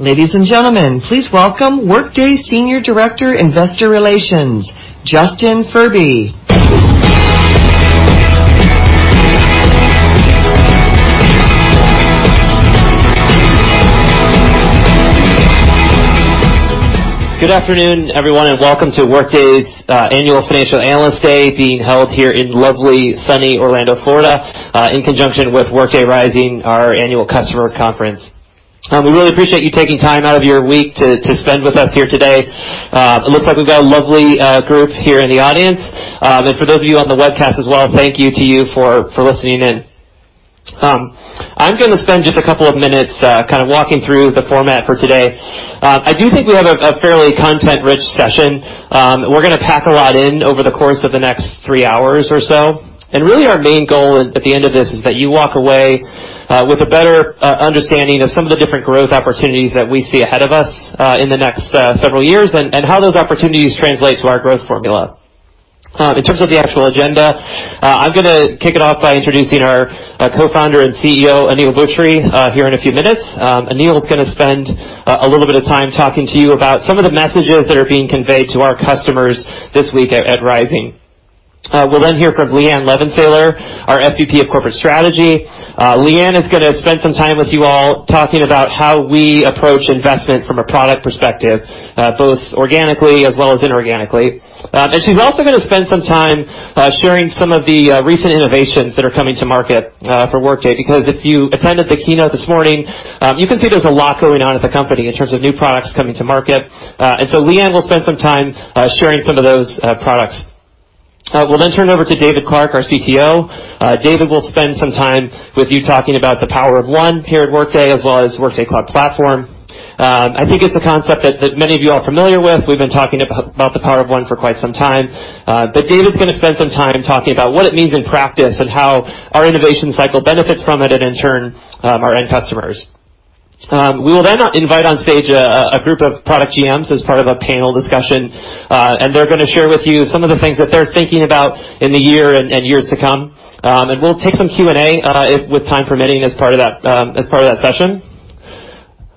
Ladies and gentlemen, please welcome Workday Senior Director Investor Relations, Justin Furby. Good afternoon, everyone, welcome to Workday's annual Financial Analyst Day, being held here in lovely, sunny Orlando, Florida, in conjunction with Workday Rising, our annual customer conference. We really appreciate you taking time out of your week to spend with us here today. It looks like we've got a lovely group here in the audience. For those of you on the webcast as well, thank you to you for listening in. I'm going to spend just a couple of minutes walking through the format for today. I do think we have a fairly content-rich session. We're going to pack a lot in over the course of the next three hours or so. Really, our main goal at the end of this is that you walk away with a better understanding of some of the different growth opportunities that we see ahead of us in the next several years, and how those opportunities translate to our growth formula. In terms of the actual agenda, I'm going to kick it off by introducing our Co-Founder and CEO, Aneel Bhusri, here in a few minutes. Aneel is going to spend a little bit of time talking to you about some of the messages that are being conveyed to our customers this week at Rising. We'll hear from Leighanne Levensaler, our SVP of Corporate Strategy. Leighanne is going to spend some time with you all talking about how we approach investment from a product perspective both organically as well as inorganically. She's also going to spend some time sharing some of the recent innovations that are coming to market for Workday, because if you attended the keynote this morning, you can see there's a lot going on at the company in terms of new products coming to market. Leighanne will spend some time sharing some of those products. We'll turn it over to David Clarke, our CTO. David will spend some time with you talking about the Power of One here at Workday, as well as Workday Cloud Platform. I think it's a concept that many of you are familiar with. We've been talking about the Power of One for quite some time. David's going to spend some time talking about what it means in practice and how our innovation cycle benefits from it, and in turn, our end customers. We will then invite on stage a group of product GMs as part of a panel discussion. They're going to share with you some of the things that they're thinking about in the year and years to come. We'll take some Q&A, with time permitting, as part of that session.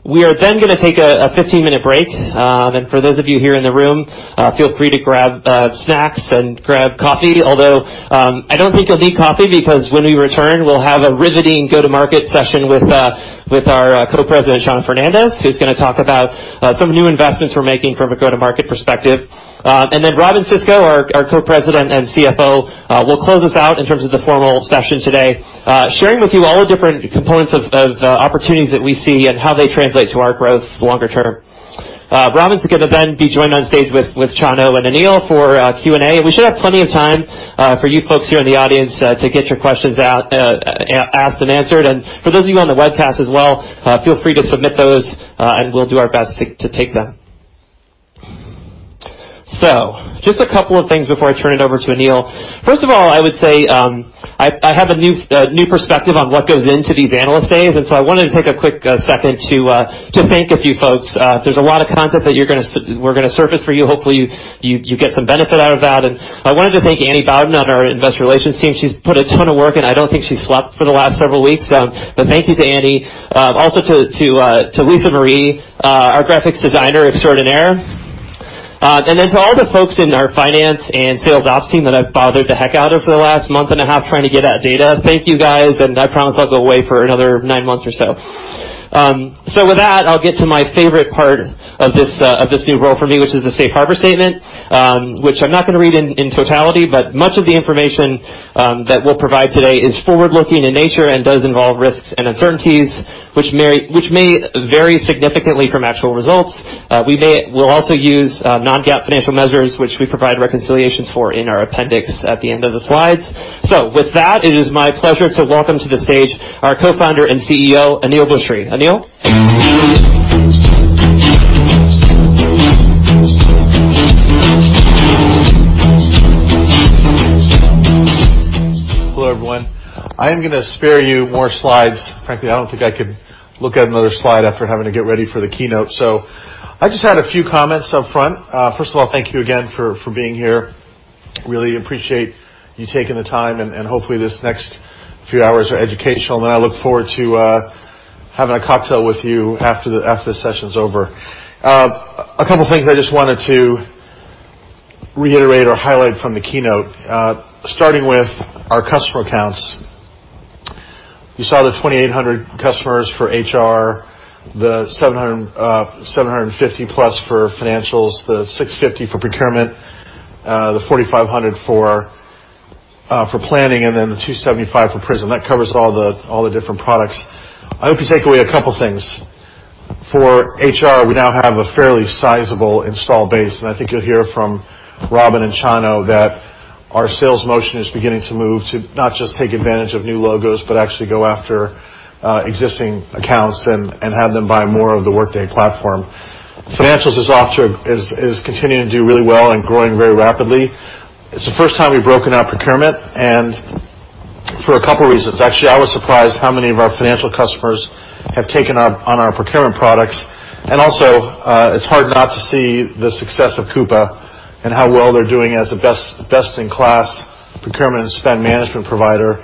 We are then going to take a 15-minute break. For those of you here in the room, feel free to grab snacks and grab coffee. Although, I don't think you'll need coffee, because when we return, we'll have a riveting go-to-market session with our Co-President, Chano Fernandez, who's going to talk about some new investments we're making from a go-to-market perspective. Then Robynne Sisco, our Co-President and CFO, will close us out in terms of the formal session today, sharing with you all the different components of opportunities that we see and how they translate to our growth longer term. Robynne's going to then be joined on stage with Chano and Aneel for Q&A. We should have plenty of time for you folks here in the audience to get your questions asked and answered. For those of you on the webcast as well, feel free to submit those, and we'll do our best to take them. Just a couple of things before I turn it over to Aneel. First of all, I would say, I have a new perspective on what goes into these analyst days. I wanted to take a quick second to thank a few folks. There's a lot of content that we're going to surface for you. Hopefully, you get some benefit out of that. I wanted to thank Annie Bowden on our investor relations team. She's put a ton of work, and I don't think she slept for the last several weeks. Thank you to Annie. Also to Lisa Marie, our graphics designer extraordinaire. To all the folks in our finance and sales ops team that I've bothered the heck out of for the last month and a half trying to get that data. Thank you, guys. I promise I'll go away for another nine months or so. With that, I'll get to my favorite part of this new role for me, which is the safe harbor statement, which I'm not going to read in totality, but much of the information that we'll provide today is forward-looking in nature and does involve risks and uncertainties, which may vary significantly from actual results. We'll also use non-GAAP financial measures, which we provide reconciliations for in our appendix at the end of the slides. With that, it is my pleasure to welcome to the stage our Co-Founder and CEO, Aneel Bhusri. Aneel? Hello, everyone. I am going to spare you more slides. Frankly, I don't think I could look at another slide after having to get ready for the keynote. I just had a few comments up front. First of all, thank you again for being here. Really appreciate you taking the time, and hopefully, this next few hours are educational, and I look forward to having a cocktail with you after the session's over. A couple of things I just wanted to reiterate or highlight from the keynote, starting with our customer accounts. You saw the 2,800 customers for HR, the 750 plus for Financials, the 650 for procurement, the 4,500 for Planning, and then the 275 for Prism. That covers all the different products. I hope you take away a couple of things. For HR, we now have a fairly sizable install base, and I think you'll hear from Robynne and Chano that our sales motion is beginning to move to not just take advantage of new logos, but actually go after existing accounts and have them buy more of the Workday platform. Financials is continuing to do really well and growing very rapidly. It's the first time we've broken out Procurement for a couple reasons. Actually, I was surprised how many of our financial customers have taken on our Procurement products. Also, it's hard not to see the success of Coupa and how well they're doing as a best-in-class Procurement and spend management provider.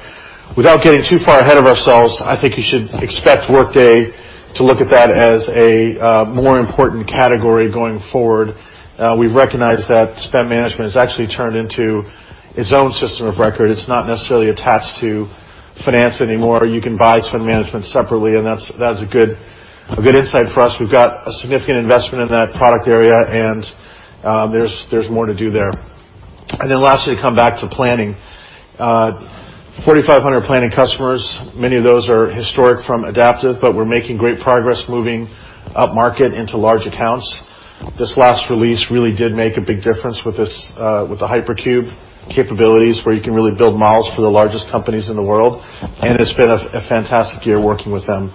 Without getting too far ahead of ourselves, I think you should expect Workday to look at that as a more important category going forward. We've recognized that spend management has actually turned into its own system of record. It's not necessarily attached to finance anymore. You can buy spend management separately, that's a good insight for us. We've got a significant investment in that product area, there's more to do there. Lastly, come back to planning. 4,500 planning customers, many of those are historic from Adaptive, but we're making great progress moving upmarket into large accounts. This last release really did make a big difference with the Hypercube capabilities, where you can really build models for the largest companies in the world. It's been a fantastic year working with them.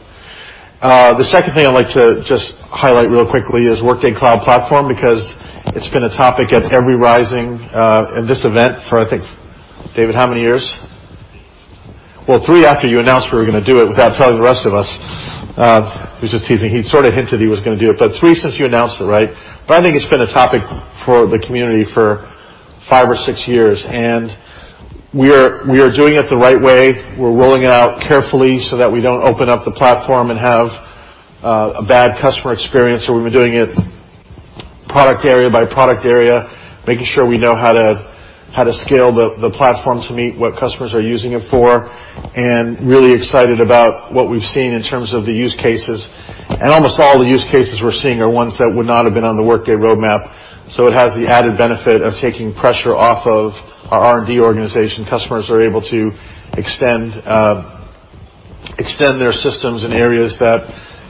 The second thing I'd like to just highlight real quickly is Workday Cloud Platform, because it's been a topic at every Rising, and this event, for I think David, how many years? Well, three after you announced we were going to do it without telling the rest of us. He was just teasing. He sort of hinted he was going to do it, but three since you announced it, right? I think it's been a topic for the community for five or six years, and we are doing it the right way. We're rolling it out carefully so that we don't open up the platform and have a bad customer experience. We've been doing it product area by product area, making sure we know how to scale the platform to meet what customers are using it for, and really excited about what we've seen in terms of the use cases. Almost all the use cases we're seeing are ones that would not have been on the Workday roadmap. It has the added benefit of taking pressure off of our R&D organization. Customers are able to extend their systems in areas that,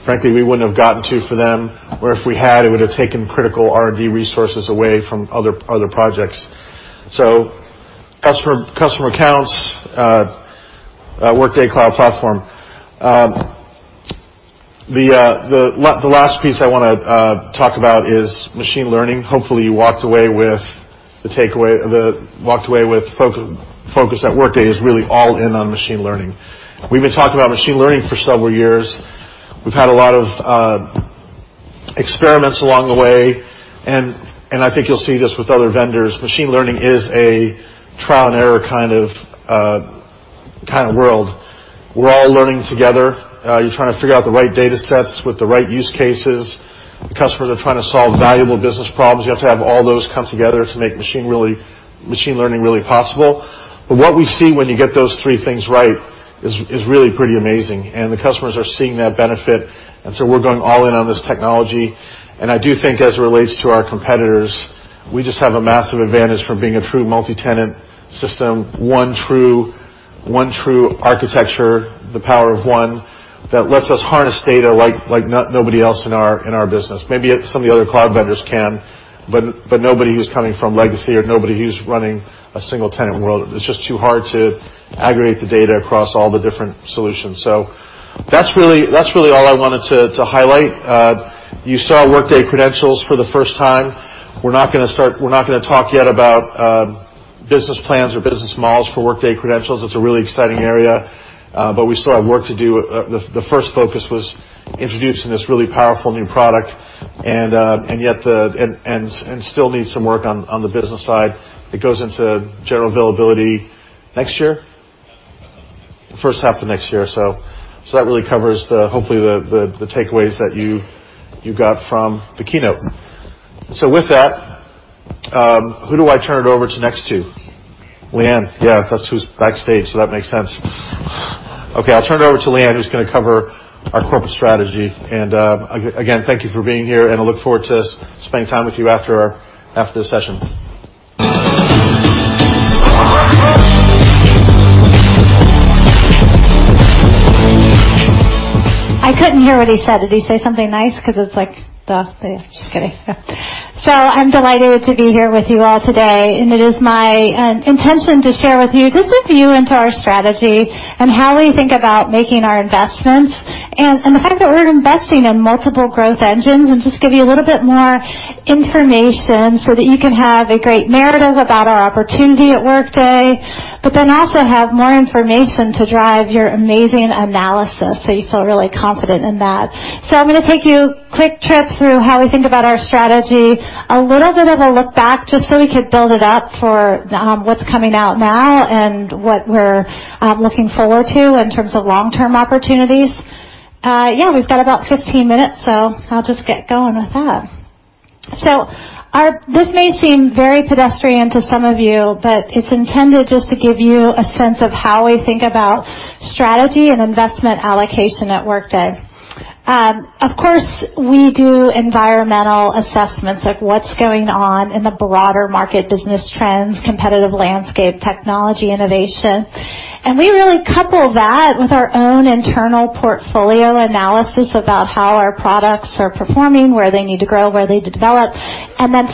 frankly, we wouldn't have gotten to for them, or if we had, it would have taken critical R&D resources away from other projects. Customer accounts, Workday Cloud Platform. The last piece I want to talk about is machine learning. Hopefully, you walked away with the focus at Workday is really all in on machine learning. We've been talking about machine learning for several years. We've had a lot of experiments along the way, and I think you'll see this with other vendors. Machine learning is a trial-and-error kind of world. We're all learning together. You're trying to figure out the right datasets with the right use cases. The customers are trying to solve valuable business problems. You have to have all those come together to make machine learning really possible. What we see when you get those three things right is really pretty amazing, the customers are seeing that benefit, and we're going all in on this technology. I do think as it relates to our competitors, we just have a massive advantage from being a true multi-tenant system, one true architecture, the Power of One, that lets us harness data like nobody else in our business. Maybe some of the other cloud vendors can, but nobody who's coming from legacy or nobody who's running a single-tenant world. It's just too hard to aggregate the data across all the different solutions. That's really all I wanted to highlight. You saw Workday Credentials for the first time. We're not going to talk yet about business plans or business models for Workday Credentials. It's a really exciting area. We still have work to do. The first focus was introducing this really powerful new product. Still needs some work on the business side. It goes into general availability next year? First half of next year. First half of next year. That really covers, hopefully, the takeaways that you got from the keynote. With that, who do I turn it over to next to? Leighanne. Yeah, that's who's backstage. That makes sense. Okay, I'll turn it over to Leighanne, who's going to cover our corporate strategy. Again, thank you for being here, and I look forward to spending time with you after this session. I couldn't hear what he said. Did he say something nice? Just kidding. I'm delighted to be here with you all today, and it is my intention to share with you just a view into our strategy and how we think about making our investments and the fact that we're investing in multiple growth engines, and just give you a little bit more information so that you can have a great narrative about our opportunity at Workday. Also have more information to drive your amazing analysis so you feel really confident in that. I'm going to take you quick trip through how we think about our strategy, a little bit of a look back just so we could build it up for what's coming out now and what we're looking forward to in terms of long-term opportunities. Yeah, we've got about 15 minutes. I'll just get going with that. This may seem very pedestrian to some of you, but it's intended just to give you a sense of how we think about strategy and investment allocation at Workday. Of course, we do environmental assessments of what's going on in the broader market business trends, competitive landscape, technology innovation, and we really couple that with our own internal portfolio analysis about how our products are performing, where they need to grow, where they need to develop.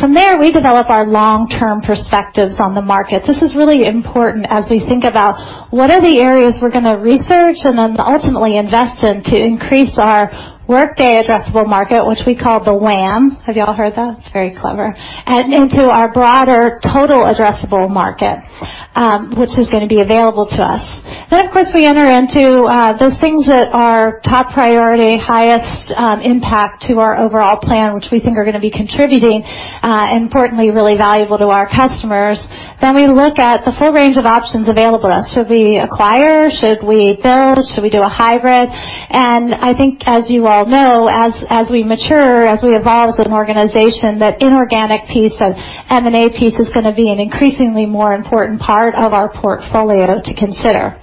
From there, we develop our long-term perspectives on the market. This is really important as we think about what are the areas we're going to research and then ultimately invest in to increase our Workday addressable market, which we call the WAM. Have you all heard that? It's very clever. Into our broader total addressable market, which is going to be available to us. Of course, we enter into those things that are top priority, highest impact to our overall plan, which we think are going to be contributing importantly, really valuable to our customers. We look at the full range of options available to us. Should we acquire? Should we build? Should we do a hybrid? I think as you all know, as we mature, as we evolve as an organization, that inorganic piece, that M&A piece is going to be an increasingly more important part of our portfolio to consider.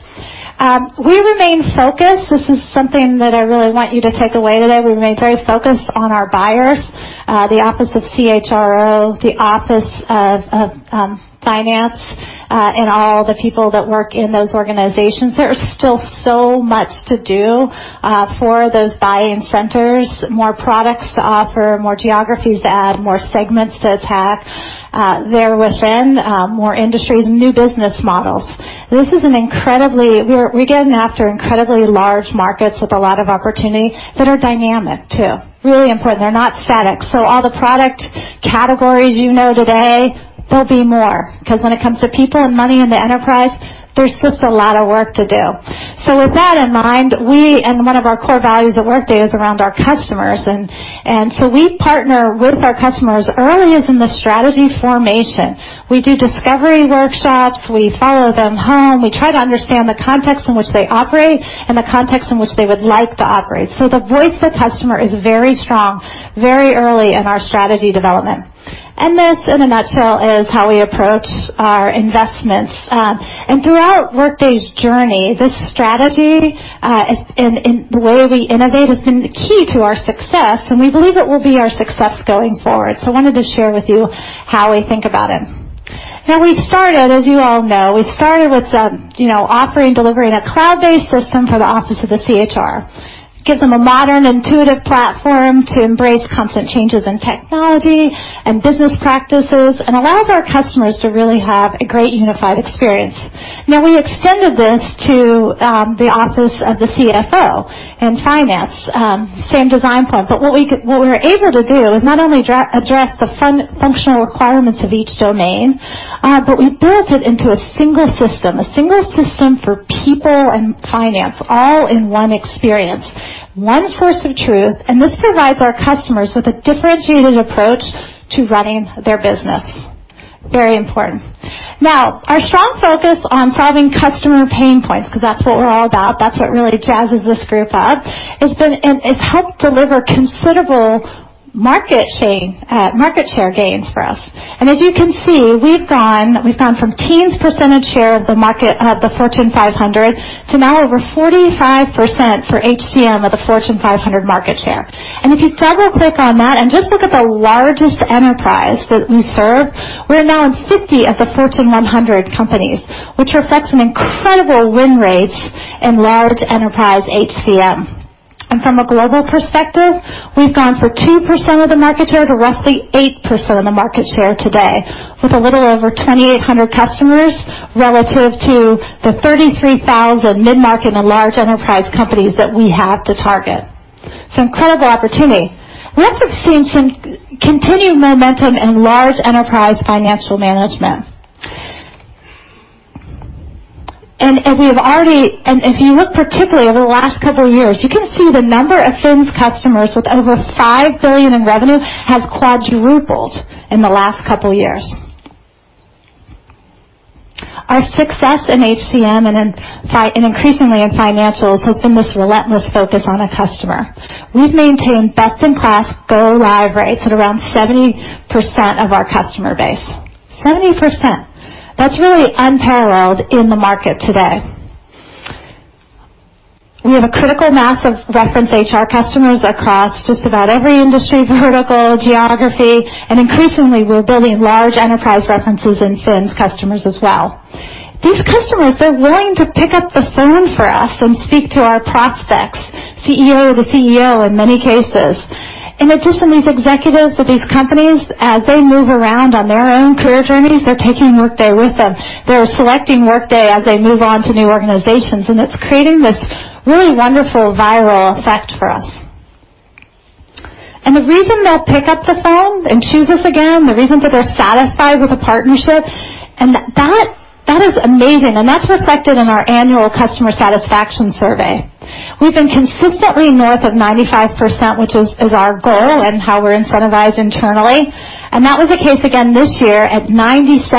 We remain focused. This is something that I really want you to take away today. We remain very focused on our buyers, the Office of CHRO, the Office of Finance, and all the people that work in those organizations. There is still so much to do for those buying centers, more products to offer, more geographies to add, more segments to attack. They're within more industries, new business models. We're getting after incredibly large markets with a lot of opportunity that are dynamic too. Really important. They're not static. All the product categories you know today, there'll be more, because when it comes to people and money in the enterprise, there's just a lot of work to do. With that in mind, one of our core values at Workday is around our customers, we partner with our customers early as in the strategy formation. We do discovery workshops. We follow them home. We try to understand the context in which they operate and the context in which they would like to operate. The voice of the customer is very strong, very early in our strategy development. This, in a nutshell, is how we approach our investments. Throughout Workday's journey, this strategy, and the way we innovate has been the key to our success, and we believe it will be our success going forward. I wanted to share with you how we think about it. As you all know, we started with offering, delivering a cloud-based system for the office of the CHRO. It gives them a modern, intuitive platform to embrace constant changes in technology and business practices and allow our customers to really have a great unified experience. We extended this to the office of the CFO and finance, same design point. What we were able to do is not only address the functional requirements of each domain, but we built it into a single system, a single system for people and finance, all in one experience, one source of truth, and this provides our customers with a differentiated approach to running their business. Very important. Our strong focus on solving customer pain points, because that's what we're all about, that's what really jazzes this group up. It's helped deliver considerable market share gains for us. As you can see, we've gone from teens % share of the market of the Fortune 500 to now over 45% for HCM of the Fortune 500 market share. If you double-click on that and just look at the largest enterprise that we serve, we're now in 50 of the Fortune 100 companies, which reflects an incredible win rate in large enterprise HCM. From a global perspective, we've gone from 2% of the market share to roughly 8% of the market share today, with a little over 2,800 customers relative to the 33,000 mid-market and large enterprise companies that we have to target. Incredible opportunity. We also have seen some continued momentum in large enterprise financial management. If you look particularly over the last couple of years, you can see the number of FIN's customers with over $5 billion in revenue has quadrupled in the last couple of years. Our success in HCM and increasingly in financials has been this relentless focus on the customer. We've maintained best-in-class go-live rates at around 70% of our customer base. 70%. That's really unparalleled in the market today. We have a critical mass of reference HR customers across just about every industry vertical, geography, and increasingly, we're building large enterprise references in FINs customers as well. These customers, they're willing to pick up the phone for us and speak to our prospects, CEO to CEO, in many cases. These executives at these companies, as they move around on their own career journeys, they're taking Workday with them. They're selecting Workday as they move on to new organizations. It's creating this really wonderful viral effect for us. The reason they'll pick up the phone and choose us again, the reason that they're satisfied with the partnership, and that is amazing, and that's reflected in our annual customer satisfaction survey. We've been consistently north of 95%, which is our goal and how we're incentivized internally, that was the case again this year at 97%,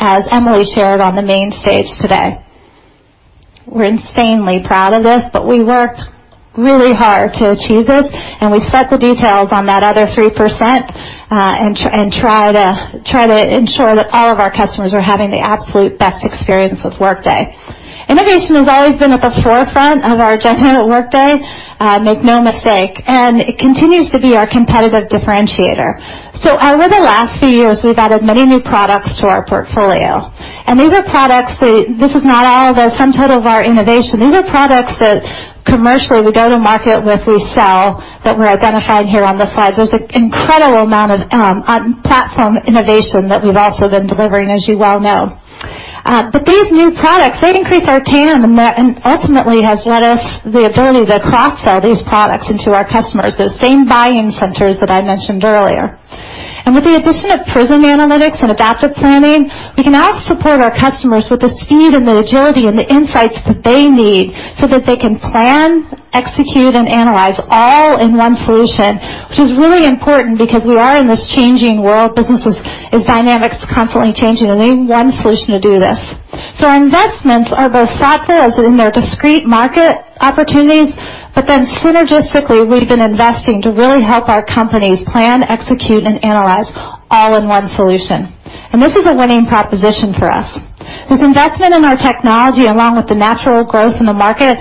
as Emily shared on the main stage today. We're insanely proud of this, we worked really hard to achieve this, we set the details on that other 3% and try to ensure that all of our customers are having the absolute best experience with Workday. Innovation has always been at the forefront of our agenda at Workday, make no mistake, it continues to be our competitive differentiator. Over the last few years, we've added many new products to our portfolio. This is not all the sum total of our innovation. These are products that commercially we go to market with, we sell, that we're identifying here on the slides. There's an incredible amount of platform innovation that we've also been delivering, as you well know. These new products, they increase our TAM, and that ultimately has led us the ability to cross-sell these products into our customers, those same buying centers that I mentioned earlier. With the addition of Prism Analytics and Adaptive Planning, we can now support our customers with the speed and the agility and the insights that they need so that they can plan, execute, and analyze all in one solution, which is really important because we are in this changing world. Business is, dynamics constantly changing, and we need one solution to do this. Our investments are both software, as in their discrete market opportunities, synergistically, we've been investing to really help our companies plan, execute, and analyze all in one solution. This is a winning proposition for us. This investment in our technology, along with the natural growth in the market,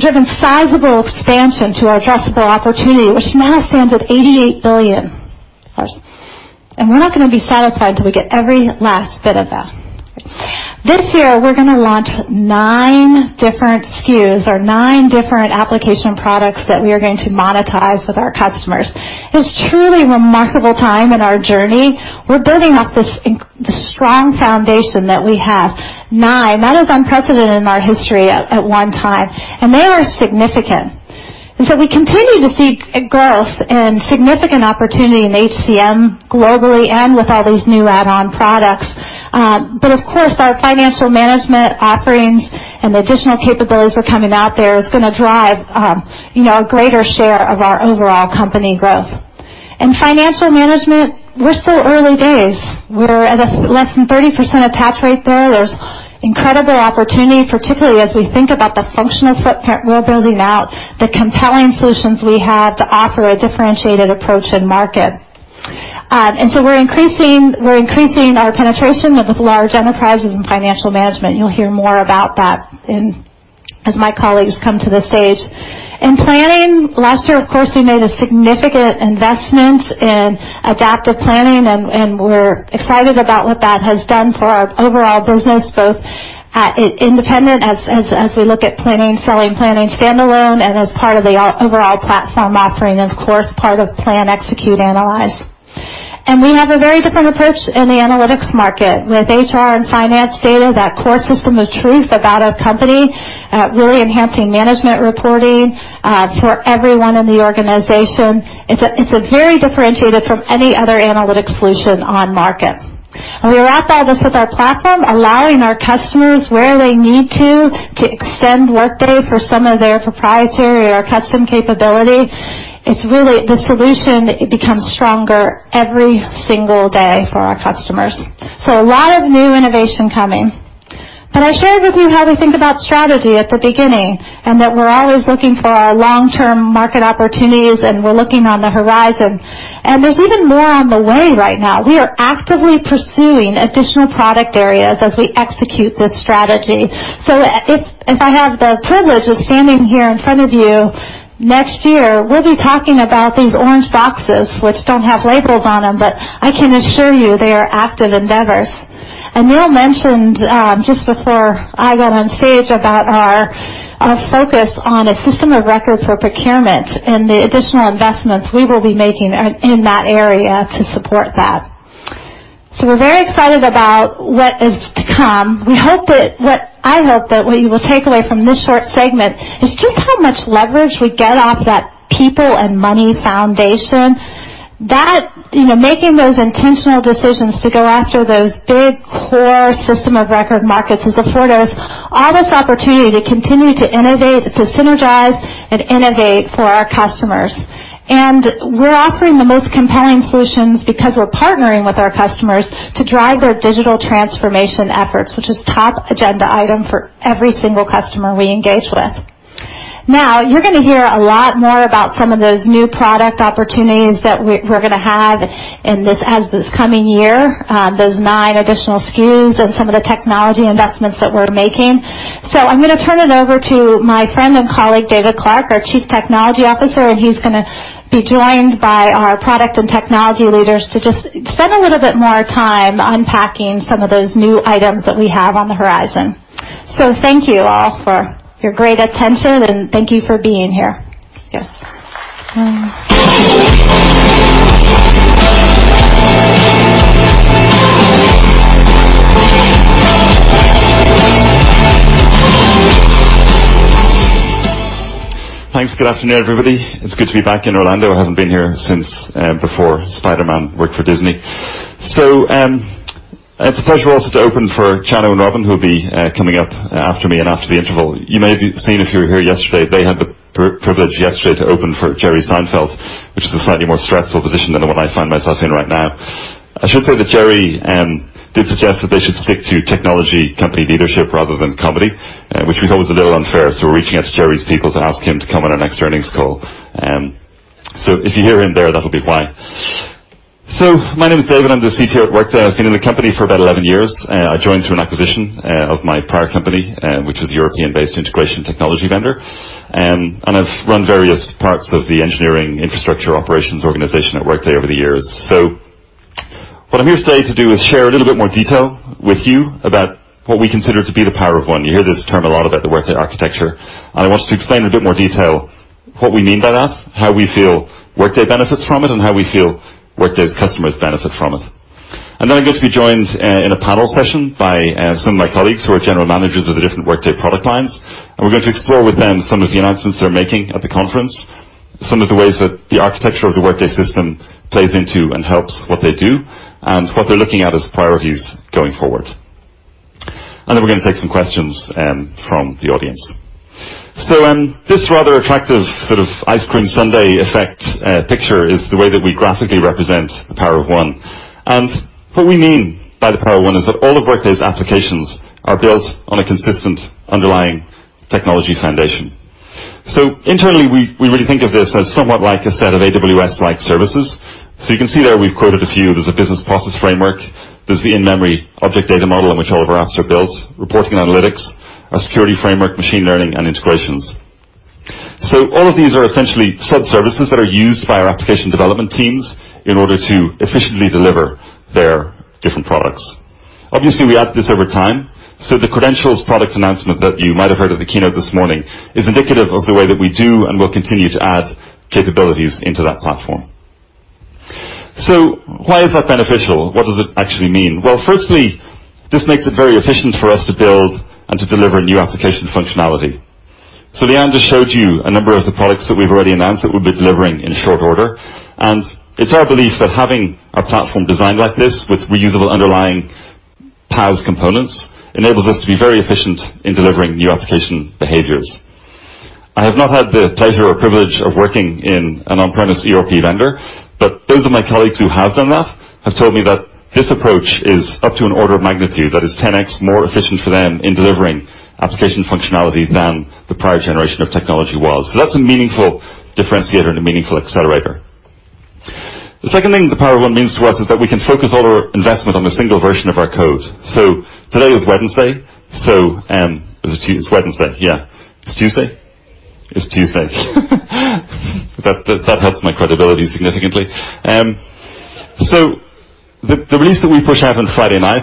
driven sizable expansion to our addressable opportunity, which now stands at $88 billion. We're not going to be satisfied till we get every last bit of that. This year, we're going to launch nine different SKUs or nine different application products that we are going to monetize with our customers. It's truly a remarkable time in our journey. We're building off this the strong foundation that we have. Nine, that is unprecedented in our history at one time, and they are significant. We continue to see growth and significant opportunity in HCM globally and with all these new add-on products. Of course, our financial management offerings and the additional capabilities are coming out there is going to drive a greater share of our overall company growth. In financial management, we're still early days. We're at a less than 30% attach rate there. There's incredible opportunity, particularly as we think about the functional footprint we're building out, the compelling solutions we have to offer a differentiated approach in market. We're increasing our penetration with large enterprises in financial management. You'll hear more about that as my colleagues come to the stage. In planning, last year, of course, we made a significant investment in Workday Adaptive Planning, and we're excited about what that has done for our overall business, both independent as we look at planning, selling planning standalone and as part of the overall platform offering, of course, part of plan, execute, analyze. We have a very different approach in the analytics market with HR and finance data, that core system of truth about a company, really enhancing management reporting for everyone in the organization. It's a very differentiated from any other analytics solution on market. We wrap all this with our platform, allowing our customers where they need to extend Workday for some of their proprietary or custom capability. It's really the solution becomes stronger every single day for our customers. A lot of new innovation coming. I shared with you how we think about strategy at the beginning, and that we're always looking for our long-term market opportunities, and we're looking on the horizon. There's even more on the way right now. We are actively pursuing additional product areas as we execute this strategy. If I have the privilege of standing here in front of you next year, we'll be talking about these orange boxes, which don't have labels on them, but I can assure you they are active endeavors. Aneel mentioned just before I got on stage about our focus on a system of record for procurement and the additional investments we will be making in that area to support that. We're very excited about what is to come. What I hope that what you will take away from this short segment is just how much leverage we get off that people and money foundation. Making those intentional decisions to go after those big core system of record markets has afforded us all this opportunity to continue to innovate, to synergize and innovate for our customers. We're offering the most compelling solutions because we're partnering with our customers to drive their digital transformation efforts, which is top agenda item for every single customer we engage with. You're going to hear a lot more about some of those new product opportunities that we're going to have in this, as this coming year, those nine additional SKUs and some of the technology investments that we're making. I'm going to turn it over to my friend and colleague, David Clarke, our Chief Technology Officer, and he's going to be joined by our product and technology leaders to just spend a little bit more time unpacking some of those new items that we have on the horizon. Thank you all for your great attention, and thank you for being here. Yes. Thanks. Good afternoon, everybody. It's good to be back in Orlando. I haven't been here since before Spider-Man worked for Disney. It's a pleasure also to open for Chano and Robynne, who'll be coming up after me and after the interval. You may have seen if you were here yesterday, they had the privilege yesterday to open for Jerry Seinfeld, which is a slightly more stressful position than the one I find myself in right now. I should say that Jerry did suggest that they should stick to technology company leadership rather than comedy, which we thought was a little unfair. We're reaching out to Jerry's people to ask him to come on our next earnings call. If you hear him there, that'll be why. My name is David. I'm the CTO at Workday. I've been in the company for about 11 years. I joined through an acquisition of my prior company, which was a European-based integration technology vendor. I've run various parts of the engineering infrastructure operations organization at Workday over the years. What I'm here today to do is share a little bit more detail with you about what we consider to be the Power of One. You hear this term a lot about the Workday architecture, and I wanted to explain in a bit more detail what we mean by that, how we feel Workday benefits from it, and how we feel Workday's customers benefit from it. I'm going to be joined in a panel session by some of my colleagues who are general managers of the different Workday product lines. We're going to explore with them some of the announcements they're making at the conference, some of the ways that the architecture of the Workday system plays into and helps what they do, and what they're looking at as priorities going forward. Then we're going to take some questions from the audience. This rather attractive ice cream sundae effect picture is the way that we graphically represent the Power of One. What we mean by the Power of One is that all of Workday's applications are built on a consistent underlying technology foundation. Internally, we really think of this as somewhat like a set of AWS-like services. You can see there, we've quoted a few. There's a business process framework. There's the in-memory object data model in which all of our apps are built, reporting and analytics, our security framework, machine learning, and integrations. All of these are essentially sub-services that are used by our application development teams in order to efficiently deliver their different products. Obviously, we add to this over time. The Credentials product announcement that you might have heard of the keynote this morning is indicative of the way that we do and will continue to add capabilities into that platform. Why is that beneficial? What does it actually mean? Well, firstly, this makes it very efficient for us to build and to deliver new application functionality. Leighanne just showed you a number of the products that we've already announced that we'll be delivering in short order. It's our belief that having our platform designed like this with reusable underlying PaaS components enables us to be very efficient in delivering new application behaviors. I have not had the pleasure or privilege of working in an on-premise ERP vendor, but those of my colleagues who have done that have told me that this approach is up to an order of magnitude that is 10X more efficient for them in delivering application functionality than the prior generation of technology was. The second thing the Power of One means to us is that we can focus all our investment on a single version of our code. Today is Wednesday. Is it Tuesday? It's Wednesday. Yeah. It's Tuesday? It's Tuesday. That hurts my credibility significantly. The release that we push out on Friday night,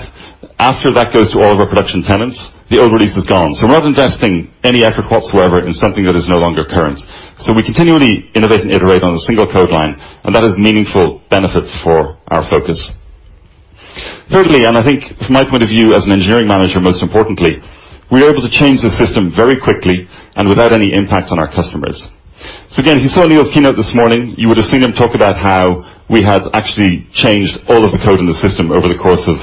after that goes to all of our production tenants, the old release is gone. We're not investing any effort whatsoever in something that is no longer current. We continually innovate and iterate on a single code line, and that has meaningful benefits for our focus. Thirdly, and I think from my point of view as an engineering manager, most importantly, we are able to change the system very quickly and without any impact on our customers. Again, you saw Aneel's keynote this morning. You would have seen him talk about how we have actually changed all of the code in the system over the course of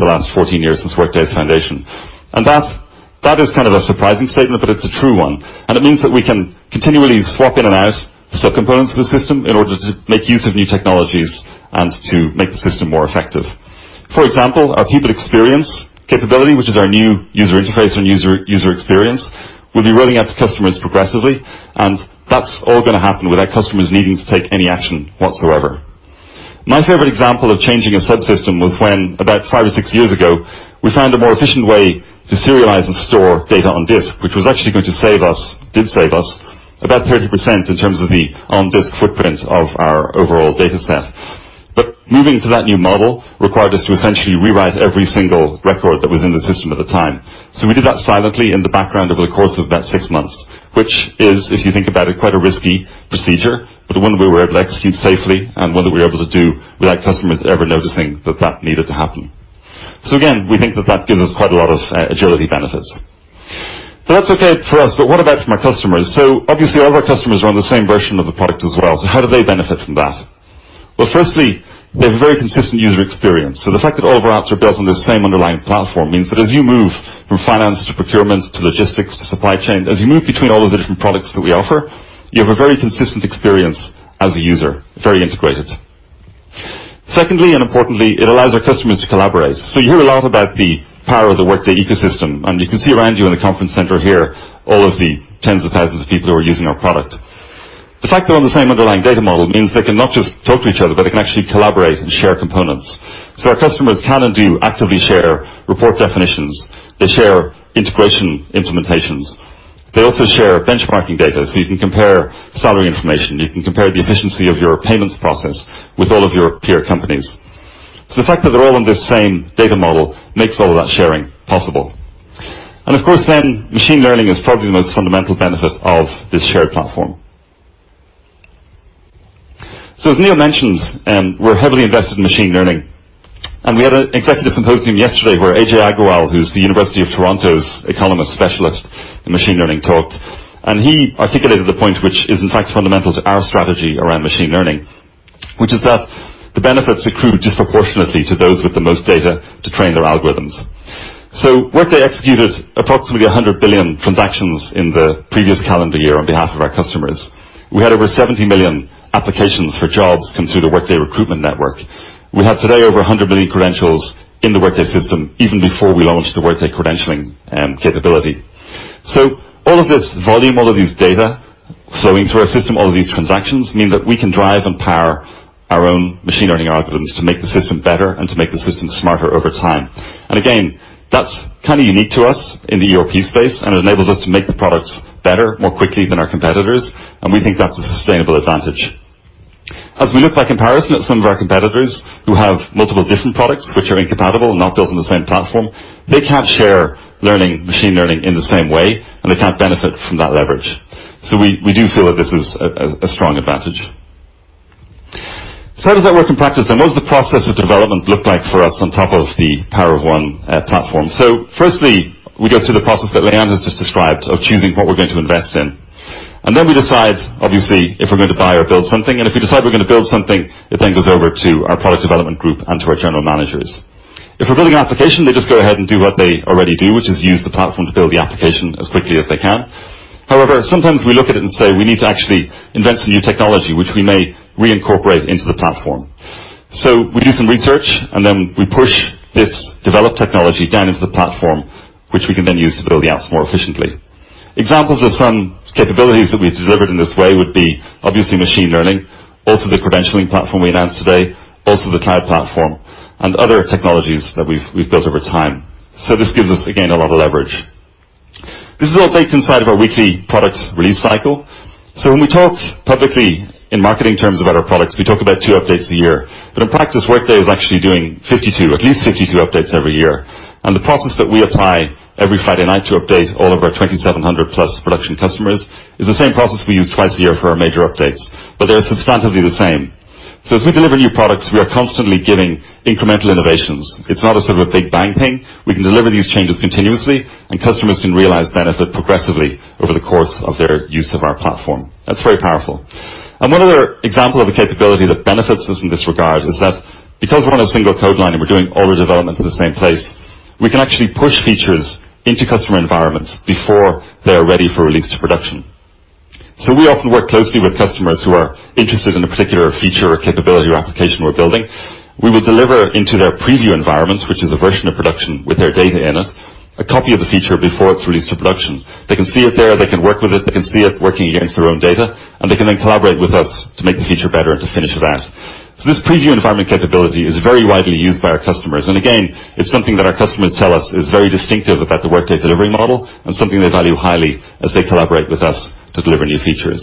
the last 14 years since Workday's foundation. That is kind of a surprising statement, but it's a true one. It means that we can continually swap in and out sub-components of the system in order to make use of new technologies and to make the system more effective. For example, our Workday People Experience capability, which is our new user interface and user experience, will be rolling out to customers progressively. That's all going to happen without customers needing to take any action whatsoever. My favorite example of changing a subsystem was when, about five or six years ago, we found a more efficient way to serialize and store data on disk, which was actually going to save us, did save us, about 30% in terms of the on-disk footprint of our overall data set. Moving to that new model required us to essentially rewrite every single record that was in the system at the time. We did that silently in the background over the course of about six months, which is, if you think about it, quite a risky procedure, but one that we were able to execute safely and one that we were able to do without customers ever noticing that that needed to happen. Again, we think that that gives us quite a lot of agility benefits. That's okay for us, but what about from our customers? Obviously all of our customers are on the same version of the product as well. How do they benefit from that? Well, firstly, they have a very consistent user experience. The fact that all of our apps are built on this same underlying platform means that as you move from finance to procurement to logistics to supply chain, as you move between all of the different products that we offer, you have a very consistent experience as a user, very integrated. Secondly, and importantly, it allows our customers to collaborate. You hear a lot about the power of the Workday ecosystem, and you can see around you in the conference center here all of the tens of thousands of people who are using our product. The fact they're on the same underlying data model means they can not just talk to each other, but they can actually collaborate and share components. Our customers can and do actively share report definitions. They share integration implementations. They also share benchmarking data. You can compare salary information. You can compare the efficiency of your payments process with all of your peer companies. The fact that they're all on this same data model makes all of that sharing possible. Of course, machine learning is probably the most fundamental benefit of this shared platform. As Leighanne mentioned, we're heavily invested in machine learning. We had an executive symposium yesterday where Ajay Agrawal, who's the University of Toronto's economist specialist in machine learning, talked. He articulated the point which is in fact fundamental to our strategy around machine learning, which is that the benefits accrue disproportionately to those with the most data to train their algorithms. Workday executed approximately 100 billion transactions in the previous calendar year on behalf of our customers. We had over 70 million applications for jobs come through the Workday recruitment network. We have today over 100 million credentials in the Workday system, even before we launched the Workday credentialing capability. All of this volume, all of these data flowing through our system, all of these transactions mean that we can drive and power our own machine learning algorithms to make the system better and to make the system smarter over time. Again, that's kind of unique to us in the ERP space, and it enables us to make the products better more quickly than our competitors, and we think that's a sustainable advantage. As we look by comparison at some of our competitors who have multiple different products which are incompatible, not built on the same platform, they can't share machine learning in the same way, and they can't benefit from that leverage. We do feel that this is a strong advantage. How does that work in practice then? What does the process of development look like for us on top of the Power of One platform? Firstly, we go through the process that Leighanne has just described of choosing what we're going to invest in, and then we decide, obviously, if we're going to buy or build something. If we decide we're going to build something, it then goes over to our product development group and to our general managers. If we're building an application, they just go ahead and do what they already do, which is use the platform to build the application as quickly as they can. However, sometimes we look at it and say, "We need to actually invent some new technology," which we may reincorporate into the platform. We do some research, and then we push this developed technology down into the platform, which we can then use to build the apps more efficiently. Examples of some capabilities that we've delivered in this way would be obviously machine learning, also the credentialing platform we announced today, also the cloud platform and other technologies that we've built over time. This gives us, again, a lot of leverage. This is all baked inside of our weekly product release cycle. When we talk publicly in marketing terms about our products, we talk about two updates a year. In practice, Workday is actually doing 52, at least 52 updates every year. The process that we apply every Friday night to update all of our 2,700-plus production customers is the same process we use twice a year for our major updates. They're substantively the same. As we deliver new products, we are constantly giving incremental innovations. It's not a sort of a big bang thing. We can deliver these changes continuously, and customers can realize benefit progressively over the course of their use of our platform. That's very powerful. One other example of a capability that benefits us in this regard is that because we're on a single code line and we're doing all the development in the same place, we can actually push features into customer environments before they're ready for release to production. We often work closely with customers who are interested in a particular feature or capability or application we're building. We will deliver into their preview environments, which is a version of production with their data in it, a copy of the feature before it's released to production. They can see it there. They can work with it. They can see it working against their own data, and they can then collaborate with us to make the feature better and to finish it out. This preview environment capability is very widely used by our customers. Again, it's something that our customers tell us is very distinctive about the Workday delivery model and something they value highly as they collaborate with us to deliver new features.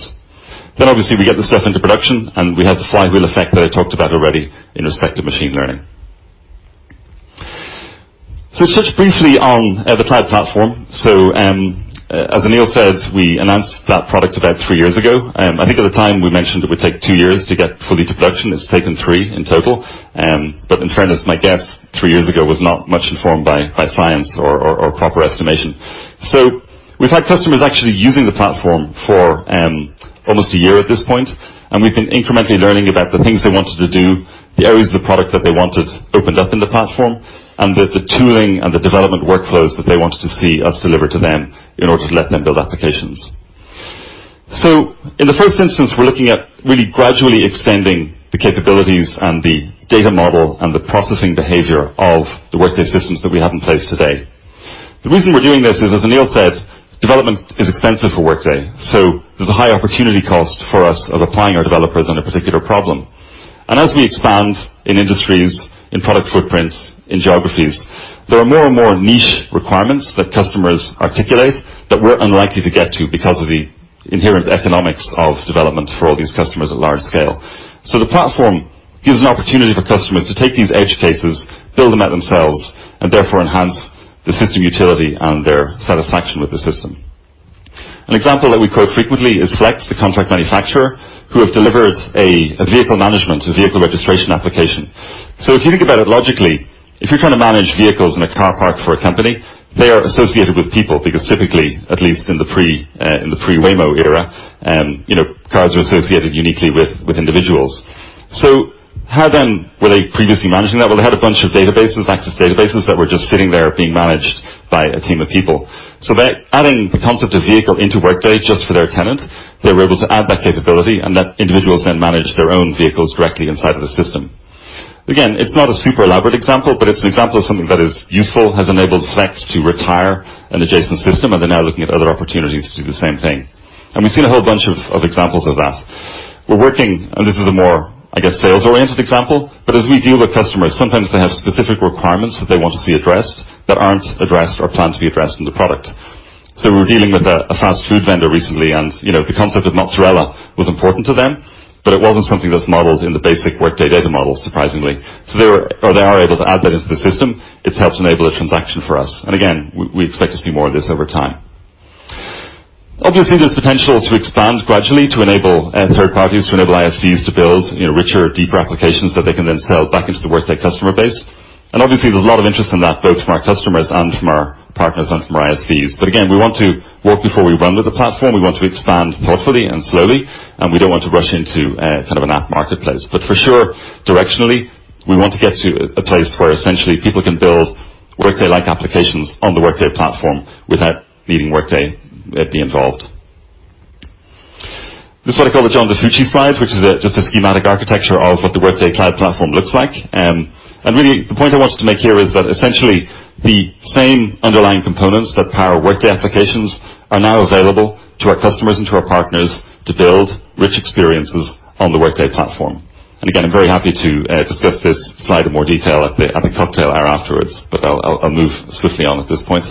Obviously, we get this stuff into production, and we have the flywheel effect that I talked about already in respect to machine learning. To touch briefly on the cloud platform. As Aneel said, we announced that product about three years ago. I think at the time we mentioned it would take two years to get fully to production. It's taken three in total. In fairness, my guess 3 years ago was not much informed by science or proper estimation. We've had customers actually using the platform for almost one year at this point, and we've been incrementally learning about the things they wanted to do, the areas of the product that they wanted opened up in the platform, and the tooling and the development workflows that they wanted to see us deliver to them in order to let them build applications. The reason we're doing this is, as Aneel said, development is expensive for Workday, so there's a high opportunity cost for us of applying our developers on a particular problem. As we expand in industries, in product footprints, in geographies, there are more and more niche requirements that customers articulate that we're unlikely to get to because of the inherent economics of development for all these customers at large scale. The platform gives an opportunity for customers to take these edge cases, build them out themselves, and therefore enhance the system utility and their satisfaction with the system. An example that we quote frequently is Flex, the contract manufacturer who have delivered a vehicle management, a vehicle registration application. If you think about it logically, if you're trying to manage vehicles in a car park for a company, they are associated with people because typically, at least in the pre-Waymo era, cars are associated uniquely with individuals. How then were they previously managing that? Well, they had a bunch of databases, Access databases that were just sitting there being managed by a team of people. By adding the concept of vehicle into Workday just for their tenant, they were able to add that capability and let individuals then manage their own vehicles directly inside of the system. Again, it's not a super elaborate example, but it's an example of something that is useful, has enabled Flex to retire an adjacent system, and they're now looking at other opportunities to do the same thing. We've seen a whole bunch of examples of that. We're working. This is a more, I guess, sales-oriented example. As we deal with customers, sometimes they have specific requirements that they want to see addressed that aren't addressed or planned to be addressed in the product. We were dealing with a fast food vendor recently, and the concept of mozzarella was important to them, but it wasn't something that's modeled in the basic Workday data model, surprisingly. They are able to add that into the system. It's helped enable a transaction for us. Again, we expect to see more of this over time. Obviously, there's potential to expand gradually to enable third parties, to enable ISVs to build richer, deeper applications that they can then sell back into the Workday customer base. Obviously, there's a lot of interest in that, both from our customers and from our partners and from our ISVs. Again, we want to walk before we run with the platform. We want to expand thoughtfully and slowly, and we don't want to rush into kind of an app marketplace. For sure, directionally, we want to get to a place where essentially people can build Workday-like applications on the Workday platform without needing Workday be involved. This is what I call the John DiFucci slide, which is just a schematic architecture of what the Workday Cloud Platform looks like. Really, the point I wanted to make here is that essentially the same underlying components that power Workday applications are now available to our customers and to our partners to build rich experiences on the Workday platform. Again, I'm very happy to discuss this slide in more detail at the cocktail hour afterwards, but I'll move swiftly on at this point.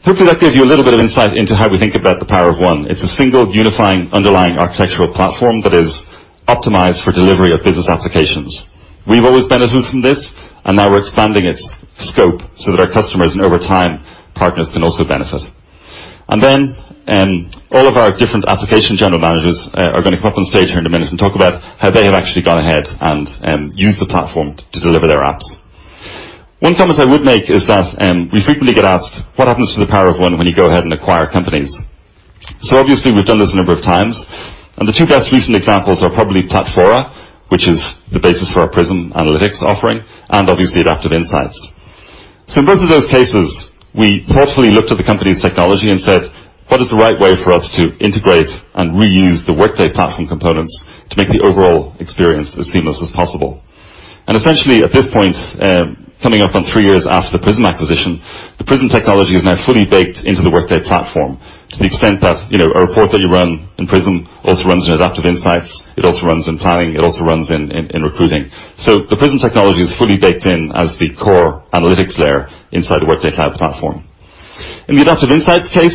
Hopefully, that gives you a little bit of insight into how we think about the Power of One. It's a single unifying underlying architectural platform that is optimized for delivery of business applications. We've always benefited from this, and now we're expanding its scope so that our customers, and over time, partners can also benefit. All of our different application general managers are going to come up on stage here in a minute and talk about how they have actually gone ahead and used the platform to deliver their apps. One comment I would make is that we frequently get asked what happens to the Power of One when you go ahead and acquire companies. Obviously, we've done this a number of times, and the two best recent examples are probably Platfora, which is the basis for our Prism Analytics offering, and obviously Adaptive Insights. In both of those cases, we thoughtfully looked at the company's technology and said, "What is the right way for us to integrate and reuse the Workday platform components to make the overall experience as seamless as possible?" Essentially, at this point, coming up on three years after the Prism acquisition, the Prism technology is now fully baked into the Workday platform to the extent that a report that you run in Prism also runs in Adaptive Insights, it also runs in Planning, it also runs in Recruiting. The Prism technology is fully baked in as the core analytics layer inside the Workday Cloud Platform. In the Adaptive Insights case,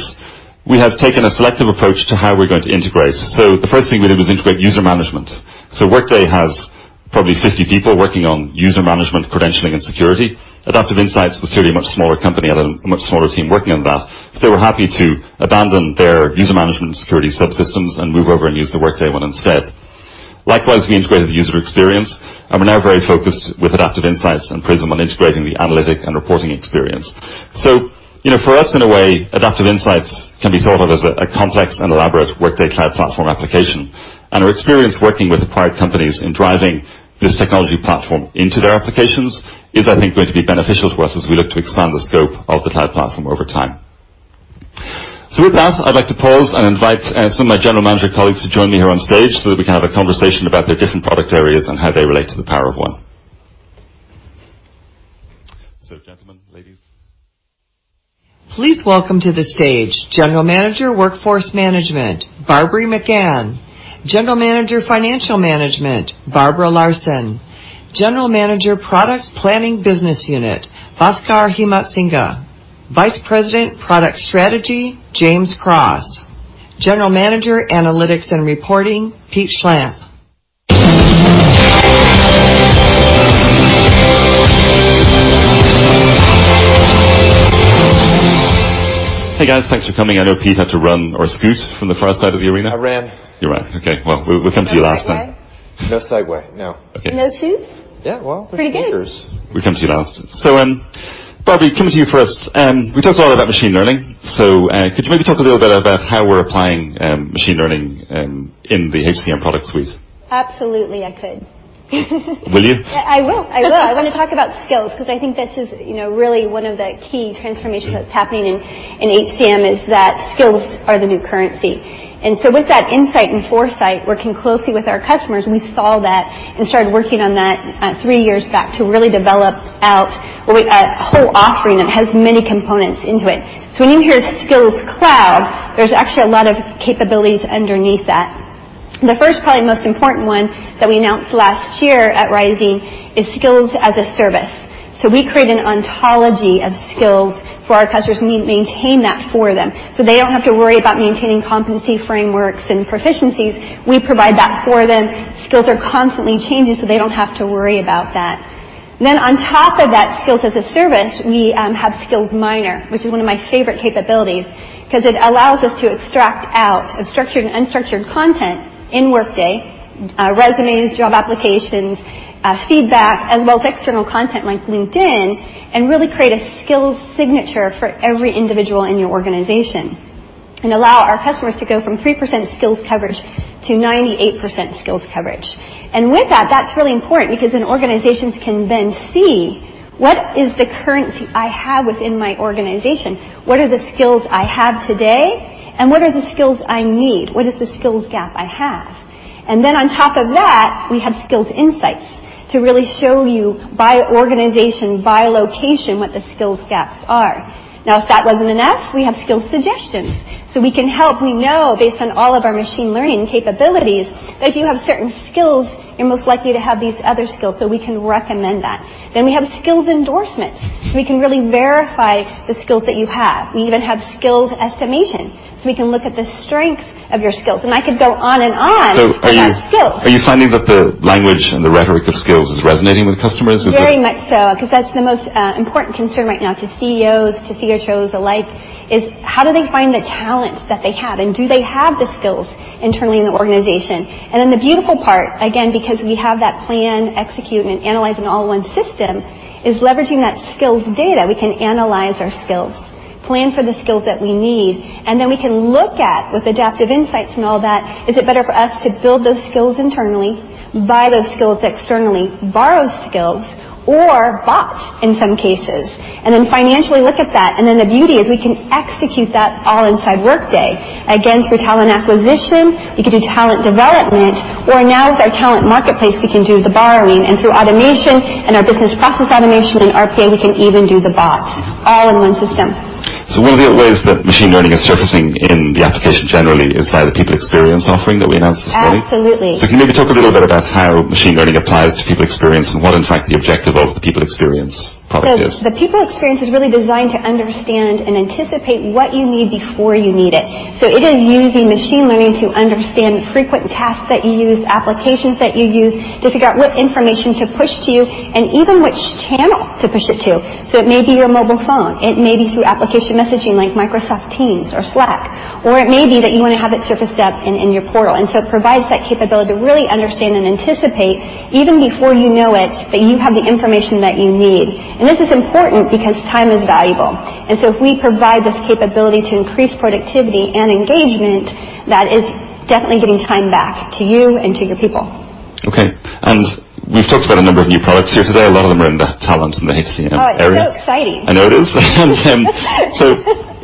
we have taken a selective approach to how we're going to integrate. The first thing we did was integrate user management. Workday has probably 50 people working on user management, credentialing, and security. Adaptive Insights was clearly a much smaller company, had a much smaller team working on that. They were happy to abandon their user management and security subsystems and move over and use the Workday one instead. Likewise, we integrated the user experience, and we're now very focused with Adaptive Insights and Prism on integrating the analytic and reporting experience. For us, in a way, Adaptive Insights can be thought of as a complex and elaborate Workday Cloud Platform application. Our experience working with acquired companies in driving this technology platform into their applications is, I think, going to be beneficial for us as we look to expand the scope of the Cloud Platform over time. With that, I'd like to pause and invite some of my general manager colleagues to join me here on stage so that we can have a conversation about their different product areas and how they relate to the Power of One. Gentlemen, ladies. Please welcome to the stage General Manager, Workforce Management, Barbry McGann, General Manager, Financial Management, Barbara Larson, General Manager, Product Planning Business Unit, Bhaskar Himatsingka, Vice President, Product Strategy, James Cross, General Manager, Analytics and Reporting, Pete Schlampp. Hey, guys. Thanks for coming. I know Pete had to run or scoot from the far side of the arena. I ran. You ran. Okay. We'll come to you last then. No Segway? No. Okay. No shoes? Yeah, well, there's sneakers. Pretty good. We'll come to you last. Barbry, coming to you first. We talked a lot about machine learning. Could you maybe talk a little bit about how we're applying machine learning in the HCM product suite? Absolutely, I could. Will you? I will. I want to talk about skills because I think this is really one of the key transformations that's happening in HCM is that skills are the new currency. With that insight and foresight, working closely with our customers, we saw that and started working on that three years back to really develop out a whole offering that has many components into it. When you hear Skills Cloud, there's actually a lot of capabilities underneath that. The first, probably most important one that we announced last year at Workday Rising is Skills as a Service. We create an ontology of skills for our customers, and we maintain that for them. They don't have to worry about maintaining competency frameworks and proficiencies. We provide that for them. Skills are constantly changing, so they don't have to worry about that. On top of that Skills as a Service, we have Skills Miner, which is one of my favorite capabilities because it allows us to extract out structured and unstructured content in Workday, resumes, job applications, feedback, as well as external content like LinkedIn, and really create a skills signature for every individual in your organization and allow our customers to go from 3% skills coverage to 98% skills coverage. With that's really important because then organizations can then see what is the currency I have within my organization? What are the skills I have today, and what are the skills I need? What is the skills gap I have? On top of that, we have Skills Insights to really show you by organization, by location what the skills gaps are. If that wasn't enough, we have skill suggestions. We can help. We know based on all of our machine learning capabilities that if you have certain skills, you're most likely to have these other skills. We can recommend that. We have skills endorsements, so we can really verify the skills that you have. We even have skills estimation, so we can look at the strength of your skills. I could go on and on about skills. Are you finding that the language and the rhetoric of skills is resonating with customers? Very much so, because that's the most important concern right now to CEOs, to CHROs alike is how do they find the talent that they have, and do they have the skills internally in the organization? The beautiful part, again, because we have that plan, execute, and analyze in all one system, is leveraging that skills data. We can analyze our skills, plan for the skills that we need, we can look at with Adaptive Insights and all that, is it better for us to build those skills internally, buy those skills externally, borrow skills, or bot in some cases, financially look at that. The beauty is we can execute that all inside Workday. Again, through talent acquisition, we can do talent development, or now with our talent marketplace, we can do the borrowing. Through automation and our business process automation and RPA, we can even do the bots all in one system. One of the ways that machine learning is surfacing in the application generally is via the People Experience offering that we announced this morning. Absolutely. Can you maybe talk a little bit about how machine learning applies to People Experience and what in fact the objective of the People Experience product is? The People Experience is really designed to understand and anticipate what you need before you need it. It is using machine learning to understand frequent tasks that you use, applications that you use to figure out what information to push to you and even which channel to push it to. It may be your mobile phone, it may be through application messaging like Microsoft Teams or Slack, or it may be that you want to have it surfaced up in your portal. It provides that capability to really understand and anticipate, even before you know it, that you have the information that you need. This is important because time is valuable. If we provide this capability to increase productivity and engagement, that is definitely getting time back to you and to your people. Okay. We've talked about a number of new products here today. A lot of them are in the talent and the HCM area. Oh, it's so exciting. I know it is.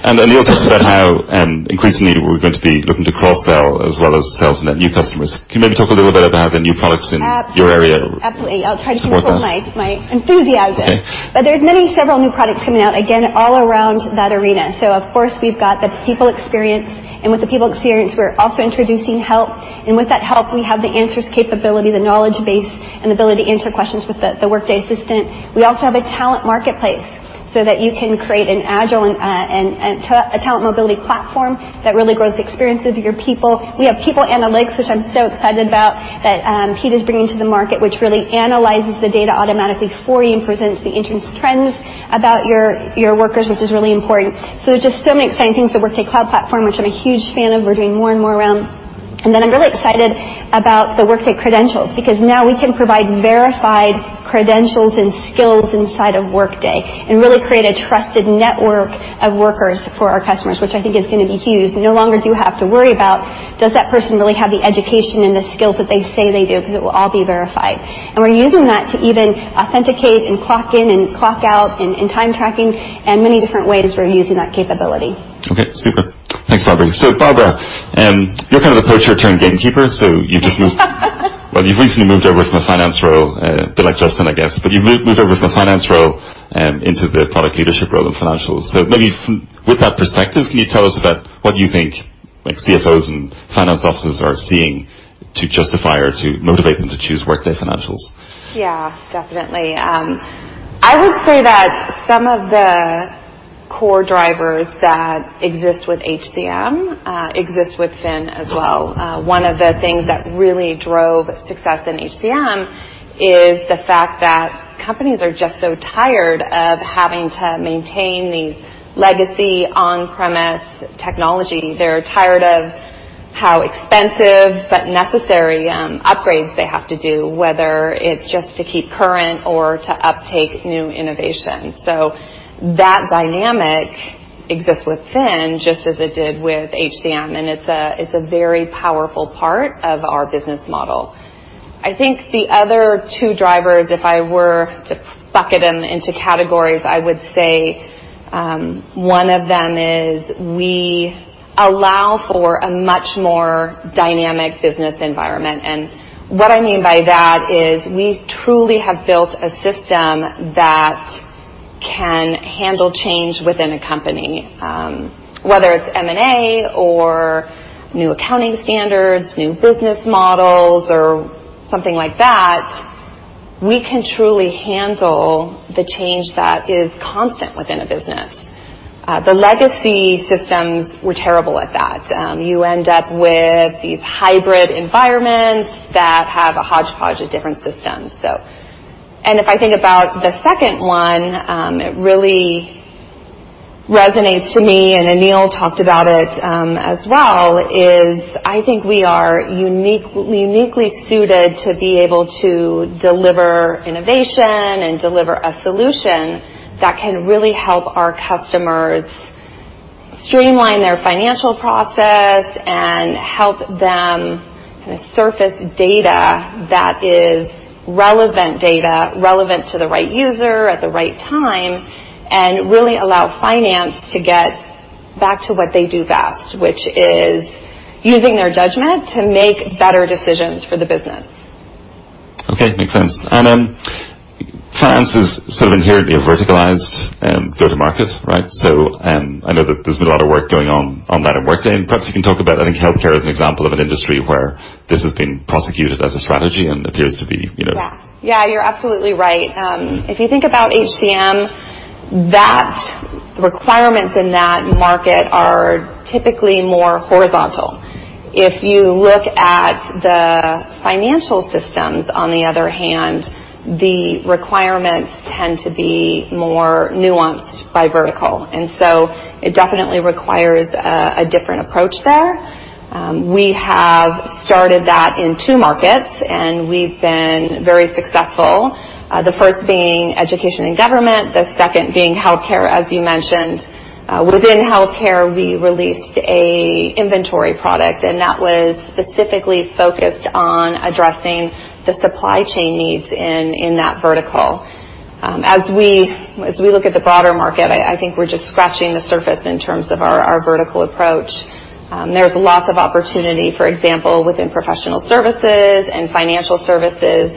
Aneel talked about how increasingly we're going to be looking to cross-sell as well as sell to net new customers. Can you maybe talk a little bit about the new products in your area? Absolutely. I'll try to control- Support that. my enthusiasm. Okay. There are going to be several new products coming out, again, all around that arena. Of course we've got the Workday People Experience, and with the Workday People Experience, we're also introducing Help. With that Help, we have the Answers capability, the knowledge base, and ability to answer questions with the Workday Assistant. We also have a talent marketplace so that you can create an agile and a talent mobility platform that really grows the experience of your people. We have Workday People Analytics, which I'm so excited about, that Pete is bringing to the market, which really analyzes the data automatically for you and presents the interesting trends about your workers, which is really important. Just so many exciting things. The Workday Cloud Platform, which I'm a huge fan of, we're doing more and more around. I'm really excited about the Workday Credentials, because now we can provide verified credentials and skills inside of Workday and really create a trusted network of workers for our customers, which I think is going to be huge. No longer do you have to worry about, does that person really have the education and the skills that they say they do? Because it will all be verified. We're using that to even authenticate and clock in, and clock out in time tracking, and many different ways we're using that capability. Super. Thanks, Barbara. Barbara, you're kind of the poacher turned gatekeeper. You've recently moved over from a finance role, a bit like Justin, I guess. You've moved over from a finance role into the product leadership role in Financials. Maybe with that perspective, can you tell us about what you think CFOs and finance officers are seeing to justify or to motivate them to choose Workday Financials? Yeah. Definitely. I would say that some of the core drivers that exist with HCM, exist with Fin as well. One of the things that really drove success in HCM is the fact that companies are just so tired of having to maintain these legacy on-premise technology. They're tired of how expensive but necessary upgrades they have to do, whether it's just to keep current or to uptake new innovation. That dynamic exists with Fin, just as it did with HCM, and it's a very powerful part of our business model. I think the other two drivers, if I were to bucket them into categories, I would say one of them is we allow for a much more dynamic business environment. What I mean by that is we truly have built a system that can handle change within a company. Whether it's M&A or new accounting standards, new business models, or something like that, we can truly handle the change that is constant within a business. The legacy systems were terrible at that. You end up with these hybrid environments that have a hodgepodge of different systems. If I think about the second one, it really resonates to me, and Aneel talked about it as well, is I think we are uniquely suited to be able to deliver innovation and deliver a solution that can really help our customers streamline their financial process and help them surface data that is relevant data, relevant to the right user at the right time, and really allow finance to get back to what they do best, which is using their judgment to make better decisions for the business. Okay. Makes sense. Finance is sort of inherently a verticalized go-to-market, right? I know that there's been a lot of work going on on that at Workday. Perhaps you can talk about, I think healthcare as an example of an industry where this has been prosecuted as a strategy and appears to be. Yeah. You're absolutely right. If you think about HCM, requirements in that market are typically more horizontal. If you look at the financial systems, on the other hand, the requirements tend to be more nuanced by vertical, and so it definitely requires a different approach there. We have started that in two markets, and we've been very successful. The first being education and government, the second being healthcare, as you mentioned. Within healthcare, we released an inventory product, and that was specifically focused on addressing the supply chain needs in that vertical. As we look at the broader market, I think we're just scratching the surface in terms of our vertical approach. There's lots of opportunity, for example, within professional services and financial services.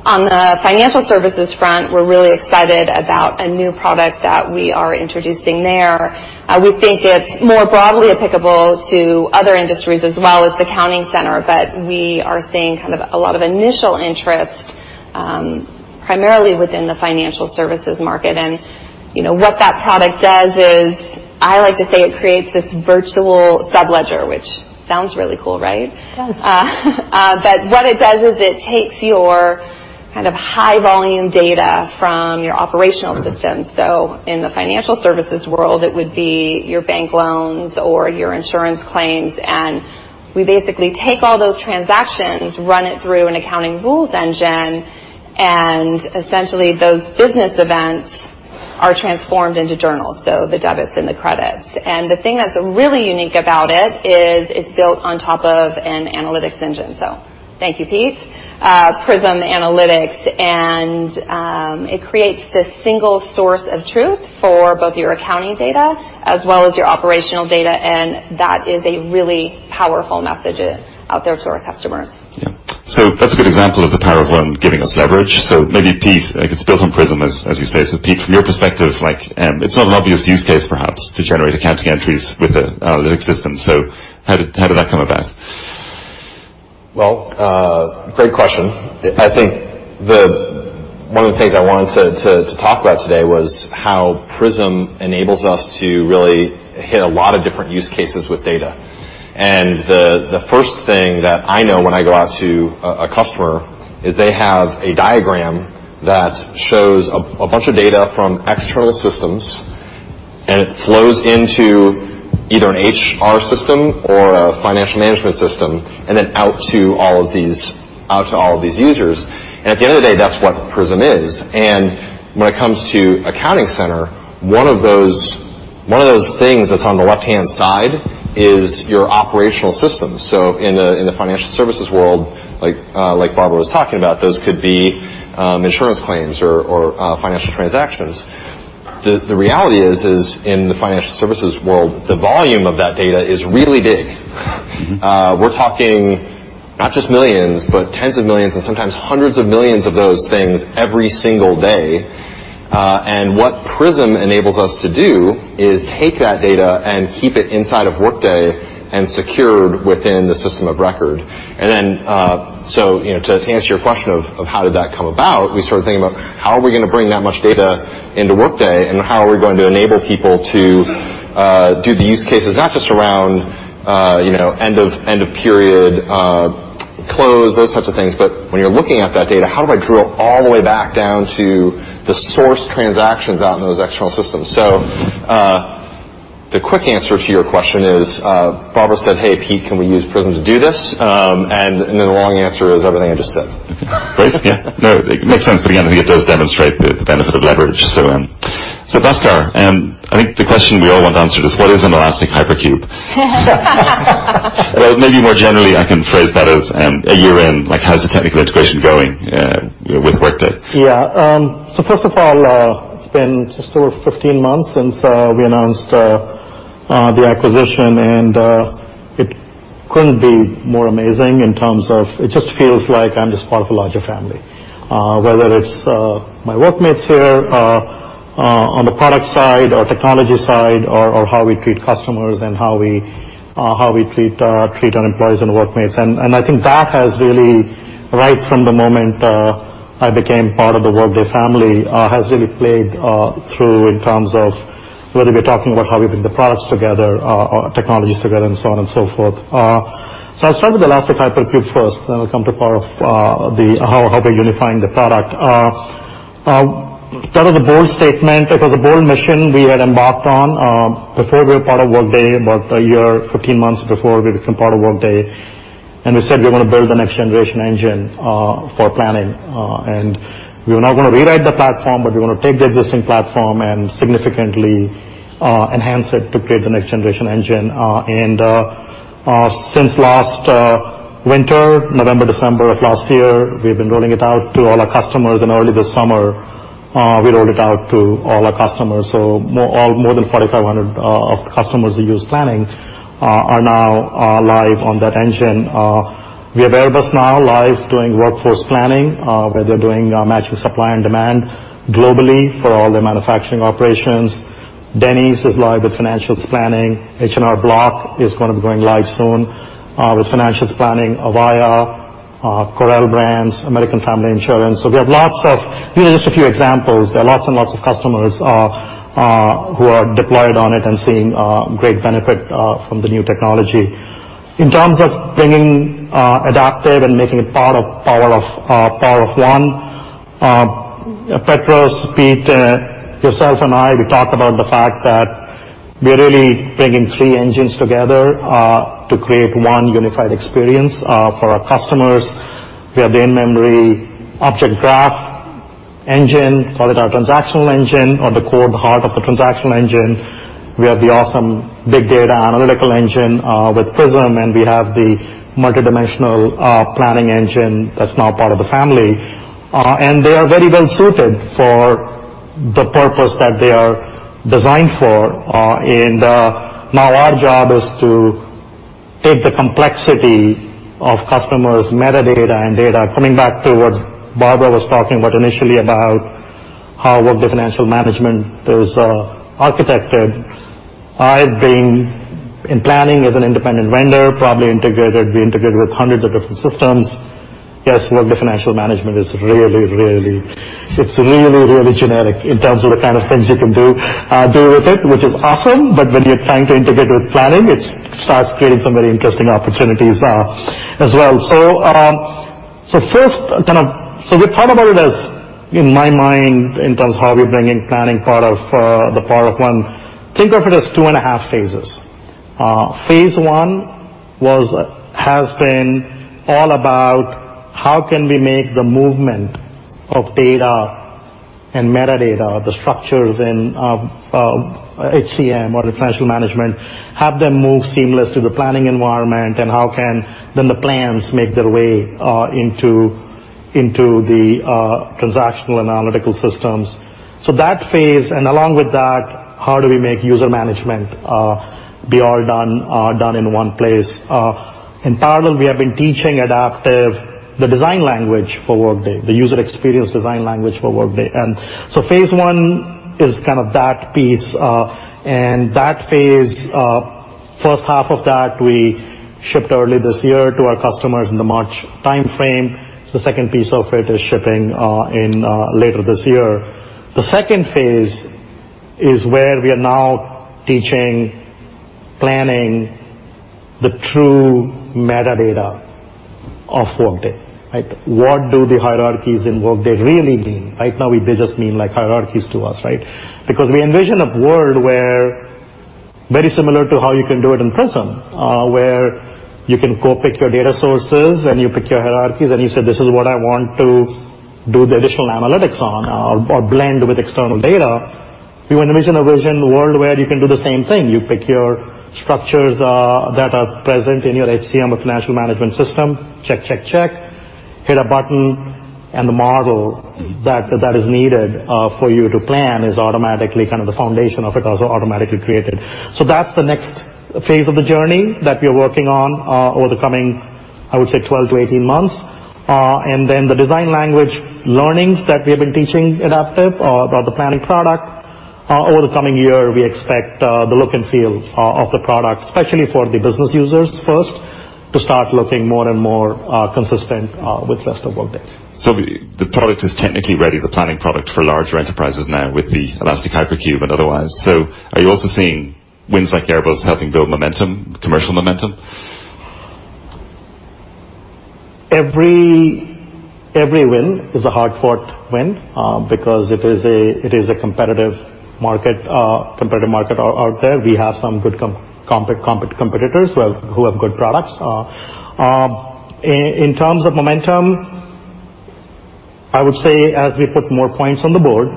On the financial services front, we're really excited about a new product that we are introducing there. We think it's more broadly applicable to other industries as well as the Accounting Center. We are seeing a lot of initial interest, primarily within the financial services market. What that product does is, I like to say it creates this virtual subledger, which sounds really cool, right? It does. What it does is it takes your high volume data from your operational systems. In the financial services world, it would be your bank loans or your insurance claims, we basically take all those transactions, run it through an accounting rules engine, essentially those business events. Are transformed into journals, so the debits and the credits. The thing that's really unique about it is it's built on top of an analytics engine. Thank you, Pete. Workday Prism Analytics, and it creates this single source of truth for both your accounting data as well as your operational data, and that is a really powerful message out there to our customers. Yeah. That's a good example of the Power of One giving us leverage. Maybe Pete, it's built on Prism, as you say. Pete, from your perspective, it's not an obvious use case perhaps, to generate accounting entries with an analytics system. How did that come about? Well, great question. I think one of the things I wanted to talk about today was how Prism enables us to really hit a lot of different use cases with data. The first thing that I know when I go out to a customer is they have a diagram that shows a bunch of data from external systems, and it flows into either an HR system or a Financial Management system, and then out to all of these users. At the end of the day, that's what Prism is. When it comes to Accounting Center, one of those things that's on the left-hand side is your operational system. In the financial services world, like Barbara was talking about, those could be insurance claims or financial transactions. The reality is, in the financial services world, the volume of that data is really big. We're talking not just millions, but tens of millions and sometimes hundreds of millions of those things every single day. What Prism enables us to do is take that data and keep it inside of Workday and secured within the system of record. Then, to answer your question of how did that come about, we started thinking about how are we going to bring that much data into Workday, and how are we going to enable people to do the use cases, not just around end of period, close, those types of things. When you're looking at that data, how do I drill all the way back down to the source transactions out in those external systems? The quick answer to your question is, Barbara said, "Hey, Pete, can we use Prism to do this?" The long answer is everything I just said. Great. Yeah. No, it makes sense. Again, I think it does demonstrate the benefit of leverage. Bhaskar, I think the question we all want answered is, what is an Elastic Hypercube? Maybe more generally, I can phrase that as, a year in, how's the technical integration going with Workday? Yeah. First of all, it's been just over 15 months since we announced the acquisition, and it couldn't be more amazing in terms of it just feels like I'm just part of a larger family. Whether it's my workmates here on the product side or technology side or how we treat customers and how we treat our employees and workmates. I think that has really, right from the moment I became part of the Workday family, has really played through in terms of whether we're talking about how we bring the products together or technologies together and so on and so forth. I'll start with the Elastic Hypercube first, then I'll come to how we're unifying the product. That was a bold statement. It was a bold mission we had embarked on before we were part of Workday, about a year, 15 months before we become part of Workday. We said we want to build the next generation engine for planning. We were not going to rewrite the platform, we want to take the existing platform and significantly enhance it to create the next generation engine. Since last winter, November, December of last year, we've been rolling it out to all our customers, early this summer, we rolled it out to all our customers. More than 4,500 of customers who use planning are now live on that engine. We have Airbus now live doing workforce planning, where they're doing matching supply and demand globally for all their manufacturing operations. Denny's is live with financials planning. H&R Block is going to be going live soon with financials planning. Avaya, Corelle Brands, American Family Insurance. These are just a few examples. There are lots and lots of customers who are deployed on it and seeing great benefit from the new technology. In terms of bringing Adaptive and making it part of Power of One, Petros, Pete, yourself and I, we talked about the fact that we're really bringing three engines together to create one unified experience for our customers via the in-memory object graph engine, call it our transactional engine or the core of the heart of the transactional engine. We have the awesome big data analytical engine with Prism, we have the multidimensional planning engine that's now part of the family. They are very well suited for the purpose that they are designed for. Now our job is to take the complexity of customers' metadata and data. Coming back to what Barbara was talking about initially about how Workday Financial Management is architected. I've been in planning as an independent vendor, probably integrated. We integrated with hundreds of different systems. Yes, Workday Financial Management is really, really generic in terms of the kind of things you can do with it, which is awesome. When you're trying to integrate with planning, it starts creating some very interesting opportunities as well. We thought about it as, in my mind, in terms of how we're bringing planning part of the Power of One, think of it as two and a half phases. Phase 1 has been all about. How can we make the movement of data and metadata, the structures in HCM or financial management, have them move seamless to the planning environment? How can then the plans make their way into the transactional analytical systems? That phase, and along with that, how do we make user management be all done in one place? In parallel, we have been teaching Adaptive the design language for Workday, the user experience design language for Workday. Phase one is that piece, and that phase, first half of that, we shipped early this year to our customers in the March timeframe. The second piece of it is shipping in later this year. The second phase is where we are now teaching, planning the true metadata of Workday. What do the hierarchies in Workday really mean? Right now, they just mean hierarchies to us. We envision a world where very similar to how you can do it in Prism, where you can go pick your data sources and you pick your hierarchies and you say, "This is what I want to do the additional analytics on or blend with external data." We envision a world where you can do the same thing. You pick your structures that are present in your HCM or financial management system, check, check, hit a button, the model that is needed for you to plan is automatically the foundation of it also automatically created. That's the next phase of the journey that we're working on over the coming, I would say, 12 to 18 months. Then the design language learnings that we have been teaching Adaptive about the planning product, over the coming year, we expect the look and feel of the product, especially for the business users first, to start looking more and more consistent with rest of Workday's. The product is technically ready, the planning product for larger enterprises now with the Elastic Hypercube and otherwise. Are you also seeing wins like Airbus helping build momentum, commercial momentum? Every win is a hard-fought win, because it is a competitive market out there. We have some good competitors who have good products. In terms of momentum, I would say as we put more points on the board,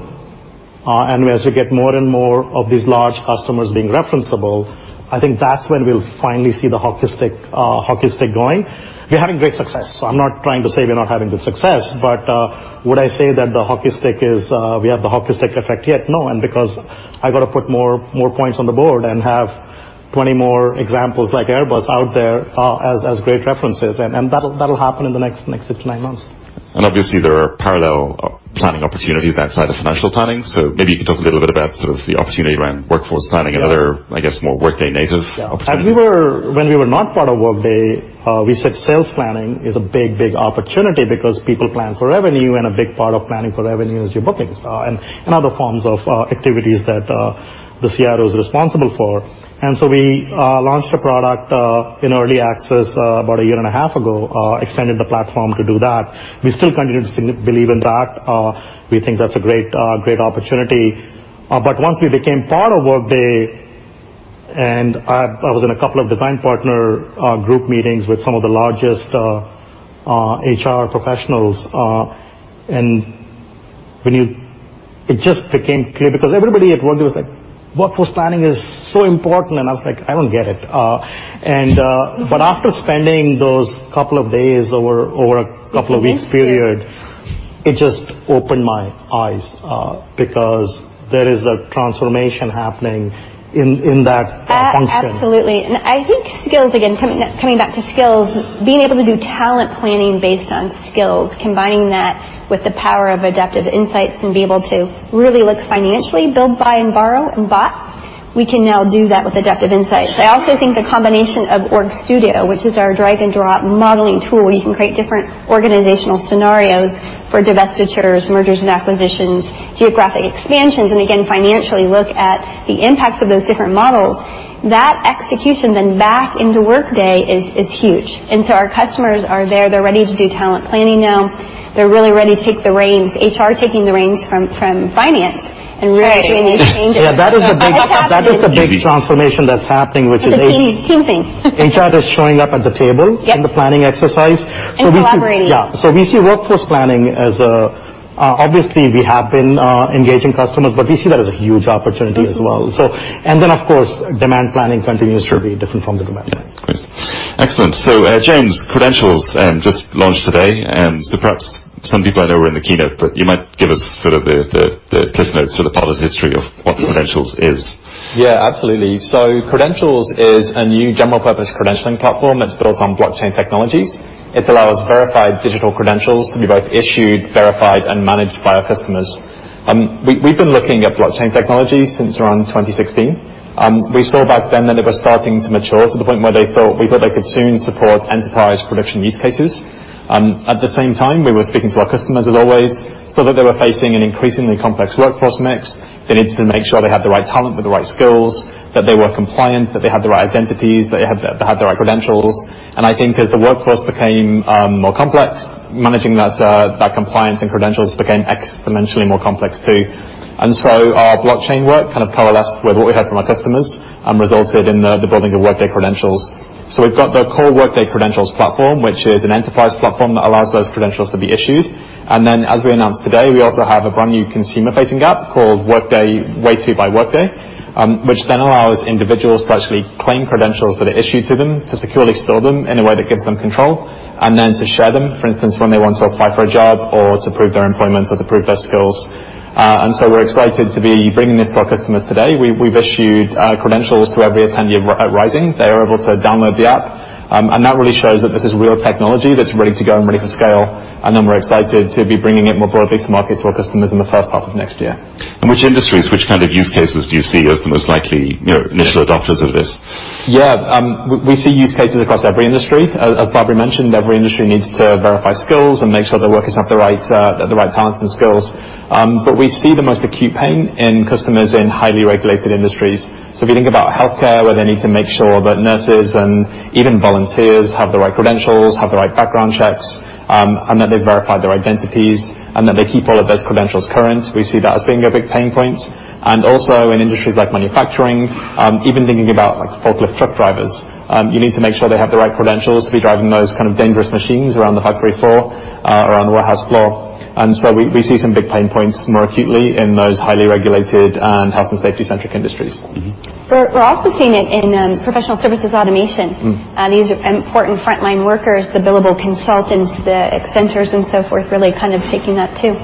and as we get more and more of these large customers being referenceable, I think that's when we'll finally see the hockey stick going. We're having great success. I'm not trying to say we're not having good success, but would I say that we have the hockey stick effect yet? No. Because I've got to put more points on the board and have 20 more examples like Airbus out there as great references. That'll happen in the next six to nine months. Obviously, there are parallel planning opportunities outside of financial planning. Maybe you can talk a little bit about sort of the opportunity around workforce planning and other, I guess, more Workday native opportunities. When we were not part of Workday, we said sales planning is a big, big opportunity because people plan for revenue, and a big part of planning for revenue is your bookings and other forms of activities that the CRO is responsible for. We launched a product in early access about a year and a half ago, extended the platform to do that. We still continue to believe in that. We think that's a great opportunity. Once we became part of Workday, I was in a couple of design partner group meetings with some of the largest HR professionals, it just became clear because everybody at Workday was like, "Workforce planning is so important." I was like, "I don't get it." After spending those couple of days over a couple of weeks period, it just opened my eyes, because there is a transformation happening in that function. Absolutely. I think skills, again, coming back to skills, being able to do talent planning based on skills, combining that with the power of Adaptive Insights and be able to really look financially build, buy, and borrow, and bot, we can now do that with Adaptive Insights. I also think the combination of Org Studio, which is our drag and drop modeling tool where you can create different organizational scenarios for divestitures, mergers and acquisitions, geographic expansions, and again, financially look at the impacts of those different models. That execution back into Workday is huge. Our customers are there. They're ready to do talent planning now. They're really ready to take the reins. HR taking the reins from finance and really doing these changes. Yeah, that is the big transformation that's happening, which is. It's a team thing. HR is showing up at the table. Yep in the planning exercise. Collaborating. Yeah. We see workforce planning as, obviously, we have been engaging customers, but we see that as a huge opportunity as well. Of course, demand planning continues to be different from the demand. Yeah. Of course. Excellent. James, Workday Credentials just launched today, perhaps some people I know were in the keynote, but you might give us sort of the CliffsNotes sort of potted history of what Workday Credentials is. Yeah, absolutely. Credentials is a new general-purpose credentialing platform that's built on blockchain technologies. It allows verified digital credentials to be both issued, verified, and managed by our customers. We've been looking at blockchain technology since around 2016. We saw back then that it was starting to mature to the point where we thought they could soon support enterprise production use cases. At the same time, we were speaking to our customers as always, saw that they were facing an increasingly complex workforce mix. They needed to make sure they had the right talent with the right skills, that they were compliant, that they had the right identities, that they had the right credentials. I think as the workforce became more complex, managing that compliance and credentials became exponentially more complex, too. Our blockchain work kind of coalesced with what we heard from our customers and resulted in the building of Workday Credentials. We've got the core Workday Credentials platform, which is an enterprise platform that allows those credentials to be issued. Then as we announced today, we also have a brand new consumer-facing app called Wayto by Workday, which then allows individuals to actually claim credentials that are issued to them, to securely store them in a way that gives them control, and then to share them, for instance, when they want to apply for a job or to prove their employment or to prove their skills. We're excited to be bringing this to our customers today. We've issued credentials to every attendee at Rising. They are able to download the app. That really shows that this is real technology that's ready to go and ready to scale. We're excited to be bringing it more product to market to our customers in the first half of next year. Which industries, which kind of use cases do you see as the most likely initial adopters of this? Yeah. We see use cases across every industry. As Barbara mentioned, every industry needs to verify skills and make sure their workers have the right talent and skills. We see the most acute pain in customers in highly regulated industries. If you think about healthcare, where they need to make sure that nurses and even volunteers have the right credentials, have the right background checks, and that they've verified their identities, and that they keep all of those credentials current, we see that as being a big pain point. Also in industries like manufacturing, even thinking about forklift truck drivers. You need to make sure they have the right credentials to be driving those kind of dangerous machines around the factory floor, around the warehouse floor. We see some big pain points more acutely in those highly regulated and health and safety-centric industries. We're also seeing it in professional services automation. These are important frontline workers, the billable consultants, the Accenture and so forth, really kind of taking that, too.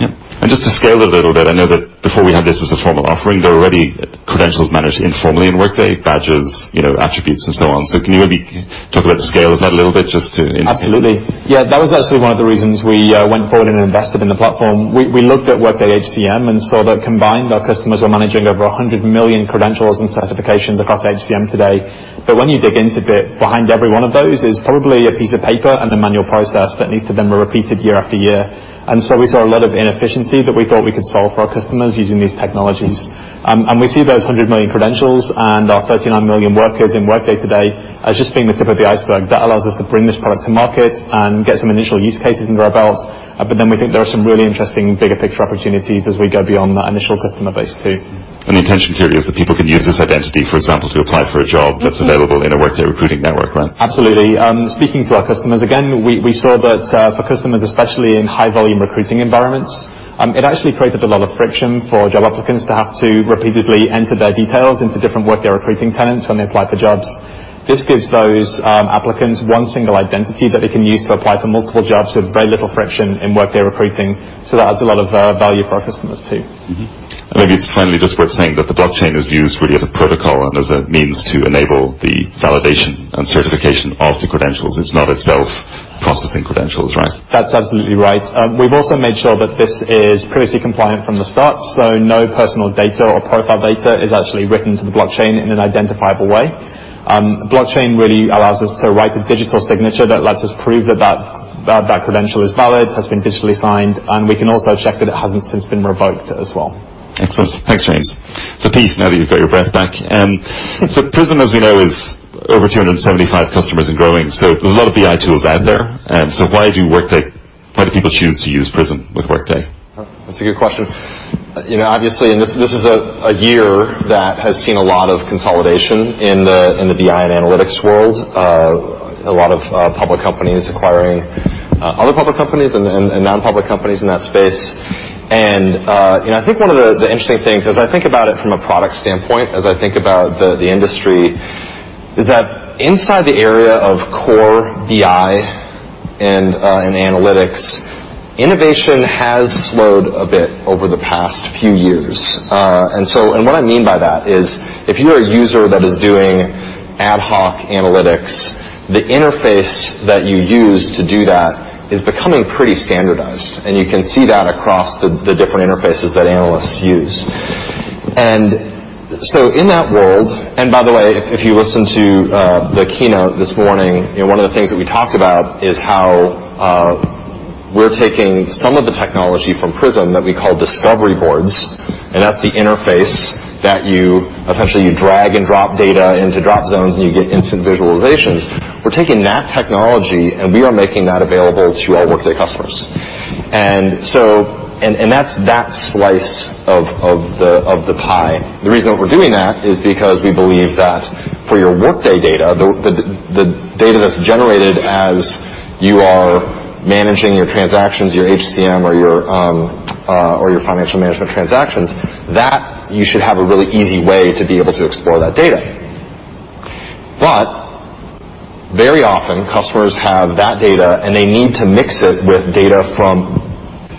Absolutely. Yep. Just to scale it a little bit, I know that before we had this as a formal offering, there were already credentials managed informally in Workday, badges, attributes and so on. Can you maybe talk about the scale of that a little bit. Absolutely. Yeah, that was actually one of the reasons we went forward and invested in the platform. We looked at Workday HCM and saw that combined, our customers were managing over 100 million credentials and certifications across HCM today. When you dig into it, behind every one of those is probably a piece of paper and a manual process that needs to then be repeated year after year. We saw a lot of inefficiency that we thought we could solve for our customers using these technologies. We see those 100 million credentials and our 39 million workers in Workday today as just being the tip of the iceberg. That allows us to bring this product to market and get some initial use cases under our belt. We think there are some really interesting bigger picture opportunities as we go beyond that initial customer base, too. The intention here is that people can use this identity, for example, to apply for a job that's available in a Workday recruiting network, right? Absolutely. Speaking to our customers, again, we saw that for customers, especially in high-volume recruiting environments, it actually created a lot of friction for job applicants to have to repeatedly enter their details into different Workday Recruiting tenants when they apply for jobs. This gives those applicants one single identity that they can use to apply for multiple jobs with very little friction in Workday Recruiting. That adds a lot of value for our customers, too. Maybe it's finally just worth saying that the blockchain is used really as a protocol and as a means to enable the validation and certification of the credentials. It's not itself processing credentials, right? That's absolutely right. We've also made sure that this is privacy compliant from the start. No personal data or profile data is actually written to the blockchain in an identifiable way. Blockchain really allows us to write a digital signature that lets us prove that that credential is valid, has been digitally signed, and we can also check that it hasn't since been revoked as well. Excellent. Thanks, James. Pete, now that you've got your breath back. Prism, as we know, is over 275 customers and growing. There's a lot of BI tools out there. Why do people choose to use Prism with Workday? That's a good question. Obviously, this is a year that has seen a lot of consolidation in the BI and analytics world, a lot of public companies acquiring other public companies and non-public companies in that space. I think one of the interesting things as I think about it from a product standpoint, as I think about the industry, is that inside the area of core BI and analytics, innovation has slowed a bit over the past few years. What I mean by that is if you are a user that is doing ad hoc analytics, the interface that you use to do that is becoming pretty standardized, and you can see that across the different interfaces that analysts use. In that world And by the way, if you listen to the keynote this morning, one of the things that we talked about is how we're taking some of the technology from Prism that we call Discovery Boards, and that's the interface that you essentially drag and drop data into drop zones, and you get instant visualizations. We're taking that technology, and we are making that available to our Workday customers. That's that slice of the pie. The reason that we're doing that is because we believe that for your Workday data, the data that's generated as you are managing your transactions, your HCM, or your financial management transactions, that you should have a really easy way to be able to explore that data. Very often, customers have that data, and they need to mix it with data from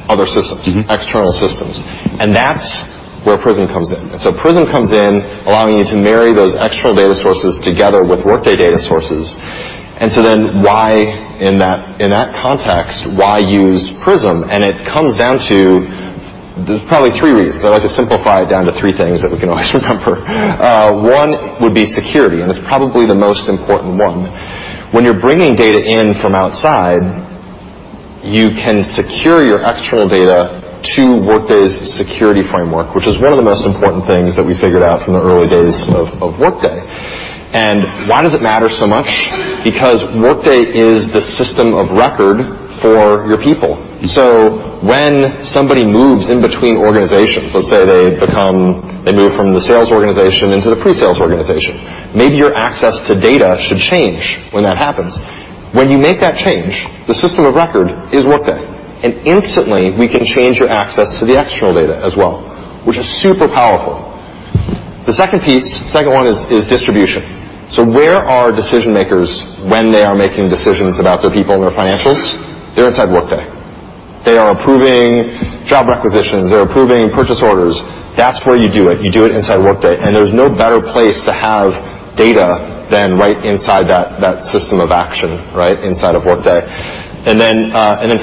other systems. external systems. That's where Prism comes in. Prism comes in allowing you to marry those external data sources together with Workday data sources. Then in that context, why use Prism? It comes down to probably three reasons. I like to simplify it down to three things that we can always remember. One would be security, and it's probably the most important one. When you're bringing data in from outside, you can secure your external data to Workday's security framework, which is one of the most important things that we figured out from the early days of Workday. Why does it matter so much? Workday is the system of record for your people. When somebody moves in between organizations, let's say they move from the sales organization into the pre-sales organization. Maybe your access to data should change when that happens. When you make that change, the system of record is Workday, and instantly we can change your access to the external data as well, which is super powerful. The second one is distribution. Where are decision-makers when they are making decisions about their people and their financials? They're inside Workday. They are approving job requisitions. They're approving purchase orders. That's where you do it. You do it inside Workday, and there's no better place to have data than right inside that system of action, inside of Workday.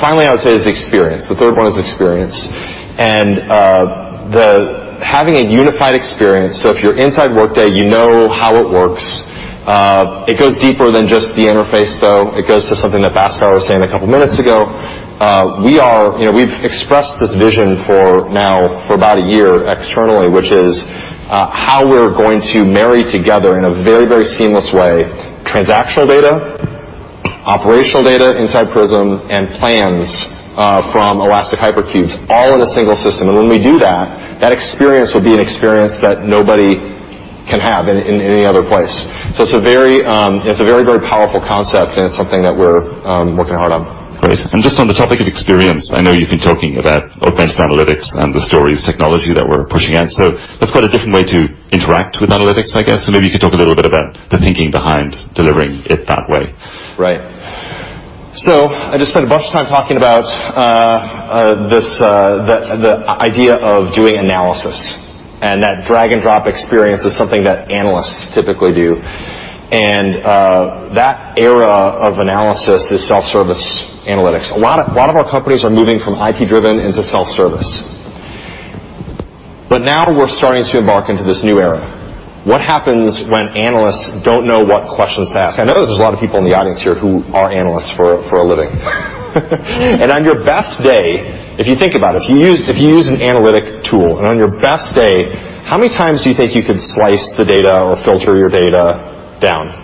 Finally, I would say is experience. The third one is experience. Having a unified experience, so if you're inside Workday, you know how it works. It goes deeper than just the interface, though. It goes to something that Bhaskar was saying a couple of minutes ago. We've expressed this vision for now for about a year externally, which is how we're going to marry together in a very seamless way, transactional data, operational data inside Prism, and plans from Elastic Hypercubes all in a single system. When we do that experience will be an experience that nobody can have in any other place. It's a very powerful concept, and it's something that we're working hard on. Great. Just on the topic of experience, I know you've been talking about augmented analytics and the Stories technology that we're pushing out. That's quite a different way to interact with analytics, I guess. Maybe you could talk a little bit about the thinking behind delivering it that way. Right. I just spent a bunch of time talking about the idea of doing analysis, and that drag and drop experience is something that analysts typically do. That era of analysis is self-service analytics. A lot of our companies are moving from IT-driven into self-service. Now we're starting to embark into this new era. What happens when analysts don't know what questions to ask? I know that there's a lot of people in the audience here who are analysts for a living. On your best day, if you think about it, if you use an analytic tool, and on your best day, how many times do you think you could slice the data or filter your data down?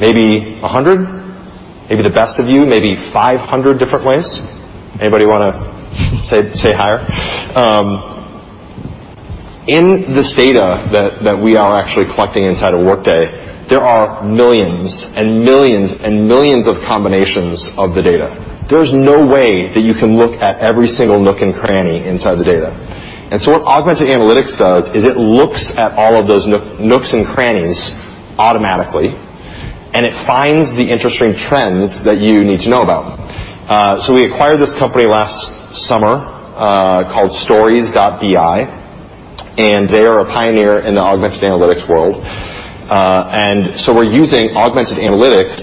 Maybe 100, maybe the best of you, maybe 500 different ways. Anybody want to say higher? In this data that we are actually collecting inside of Workday, there are millions and millions and millions of combinations of the data. There's no way that you can look at every single nook and cranny inside the data. What augmented analytics does is it looks at all of those nooks and crannies automatically, and it finds the interesting trends that you need to know about. We acquired this company last summer, called Stories.bi, and they are a pioneer in the augmented analytics world. We're using augmented analytics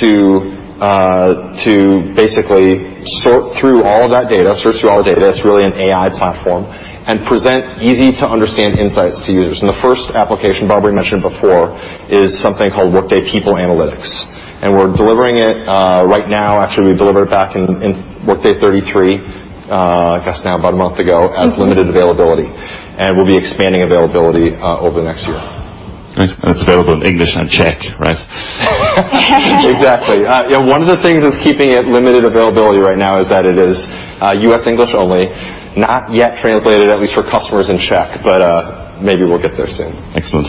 to basically sort through all of that data, search through all the data. It's really an AI platform, and present easy-to-understand insights to users. The first application Barbara mentioned before is something called Workday People Analytics. We're delivering it right now. Actually, we delivered it back in Workday 33, I guess now about a month ago. as limited availability. We'll be expanding availability over the next year. Great. It's available in English and Czech, right? Exactly. One of the things that's keeping it limited availability right now is that it is U.S. English only, not yet translated, at least for customers in Czech. Maybe we'll get there soon. Excellent.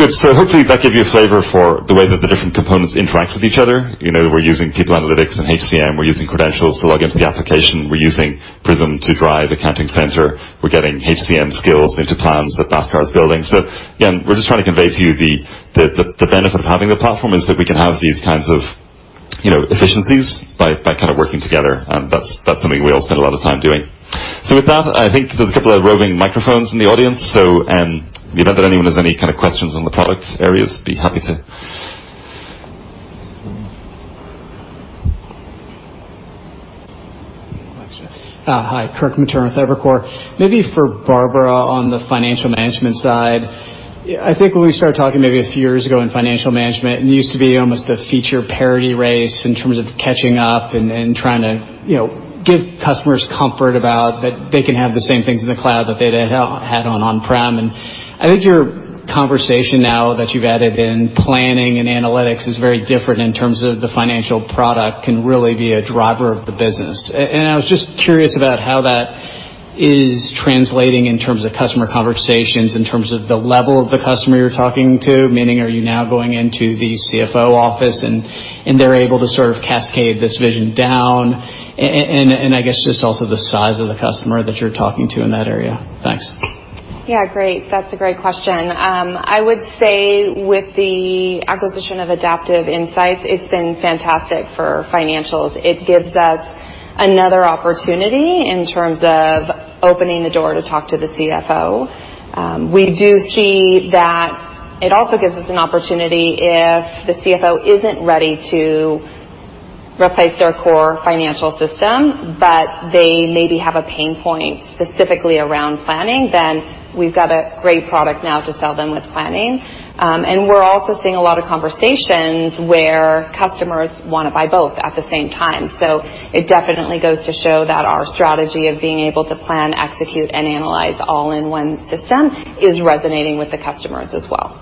Good. Hopefully that gave you a flavor for the way that the different components interact with each other. We're using People Analytics and HCM. We're using Credentials to log into the application. We're using Prism to drive Accounting Center. We're getting HCM skills into plans that Bhaskar is building. Again, we're just trying to convey to you the benefit of having the platform is that we can have these kinds of efficiencies by working together. That's something we all spend a lot of time doing. With that, I think there's a couple of roving microphones in the audience. If anyone has any questions on the product areas, be happy to. Hi. Kirk Materne, Evercore. Maybe for Barbara on the financial management side, I think when we started talking maybe a few years ago in financial management, it used to be almost the feature parity race in terms of catching up and trying to give customers comfort about that they can have the same things in the cloud that they'd had on on-prem. I think your conversation now that you've added in planning and analytics is very different in terms of the financial product can really be a driver of the business. I was just curious about how that is translating in terms of customer conversations, in terms of the level of the customer you're talking to, meaning are you now going into the CFO office, and they're able to sort of cascade this vision down? I guess just also the size of the customer that you're talking to in that area. Thanks. Yeah, great. That's a great question. I would say with the acquisition of Adaptive Insights, it's been fantastic for financials. It gives us another opportunity in terms of opening the door to talk to the CFO. We do see that it also gives us an opportunity if the CFO isn't ready to replace their core financial system, but they maybe have a pain point specifically around planning, then we've got a great product now to sell them with planning. We're also seeing a lot of conversations where customers want to buy both at the same time. It definitely goes to show that our strategy of being able to plan, execute, and analyze all in one system is resonating with the customers as well.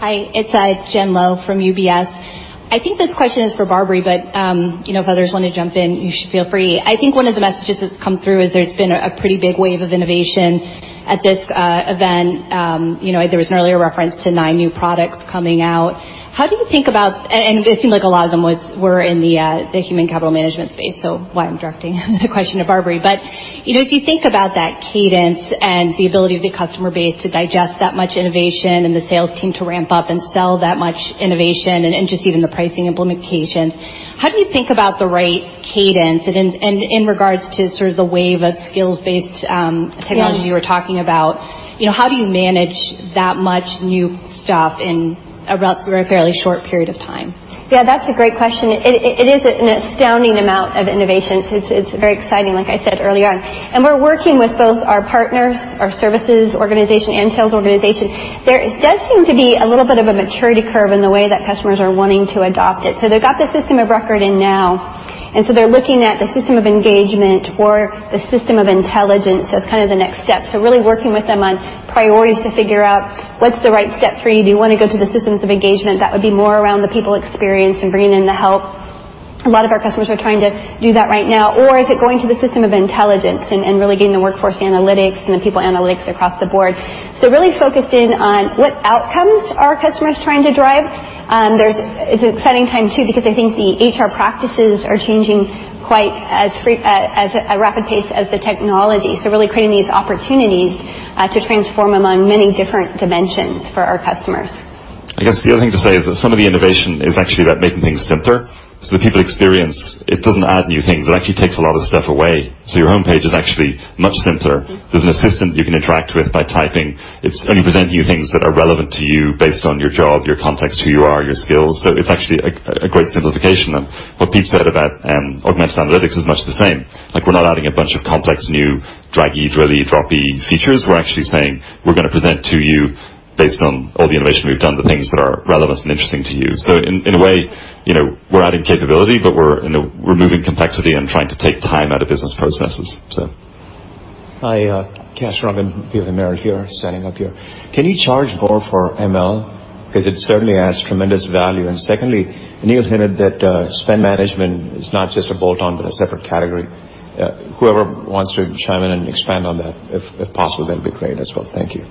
Hi, it's Jennifer Lowe from UBS. I think this question is for Barbry, but if others want to jump in, you should feel free. I think one of the messages that's come through is there's been a pretty big wave of innovation at this event. There was an earlier reference to nine new products coming out. It seemed like a lot of them were in the human capital management space, so why I'm directing the question to Barbry. As you think about that cadence and the ability of the customer base to digest that much innovation and the sales team to ramp up and sell that much innovation and just even the pricing implications, how do you think about the right cadence? In regards to sort of the wave of skills-based technologies you were talking about, how do you manage that much new stuff in a fairly short period of time? Yeah, that's a great question. It is an astounding amount of innovation. It's very exciting, like I said earlier on. We're working with both our partners, our services organization, and sales organization. There does seem to be a little bit of a maturity curve in the way that customers are wanting to adopt it. They've got the system of record in now, and so they're looking at the system of engagement or the system of intelligence as kind of the next step. Really working with them on priorities to figure out what's the right step for you. Do you want to go to the systems of engagement? That would be more around the People Experience and bringing in the help. A lot of our customers are trying to do that right now. Is it going to the system of intelligence and really getting the Workforce Analytics and the People Analytics across the board? Really focusing on what outcomes are customers trying to drive. It's an exciting time, too, because I think the HR practices are changing quite as a rapid pace as the technology. Really creating these opportunities to transform among many different dimensions for our customers. I guess the other thing to say is that some of the innovation is actually about making things simpler. The Workday People Experience, it doesn't add new things. It actually takes a lot of stuff away. Your homepage is actually much simpler. There's a Workday Assistant you can interact with by typing. It's only presenting you things that are relevant to you based on your job, your context, who you are, your skills. It's actually a great simplification. What Pete Schlampp said about augmented analytics is much the same. We're not adding a bunch of complex, new draggy, drilly, droppy features. We're actually saying, "We're going to present to you based on all the innovation we've done, the things that are relevant and interesting to you." In a way, we're adding capability, but we're removing complexity and trying to take time out of business processes. Hi, Kash Rangan, BofAmer here. Can you charge more for ML? It certainly adds tremendous value. Secondly, Aneel hinted that spend management is not just a bolt-on but a separate category. Whoever wants to chime in and expand on that, if possible, that'd be great as well. Thank you.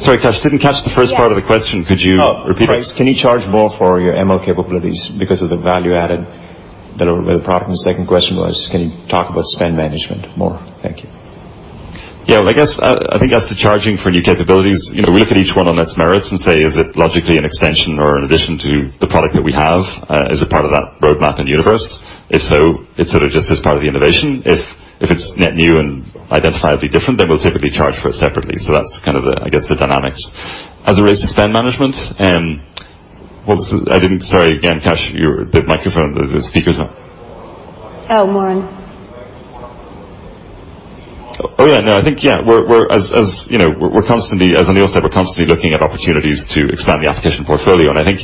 Sorry, Kash, didn't catch the first part of the question. Could you repeat it? Oh, price. Can you charge more for your ML capabilities because of the value added by the product? The second question was, can you talk about spend management more? Thank you. Yeah. I think as to charging for new capabilities, we look at each one on its merits and say, is it logically an extension or an addition to the product that we have as a part of that roadmap and universe? If so, it sort of just is part of the innovation. If it's net new and identifiably different, then we'll typically charge for it separately. That's kind of, I guess, the dynamics. As it relates to spend management, what was the-- I didn't-- Sorry, again, Kash, your microphone, the speaker's not Oh, one. Oh, yeah, no. I think, yeah. As Aneel said, we're constantly looking at opportunities to expand the application portfolio, and I think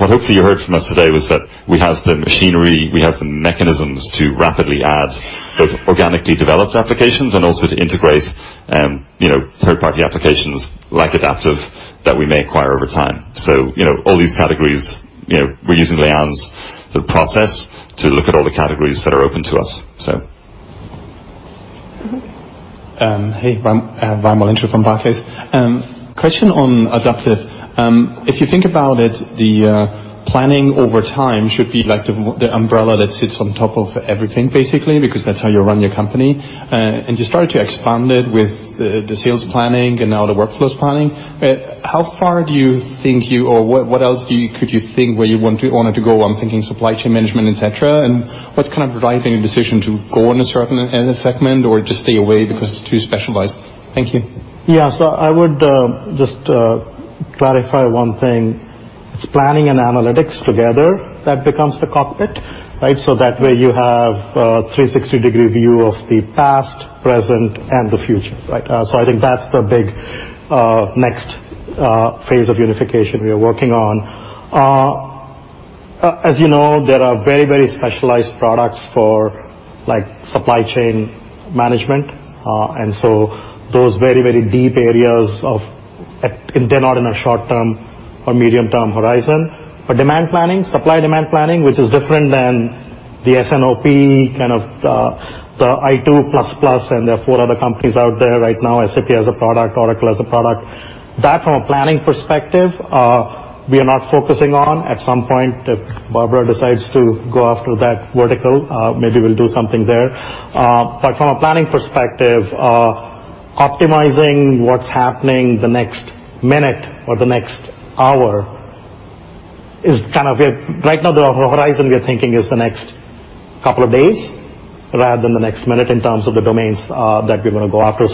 what hopefully you heard from us today was that we have the machinery, we have the mechanisms to rapidly add both organically developed applications and also to integrate third-party applications like Adaptive that we may acquire over time. All these categories, we're using the process to look at all the categories that are open to us. Hey. Raimo Lenschow from Barclays. Question on Adaptive. If you think about it, the planning over time should be like the umbrella that sits on top of everything, basically, because that's how you run your company. You started to expand it with the sales planning and now the workforce planning. How far do you think you or what else could you think where you wanted to go? I'm thinking supply chain management, et cetera. What's kind of driving a decision to go in a certain segment or just stay away because it's too specialized? Thank you. Yeah. I would just clarify one thing. It's planning and analytics together that becomes the cockpit, right? That way, you have a 360-degree view of the past, present, and the future, right? I think that's the big next phase of unification we are working on. As you know, there are very specialized products for supply chain management. Those very deep areas, they're not in a short-term or medium-term horizon. Demand planning, supply demand planning, which is different than the S&OP, kind of the I2 plus plus, and there are four other companies out there right now, SAP has a product. Oracle has a product. That from a planning perspective, we are not focusing on. At some point, if Barbara decides to go after that vertical, maybe we'll do something there. From a planning perspective, optimizing what's happening the next minute or the next hour is kind of Right now, the horizon we're thinking is the next couple of days rather than the next minute in terms of the domains that we're going to go after.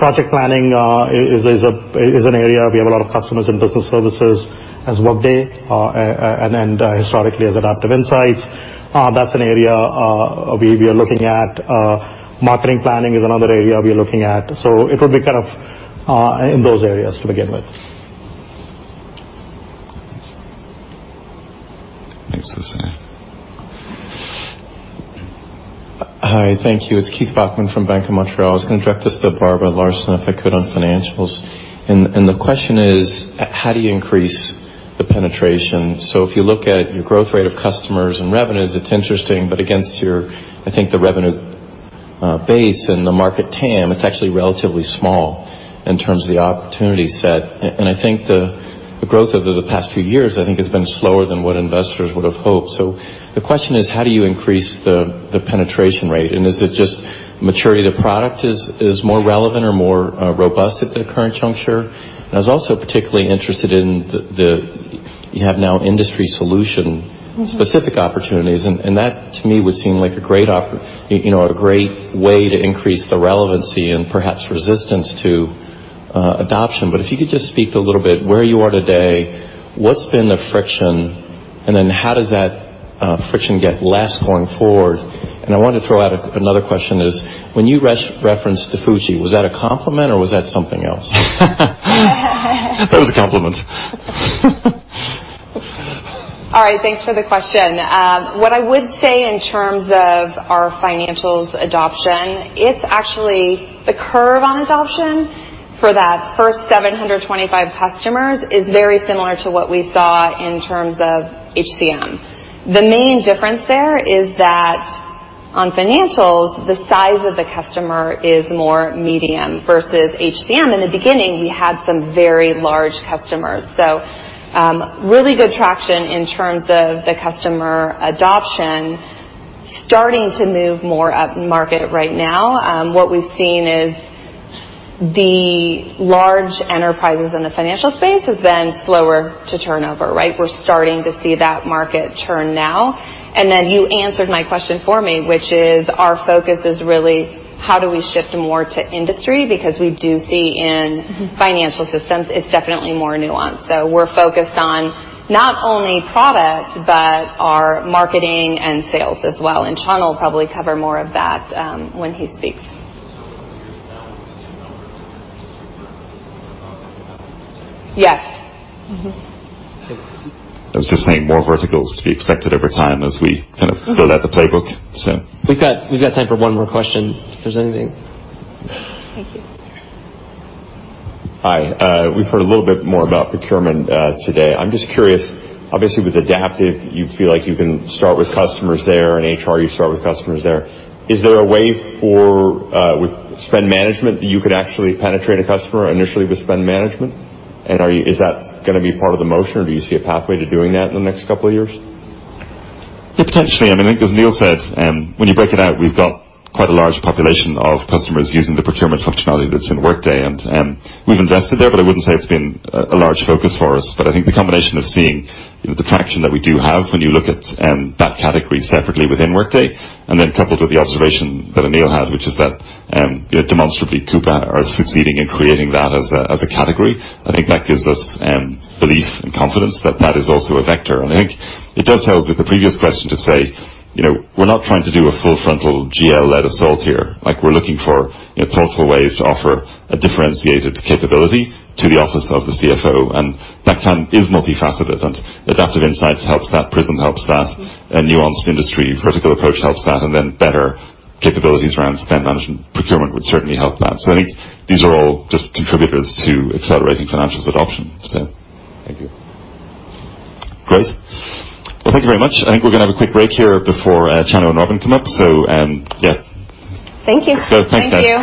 Project planning is an area we have a lot of customers and business services as Workday, and historically as Adaptive Insights. That's an area we are looking at. Marketing planning is another area we are looking at. It would be kind of in those areas to begin with. Thanks. Thanks the same. Hi. Thank you. It's Keith Bachman from Bank of Montreal. I was going to direct this to Barbara Larson, if I could, on financials. The question is, how do you increase the penetration? If you look at your growth rate of customers and revenues, it's interesting. Against your, I think, the revenue base and the market TAM, it's actually relatively small in terms of the opportunity set. I think the growth over the past few years, I think, has been slower than what investors would have hoped. The question is, how do you increase the penetration rate, and is it just maturity of the product is more relevant or more robust at the current juncture? I was also particularly interested in the, you have now industry solution-specific opportunities, and that to me would seem like a great way to increase the relevancy and perhaps resistance to adoption. If you could just speak a little bit where you are today, what's been the friction, how does that friction get less going forward? I wanted to throw out another question is, when you referenced to Fuji, was that a compliment or was that something else? That was a compliment. All right. Thanks for the question. What I would say in terms of our Financials adoption, it's actually the curve on adoption for that first 725 customers is very similar to what we saw in terms of HCM. The main difference there is that on Financials, the size of the customer is more medium versus HCM. In the beginning, we had some very large customers. Really good traction in terms of the customer adoption. Starting to move more upmarket right now. What we've seen is the large enterprises in the Financials space has been slower to turn over, right? We're starting to see that market turn now. You answered my question for me, which is our focus is really how do we shift more to industry, because we do see in Financials systems, it's definitely more nuanced. We're focused on not only product, but our marketing and sales as well. Chan will probably cover more of that when he speaks. When you're done with the same number as HCM, you're talking about? Yes. Mm-hmm. I was just saying more verticals to be expected over time as we kind of build out the playbook. We've got time for one more question, if there's anything. Thank you. Yeah. Hi. We've heard a little bit more about procurement today. I'm just curious, obviously, with Adaptive, you feel like you can start with customers there, in HR, you start with customers there. Is there a way for, with spend management, that you could actually penetrate a customer initially with spend management? Is that going to be part of the motion, or do you see a pathway to doing that in the next couple of years? Yeah, potentially. I mean, I think as Aneel said, when you break it out, we've got quite a large population of customers using the procurement functionality that's in Workday. We've invested there, but I wouldn't say it's been a large focus for us. I think the combination of seeing the traction that we do have when you look at that category separately within Workday, then coupled with the observation that Aneel had, which is that demonstrably Coupa are succeeding in creating that as a category. I think that gives us belief and confidence that that is also a vector. I think it dovetails with the previous question to say, we're not trying to do a full-frontal GL-led assault here. We're looking for thoughtful ways to offer a differentiated capability to the office of the CFO. That plan is multifaceted, and Adaptive Insights helps that, Prism helps that, a nuanced industry vertical approach helps that, and then better capabilities around spend management procurement would certainly help that. I think these are all just contributors to accelerating financials adoption. Thank you. Great. Well, thank you very much. I think we're going to have a quick break here before Chan and Robynne come up. Yeah. Thank you. Thanks, guys. Thank you.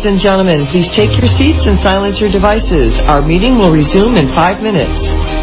Ladies and gentlemen, please take your seats and silence your devices. Our meeting will resume in five minutes.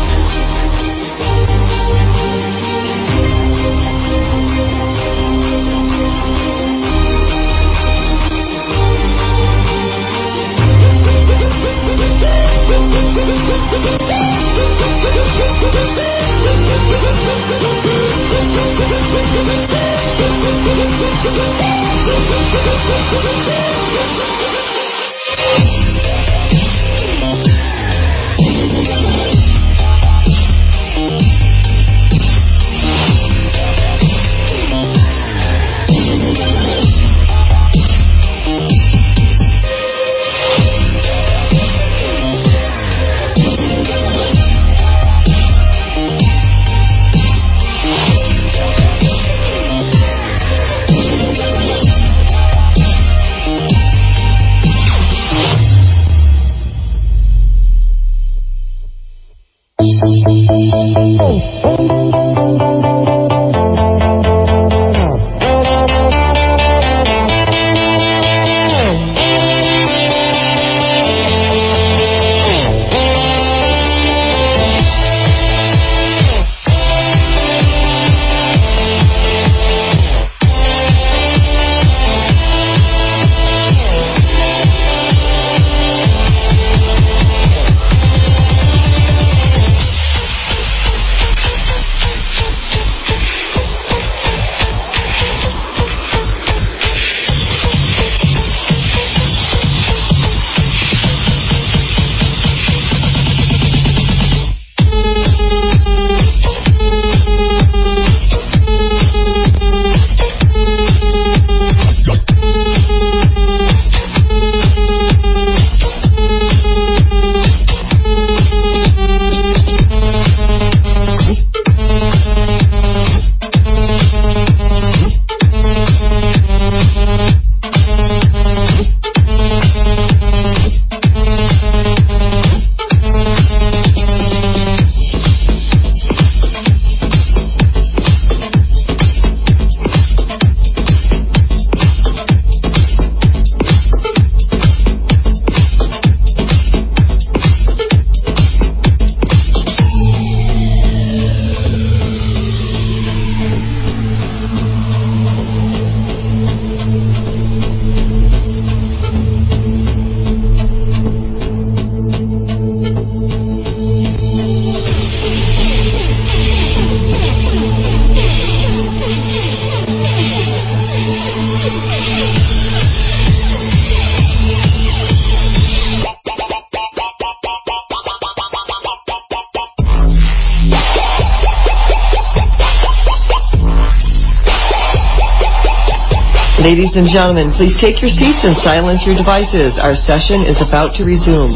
Ladies and gentlemen, please take your seats and silence your devices. Our session is about to resume.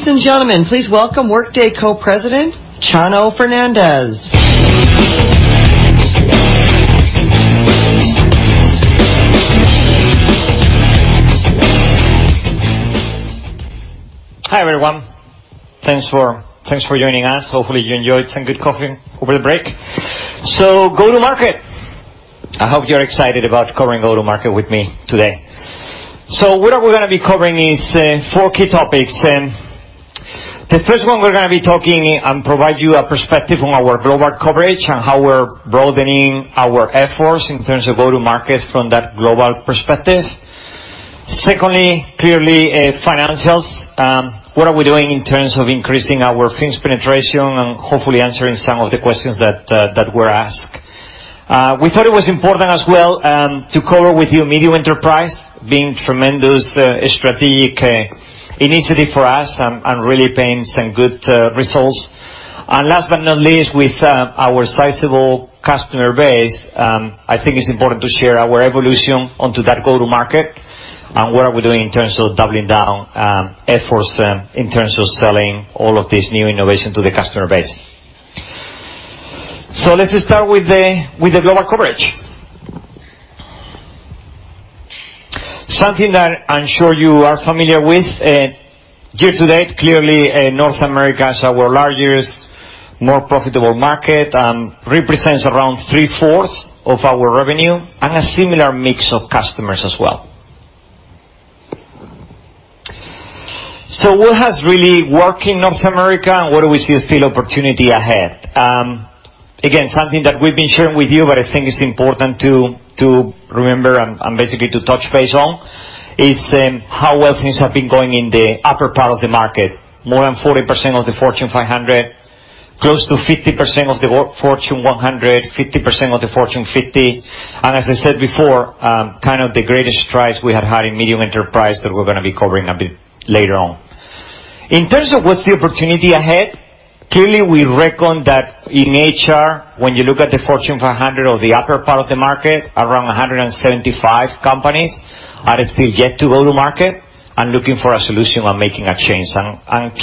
Ladies and gentlemen, please welcome Workday Co-President, Chano Fernandez. Hi, everyone. Thanks for joining us. Hopefully, you enjoyed some good coffee over the break. Go-to-market. I hope you're excited about covering go-to-market with me today. What we're going to be covering is four key topics. The first one we're going to be talking and provide you a perspective on our global coverage and how we're broadening our efforts in terms of go-to-market from that global perspective. Secondly, clearly, financials. What are we doing in terms of increasing our fins penetration and hopefully answering some of the questions that were asked. We thought it was important as well, to cover with you medium enterprise being tremendous strategic initiative for us and really paying some good results. Last but not least, with our sizable customer base, I think it's important to share our evolution onto that go-to-market and what are we doing in terms of doubling down efforts, in terms of selling all of this new innovation to the customer base. Let's start with the global coverage. Something that I'm sure you are familiar with. Year to date, clearly, North America is our largest, more profitable market, and represents around 3/4 of our revenue and a similar mix of customers as well. What has really worked in North America and where do we see still opportunity ahead? Again, something that we've been sharing with you, but I think it's important to remember and basically to touch base on, is how well things have been going in the upper part of the market. More than 40% of the Fortune 500, close to 50% of the Fortune 100, 50% of the Fortune 50. As I said before, the greatest strides we have had in medium enterprise that we're going to be covering a bit later on. In terms of what's the opportunity ahead, clearly, we reckon that in HR, when you look at the Fortune 500 or the upper part of the market, around 175 companies are still yet to go to market and looking for a solution on making a change.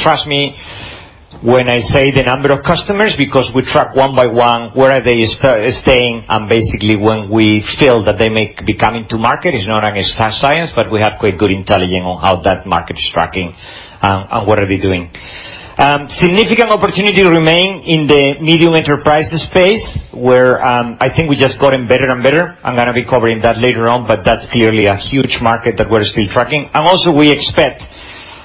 Trust me when I say the number of customers, because we track one by one where are they staying. Basically when we feel that they may be coming to market, it's not an exact science, but we have quite good intelligence on how that market is tracking and what are they doing. Significant opportunity remain in the medium enterprise space, where I think we just gotten better and better. I'm going to be covering that later on, but that's clearly a huge market that we're still tracking. Also we expect,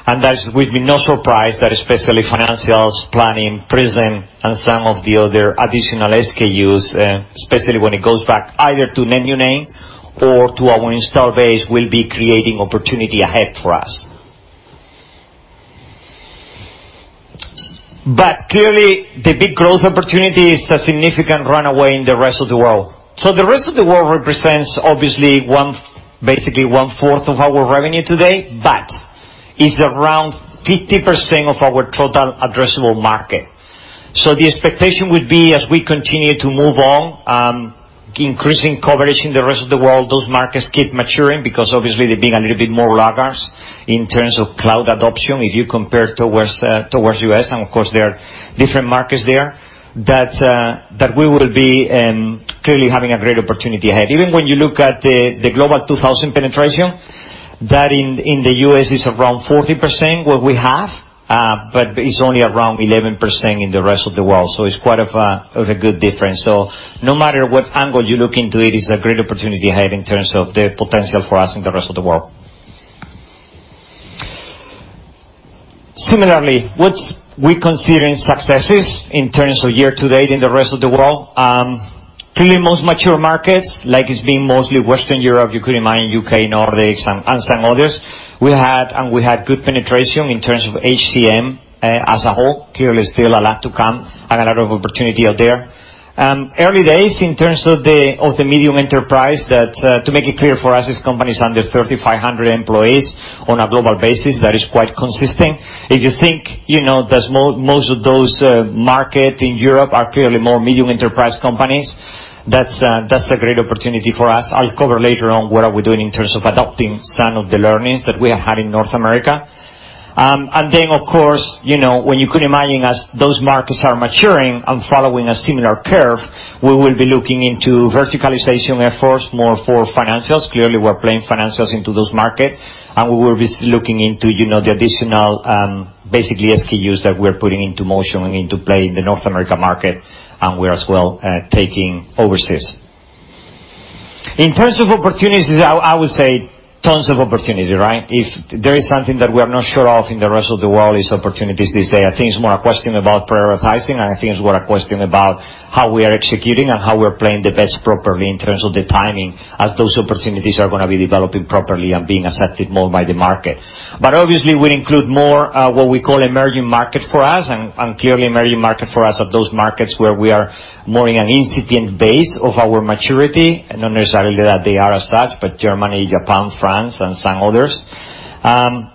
and that would be no surprise that especially Financials, Planning, Prism and some of the other additional SKUs, especially when it goes back either to net new name or to our install base, will be creating opportunity ahead for us. Clearly, the big growth opportunity is the significant runaway in the rest of the world. The rest of the world represents, obviously, basically one-fourth of our revenue today, but is around 50% of our total addressable market. The expectation would be as we continue to move on, increasing coverage in the rest of the world, those markets keep maturing because obviously they're being a little bit more laggards in terms of cloud adoption. If you compare towards U.S., and of course there are different markets there, that we will be clearly having a great opportunity ahead. Even when you look at the Global 2000 penetration, that in the U.S. is around 40%, what we have. It's only around 11% in the rest of the world, so it's quite of a good difference. No matter what angle you look into it's a great opportunity ahead in terms of the potential for us in the rest of the world. Similarly, what we consider successes in terms of year to date in the rest of the world. Clearly, most mature markets like it's been mostly Western Europe, you could imagine U.K., Nordics, and some others. We had good penetration in terms of HCM as a whole. Clearly, still a lot to come and a lot of opportunity out there. Early days in terms of the medium enterprise. To make it clear, for us it's companies under 3,500 employees on a global basis. That is quite consistent. If you think that most of those market in Europe are clearly more medium enterprise companies, that's a great opportunity for us. I'll cover later on what are we doing in terms of adopting some of the learnings that we have had in North America. Of course, when you could imagine as those markets are maturing and following a similar curve, we will be looking into verticalization efforts more for financials. Clearly, we're playing financials into those market, and we will be looking into the additional basically SKUs that we're putting into motion and into play in the North America market, and where as well taking overseas. In terms of opportunities, I would say tons of opportunity, right? If there is something that we are not sure of in the rest of the world, it's opportunities this day. I think it's more a question about prioritizing, and I think it's more a question about how we are executing and how we're playing the best properly in terms of the timing as those opportunities are going to be developing properly and being accepted more by the market. Obviously, we include more what we call emerging market for us, and clearly emerging market for us are those markets where we are more in an incipient base of our maturity, and not necessarily that they are as such, but Germany, Japan, France, and some others. Again,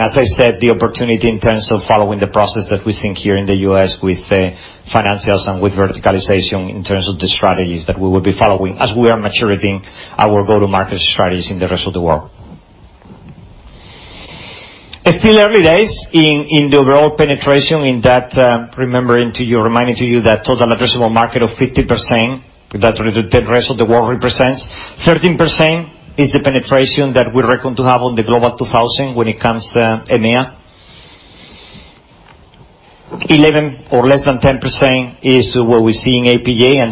as I said, the opportunity in terms of following the process that we're seeing here in the U.S. with financials and with verticalization in terms of the strategies that we will be following as we are maturating our go-to-market strategies in the rest of the world. It's still early days in the overall penetration in that, reminding to you that total addressable market of 50% that the rest of the world represents. 13% is the penetration that we reckon to have on the Global 2000 when it comes to EMEA. 11 or less than 10% is what we see in APJ.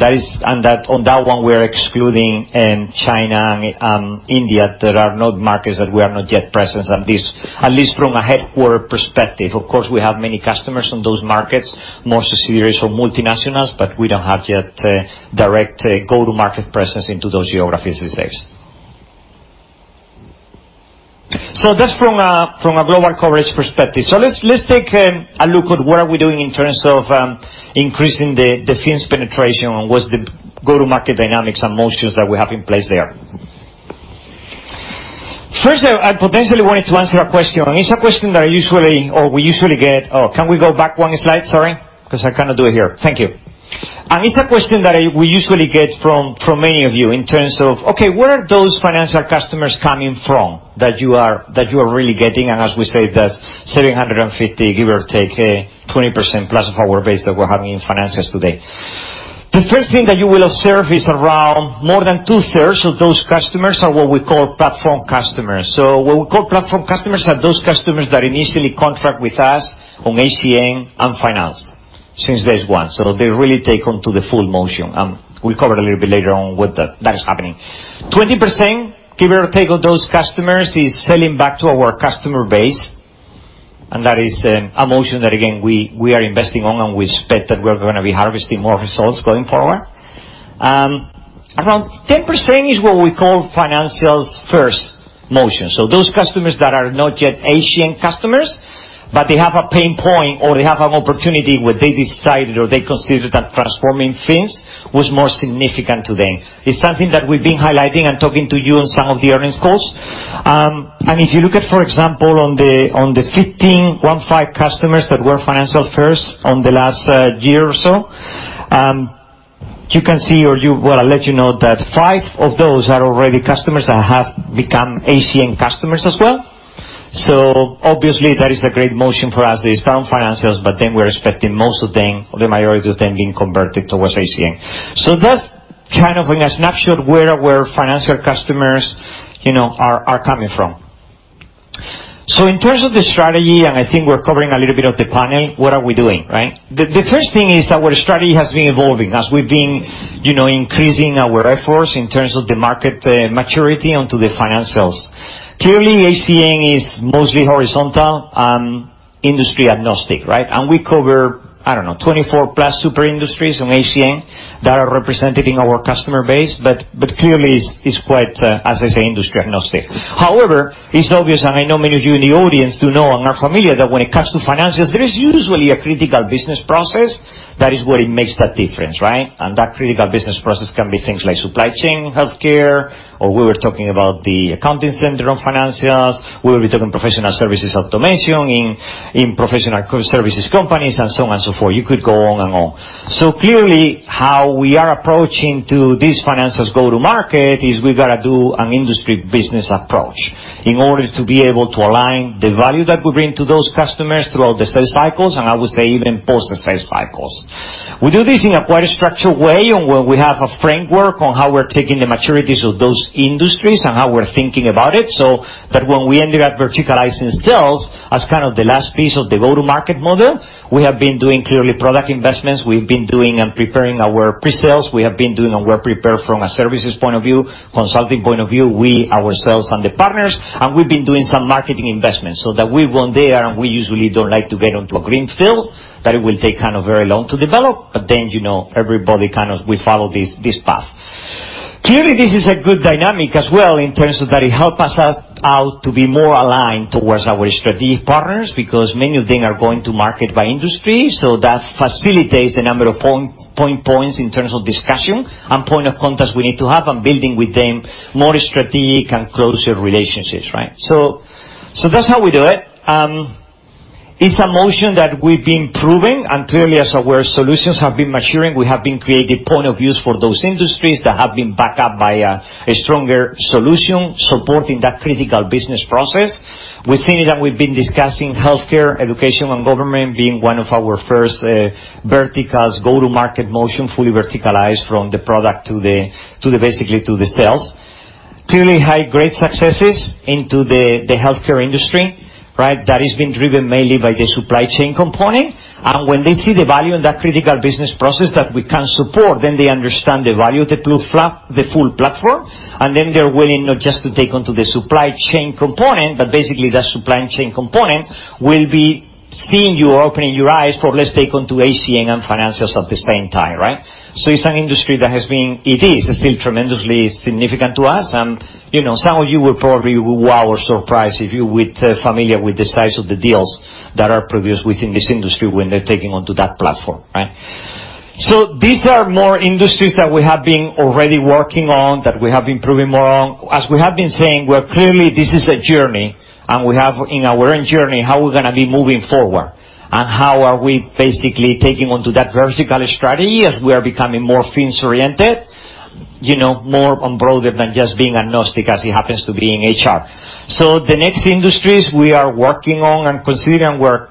On that one we're excluding China and India. There are markets that we are not yet present, at least from a headquarter perspective. Of course, we have many customers on those markets, more subsidiaries of multinationals, we don't have yet direct go-to-market presence into those geographies these days. That's from a global coverage perspective. Let's take a look at what are we doing in terms of increasing the fins penetration on what's the go-to-market dynamics and motions that we have in place there. First, I potentially wanted to answer a question, and it's a question that I usually or we usually get. Can we go back one slide? Sorry. I cannot do it here. Thank you. It's a question that we usually get from many of you in terms of, okay, where are those financial customers coming from that you are really getting? As we said, that 750, give or take, 20% plus of our base that we're having in financials today. The first thing that you will observe is around more than two-thirds of those customers are what we call platform customers. What we call platform customers are those customers that initially contract with us on HCM and finance since day one. They really take on to the full motion. We'll cover a little bit later on what that is happening. 20%, give or take, of those customers is selling back to our customer base, that is a motion that again, we are investing on, we expect that we're gonna be harvesting more results going forward. Around 10% is what we call financials first motion. Those customers that are not yet HCM customers, but they have a pain point or they have an opportunity where they decided or they considered that transforming Fins was more significant to them. It's something that we've been highlighting and talking to you on some of the earnings calls. If you look at, for example, on the 15 customers that were financial first on the last year or so, you can see or you Well, I'll let you know that five of those are already customers that have become HCM customers as well. Obviously that is a great motion for us. They start on financials, but then we're expecting most of them, or the majority of them, being converted towards HCM. That's kind of in a snapshot where our financial customers are coming from. In terms of the strategy, and I think we're covering a little bit of the panel, what are we doing? The first thing is that our strategy has been evolving as we've been increasing our efforts in terms of the market maturity onto the financials. Clearly, HCM is mostly horizontal and industry agnostic. We cover, I don't know, 24 plus super industries on HCM that are represented in our customer base. Clearly it's quite, as I say, industry agnostic. However, it's obvious, and I know many of you in the audience do know and are familiar, that when it comes to financials, there is usually a critical business process. That is where it makes that difference. That critical business process can be things like supply chain healthcare, or we were talking about the Accounting Center on financials. We'll be talking professional services automation in professional services companies and so on and so forth. You could go on and on. Clearly how we are approaching to these financials go-to-market is we got to do an industry business approach in order to be able to align the value that we bring to those customers throughout the sales cycles, and I would say even post the sales cycles. We do this in a quite structured way, and where we have a framework on how we're taking the maturities of those industries and how we're thinking about it, so that when we ended up verticalizing sales as kind of the last piece of the go-to-market model, we have been doing clearly product investments. We've been doing and preparing our pre-sales. We have been doing our prepare from a services point of view, consulting point of view, we ourselves and the partners, and we've been doing some marketing investments so that we won there. We usually don't like to get onto a greenfield that it will take kind of very long to develop, but then everybody kind of will follow this path. Clearly, this is a good dynamic as well in terms of that it help us out to be more aligned towards our strategic partners, because many of them are going to market by industry. That facilitates the number of points in terms of discussion and point of contacts we need to have and building with them more strategic and closer relationships, right. That's how we do it. It's a motion that we've been proving. Clearly as our solutions have been maturing, we have been creating point of views for those industries that have been backed up by a stronger solution supporting that critical business process. We've seen it and we've been discussing healthcare, education, and government being one of our first verticals go-to-market motion fully verticalized from the product basically to the sales. Clearly had great successes into the healthcare industry, right. That is being driven mainly by the supply chain component. When they see the value in that critical business process that we can support, then they understand the value of the full platform. Then they're willing not just to take onto the supply chain component, but basically that supply chain component will be seeing you or opening your eyes for let's take onto HCM and financials at the same time, right. It's an industry that it is still tremendously significant to us. Some of you will probably wow or surprised if you with familiar with the size of the deals that are produced within this industry when they're taking onto that platform, right? These are more industries that we have been already working on, that we have been proving more on. As we have been saying, where clearly this is a journey, and we have in our journey how we're gonna be moving forward and how are we basically taking onto that vertical strategy as we are becoming more Fins oriented, more on broader than just being agnostic as it happens to be in HR. The next industries we are working on and considering we're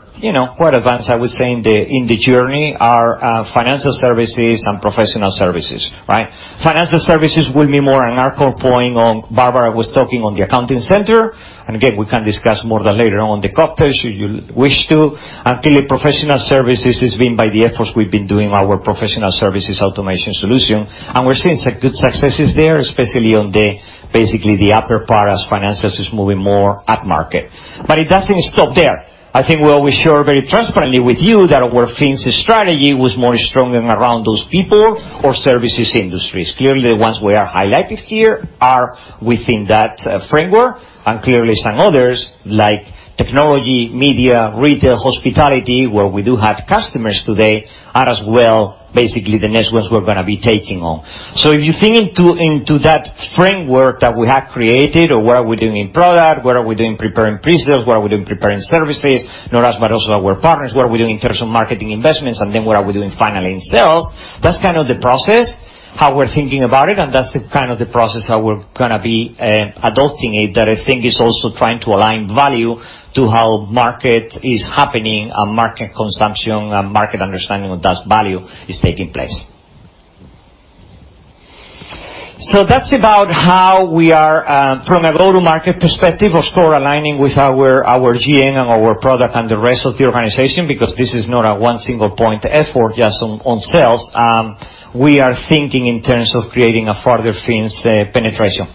quite advanced, I would say, in the journey are financial services and professional services, right? Financial services will be more on our core point on Barbara was talking on the Accounting Center. Again, we can discuss more later on the cocktail if you wish to. Clearly professional services is being by the efforts we've been doing our professional services automation solution, and we're seeing some good successes there, especially on the, basically the upper part as Financials is moving more at market. It doesn't stop there. I think we always share very transparently with you that our Fins strategy was more stronger around those people or services industries. Clearly, the ones we are highlighted here are within that framework. Clearly some others like technology, media, retail, hospitality, where we do have customers today, are as well basically the next ones we're gonna be taking on. If you think into that framework that we have created or what are we doing in product, what are we doing preparing pre-sales, what are we doing preparing services, not us, but also our partners, what are we doing in terms of marketing investments, and then what are we doing finally in sales. That's kind of the process how we're thinking about it, and that's kind of the process how we're going to be adopting it. I think that is also trying to align value to how market is happening and market consumption and market understanding of that value is taking place. That's about how we are, from a go-to-market perspective, of course aligning with our GM and our product and the rest of the organization, because this is not a one single point effort just on sales. We are thinking in terms of creating a further fins penetration.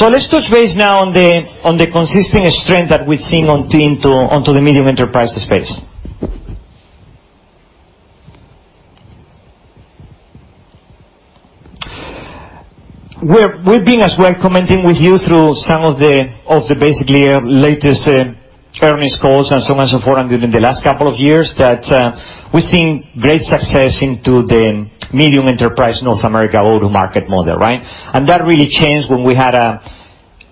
Let's touch base now on the consistent strength that we're seeing onto the medium enterprise space. We've been, as we're commenting with you through some of the basically latest earnings calls and so on and so forth and during the last couple of years, that we've seen great success into the medium enterprise North America go-to-market model. That really changed when we had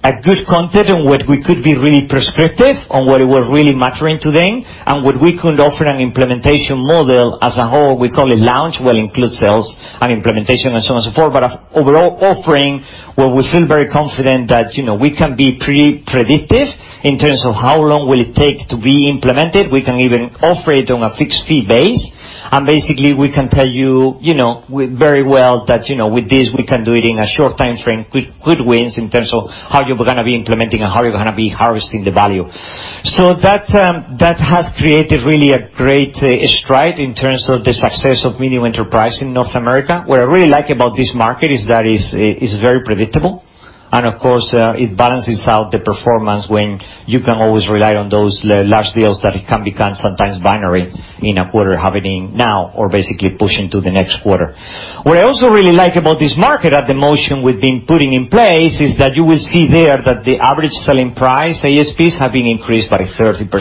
a good content on what we could be really prescriptive on what it was really mattering to them, and what we could offer an implementation model as a whole. We call it launch, will include sales and implementation and so on and so forth. Overall offering, where we feel very confident that we can be pretty predictive in terms of how long will it take to be implemented. We can even offer it on a fixed fee base. Basically, we can tell you very well that with this, we can do it in a short timeframe. Quick wins in terms of how you're going to be implementing and how you're going to be harvesting the value. That has created really a great stride in terms of the success of medium enterprise in North America. What I really like about this market is that it's very predictable. Of course, it balances out the performance when you can always rely on those large deals that can become sometimes binary in a quarter happening now or basically push into the next quarter. What I also really like about this market, at the motion we've been putting in place, is that you will see there that the average selling price, ASPs, have been increased by 30%.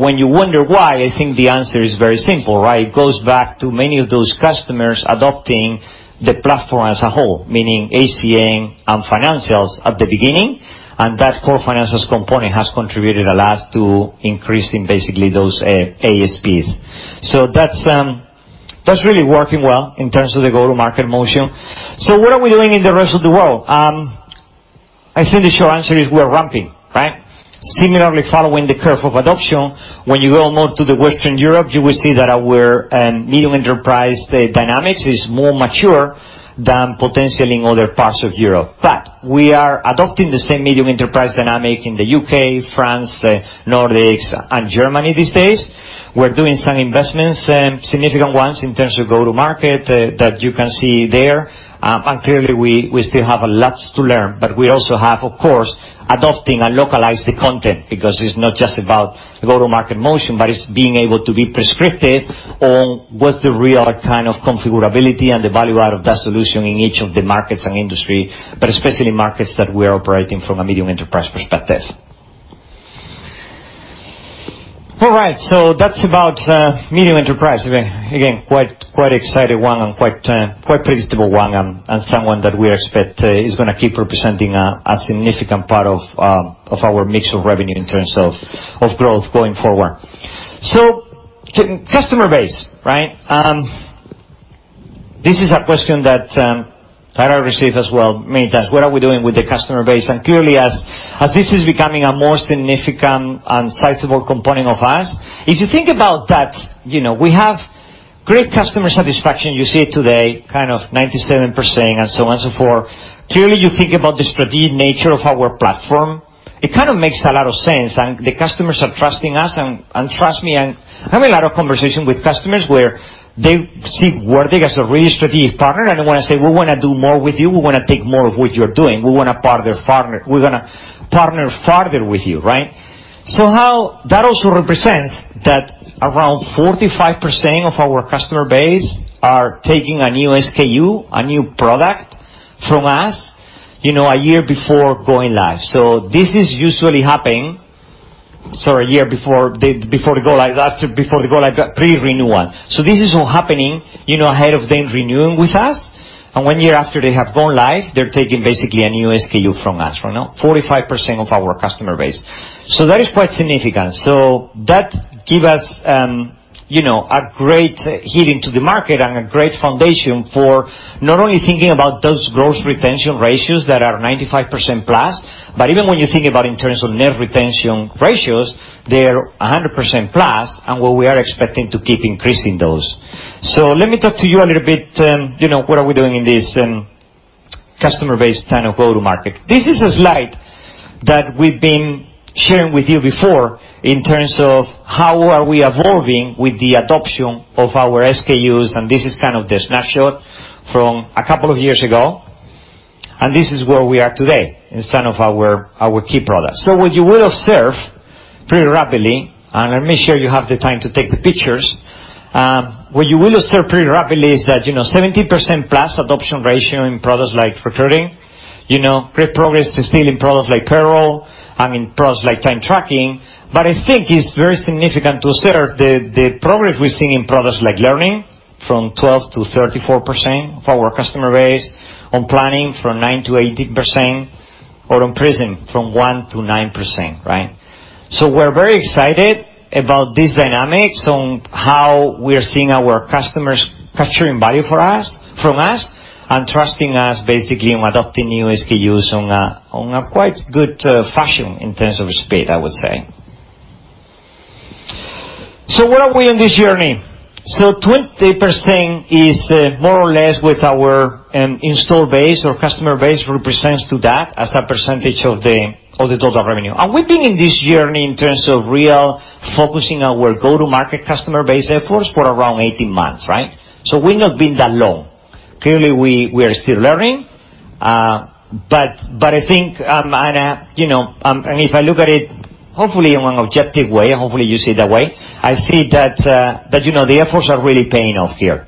When you wonder why, I think the answer is very simple. It goes back to many of those customers adopting the platform as a whole, meaning HCM and financials at the beginning, and that core financials component has contributed a lot to increasing basically those ASPs. That's really working well in terms of the go-to-market motion. What are we doing in the rest of the world? I think the short answer is we're ramping. Similarly following the curve of adoption, when you go more to Western Europe, you will see that our medium enterprise dynamics is more mature than potentially in other parts of Europe. We are adopting the same medium enterprise dynamic in the U.K., France, the Nordics, and Germany these days. We're doing some investments, significant ones in terms of go-to-market that you can see there. Clearly, we still have a lot to learn, but we also have, of course, adopting and localized the content because it is not just about go-to-market motion, but it is being able to be prescriptive on what is the real kind of configurability and the value out of that solution in each of the markets and industry, but especially markets that we are operating from a medium enterprise perspective. All right, that is about medium enterprise. Again, quite excited one and quite predictable one, and someone that we expect is going to keep representing a significant part of our mix of revenue in terms of growth going forward. Customer base. This is a question that I receive as well many times. What are we doing with the customer base? Clearly, as this is becoming a more significant and sizable component of us, if you think about that we have great customer satisfaction. You see it today, kind of 97% and so on and so forth. Clearly, you think about the strategic nature of our platform. It kind of makes a lot of sense, and the customers are trusting us. Trust me, I'm having a lot of conversation with customers where they see Workday as a really strategic partner, and they want to say, "We want to do more with you. We want to take more of what you're doing. We want to partner farther with you." How that also represents that around 45% of our customer base are taking a new SKU, a new product from us, a year before going live. This is usually happening, so a year before they go live, pre-renewal. This is all happening ahead of them renewing with us. One year after they have gone live, they're taking basically a new SKU from us. 45% of our customer base. That is quite significant. That give us a great hitting to the market and a great foundation for not only thinking about those growth retention ratios that are 95% plus, but even when you think about in terms of net retention ratios, they're 100% plus, and we are expecting to keep increasing those. Let me talk to you a little bit, what are we doing in this customer base kind of go-to market. This is a slide that we've been sharing with you before in terms of how are we evolving with the adoption of our SKUs, and this is kind of the snapshot from a couple of years ago. This is where we are today in some of our key products. What you will observe pretty rapidly, and let me make sure you have the time to take the pictures. What you will observe pretty rapidly is that 70% plus adoption ratio in products like recruiting, great progress still in products like payroll and in products like time tracking. I think it's very significant to observe the progress we're seeing in products like learning from 12% to 34% of our customer base, on planning from 9% to 18%. On Prism from 1% to 9%. We're very excited about this dynamics on how we are seeing our customers capturing value from us and trusting us, basically, in adopting new SKUs on a quite good fashion in terms of speed, I would say. Where are we on this journey? 20% is more or less with our install base or customer base represents to that as a percentage of the total revenue. We've been in this journey in terms of real focusing our go-to-market customer base efforts for around 18 months. We've not been that long. Clearly, we are still learning. If I look at it, hopefully in an objective way, and hopefully you see it that way, I see that the efforts are really paying off here.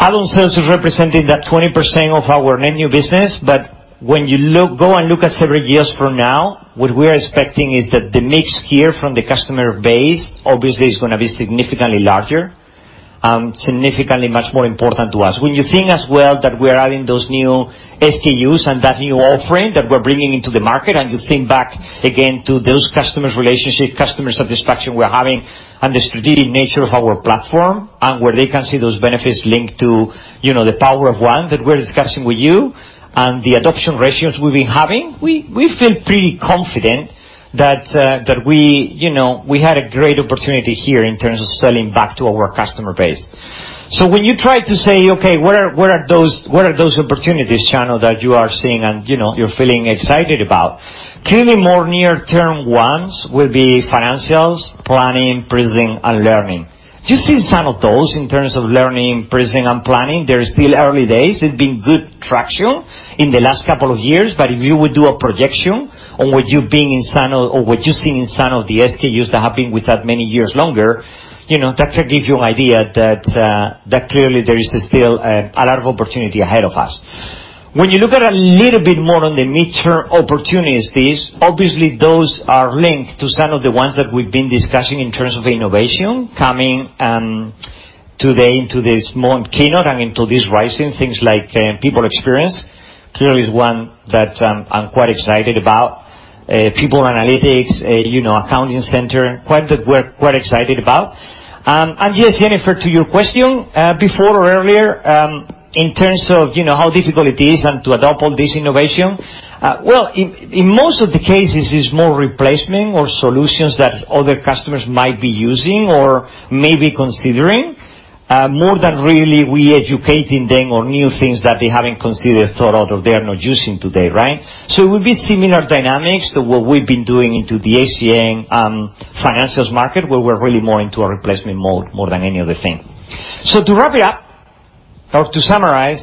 Add-on sales is representing that 20% of our net new business. When you go and look at several years from now, what we are expecting is that the mix here from the customer base obviously is going to be significantly larger and significantly much more important to us. When you think as well that we're adding those new SKUs and that new offering that we're bringing into the market, and you think back again to those customers' relationship, customers' satisfaction we're having, and the strategic nature of our platform and where they can see those benefits linked to the Power of One that we're discussing with you and the adoption ratios we've been having, we feel pretty confident that we had a great opportunity here in terms of selling back to our customer base. When you try to say, "Okay, where are those opportunities, Chano, that you are seeing and you're feeling excited about?" Clearly, more near-term ones will be financials, planning, pricing, and learning. Do you see some of those in terms of learning, pricing, and planning? They're still early days. They've been good traction in the last couple of years, but if you would do a projection on what you've seen in some of the SKUs that have been with that many years longer, that should give you an idea that clearly there is still a lot of opportunity ahead of us. When you look at a little bit more on the mid-term opportunities, obviously those are linked to some of the ones that we've been discussing in terms of innovation coming today into this moment keynote and into this Workday Rising, things like People Experience. Clearly is one that I'm quite excited about. People Analytics, Accounting Center, quite a work we're excited about. Yes, Jennifer, to your question before or earlier, in terms of how difficult it is and to adopt all this innovation. In most of the cases, it's more replacement or solutions that other customers might be using or may be considering, more than really we educating them on new things that they haven't considered, thought of, or they are not using today, right? It would be similar dynamics to what we've been doing into the HCM financials market, where we're really more into a replacement mode more than any other thing. To wrap it up or to summarize,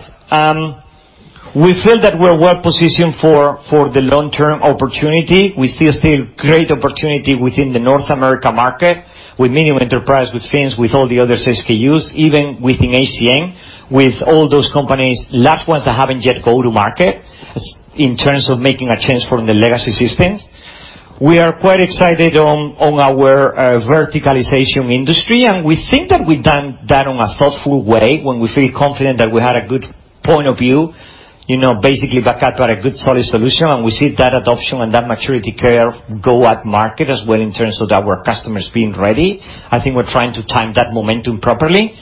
we feel that we're well-positioned for the long-term opportunity. We see a still great opportunity within the North America market with medium enterprise, with Fins, with all the other SKUs, even within HCM, with all those companies, large ones that haven't yet go to market in terms of making a change from the legacy systems. We are quite excited on our verticalization industry, we think that we've done that on a thoughtful way, when we feel confident that we had a good point of view, basically back up by a good solid solution, and we see that adoption and that maturity curve go at market as well in terms of our customers being ready. I think we're trying to time that momentum properly.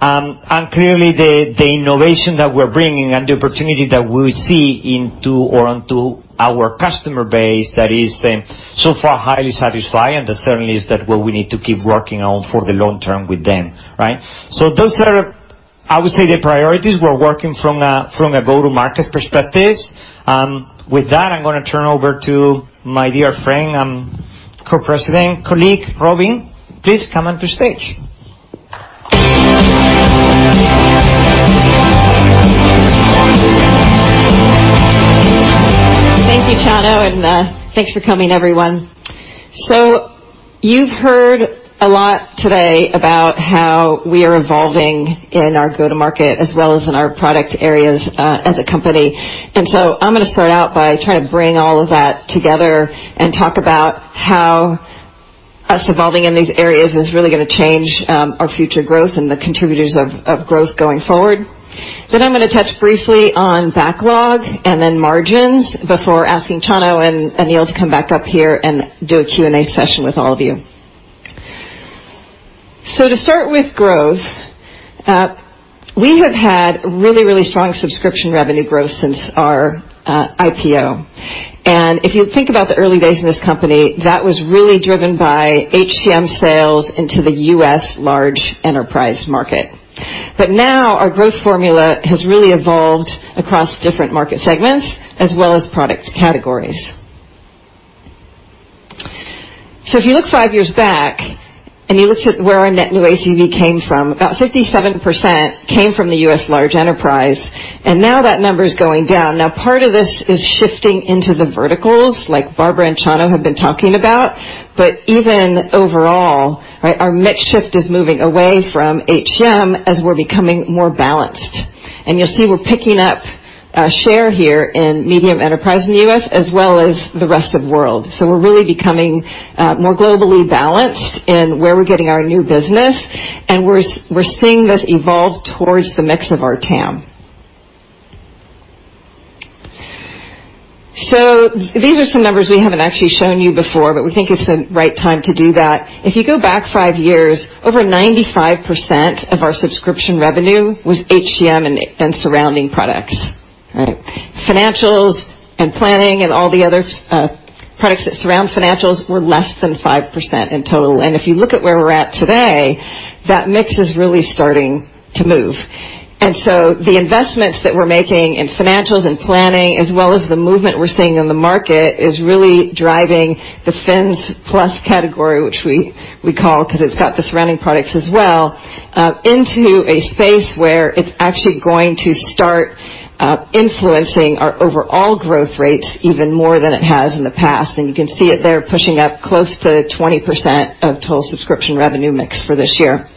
Clearly, the innovation that we're bringing and the opportunity that we see onto our customer base that is so far highly satisfied, and that certainly is that what we need to keep working on for the long term with them. Right? Those are, I would say, the priorities. We're working from a go-to-market perspective. With that, I'm going to turn over to my dear friend and Co-President, colleague, Robynne. Please come onto stage. Thank you, Chano, and thanks for coming, everyone. You've heard a lot today about how we are evolving in our go-to-market as well as in our product areas, as a company. I'm going to start out by trying to bring all of that together and talk about how us evolving in these areas is really going to change our future growth and the contributors of growth going forward. I'm going to touch briefly on backlog and then margins before asking Chano and Aneel to come back up here and do a Q&A session with all of you. To start with growth, we have had really, really strong subscription revenue growth since our IPO. If you think about the early days in this company, that was really driven by HCM sales into the U.S. large enterprise market. Now our growth formula has really evolved across different market segments as well as product categories. If you look five years back and you looked at where our net new ACV came from, about 57% came from the U.S. large enterprise, and now that number is going down. Part of this is shifting into the verticals like Barbara and Chano have been talking about. Even overall, our mix shift is moving away from HCM as we're becoming more balanced. You'll see we're picking up share here in medium enterprise in the U.S. as well as the rest of world. We're really becoming more globally balanced in where we're getting our new business, and we're seeing this evolve towards the mix of our TAM. These are some numbers we haven't actually shown you before, but we think it's the right time to do that. If you go back five years, over 95% of our subscription revenue was HCM and surrounding products. Financials and planning and all the other products that surround financials were less than 5% in total. If you look at where we're at today, that mix is really starting to move. The investments that we're making in financials and planning, as well as the movement we're seeing in the market, is really driving the Financials Plus category, which we call because it's got the surrounding products as well, into a space where it's actually going to start influencing our overall growth rates even more than it has in the past. You can see it there pushing up close to 20% of total subscription revenue mix for this year.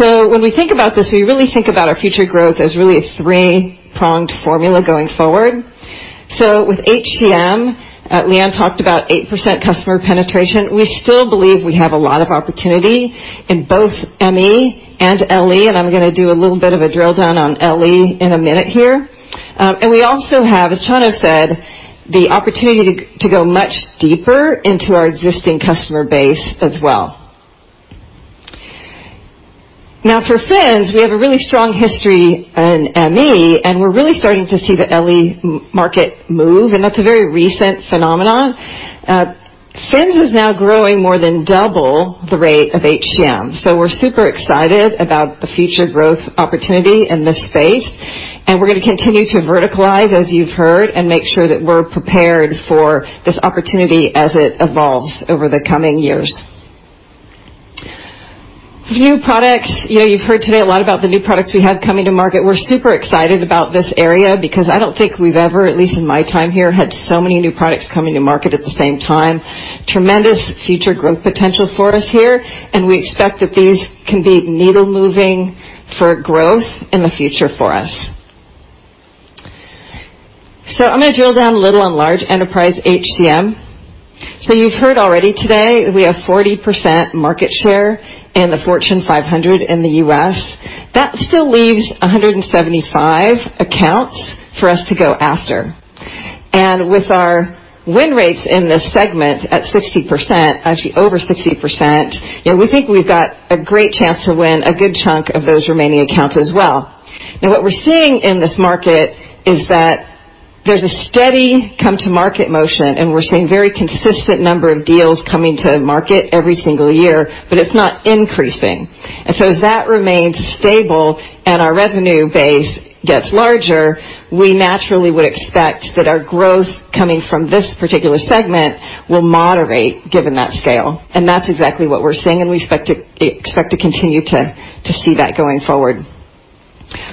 When we think about this, we really think about our future growth as really a three-pronged formula going forward. With HCM, Leighanne talked about 8% customer penetration. We still believe we have a lot of opportunity in both ME and LE, and I'm going to do a little bit of a drill down on LE in a minute here. We also have, as Chano said, the opportunity to go much deeper into our existing customer base as well. For Fins, we have a really strong history in ME, and we're really starting to see the LE market move, and that's a very recent phenomenon. Fins is now growing more than double the rate of HCM. We're super excited about the future growth opportunity in this space, and we're going to continue to verticalize, as you've heard, and make sure that we're prepared for this opportunity as it evolves over the coming years. New products. You've heard today a lot about the new products we have coming to market. We're super excited about this area because I don't think we've ever, at least in my time here, had so many new products coming to market at the same time. Tremendous future growth potential for us here, and we expect that these can be needle-moving for growth in the future for us. I'm going to drill down a little on large enterprise HCM. You've heard already today, we have 40% market share in the Fortune 500 in the U.S. That still leaves 175 accounts for us to go after. With our win rates in this segment at 60%, actually over 60%, we think we've got a great chance to win a good chunk of those remaining accounts as well. What we're seeing in this market is that there's a steady come-to-market motion. We're seeing very consistent number of deals coming to market every single year, but it's not increasing. As that remains stable and our revenue base gets larger, we naturally would expect that our growth coming from this particular segment will moderate given that scale. That's exactly what we're seeing, and we expect to continue to see that going forward.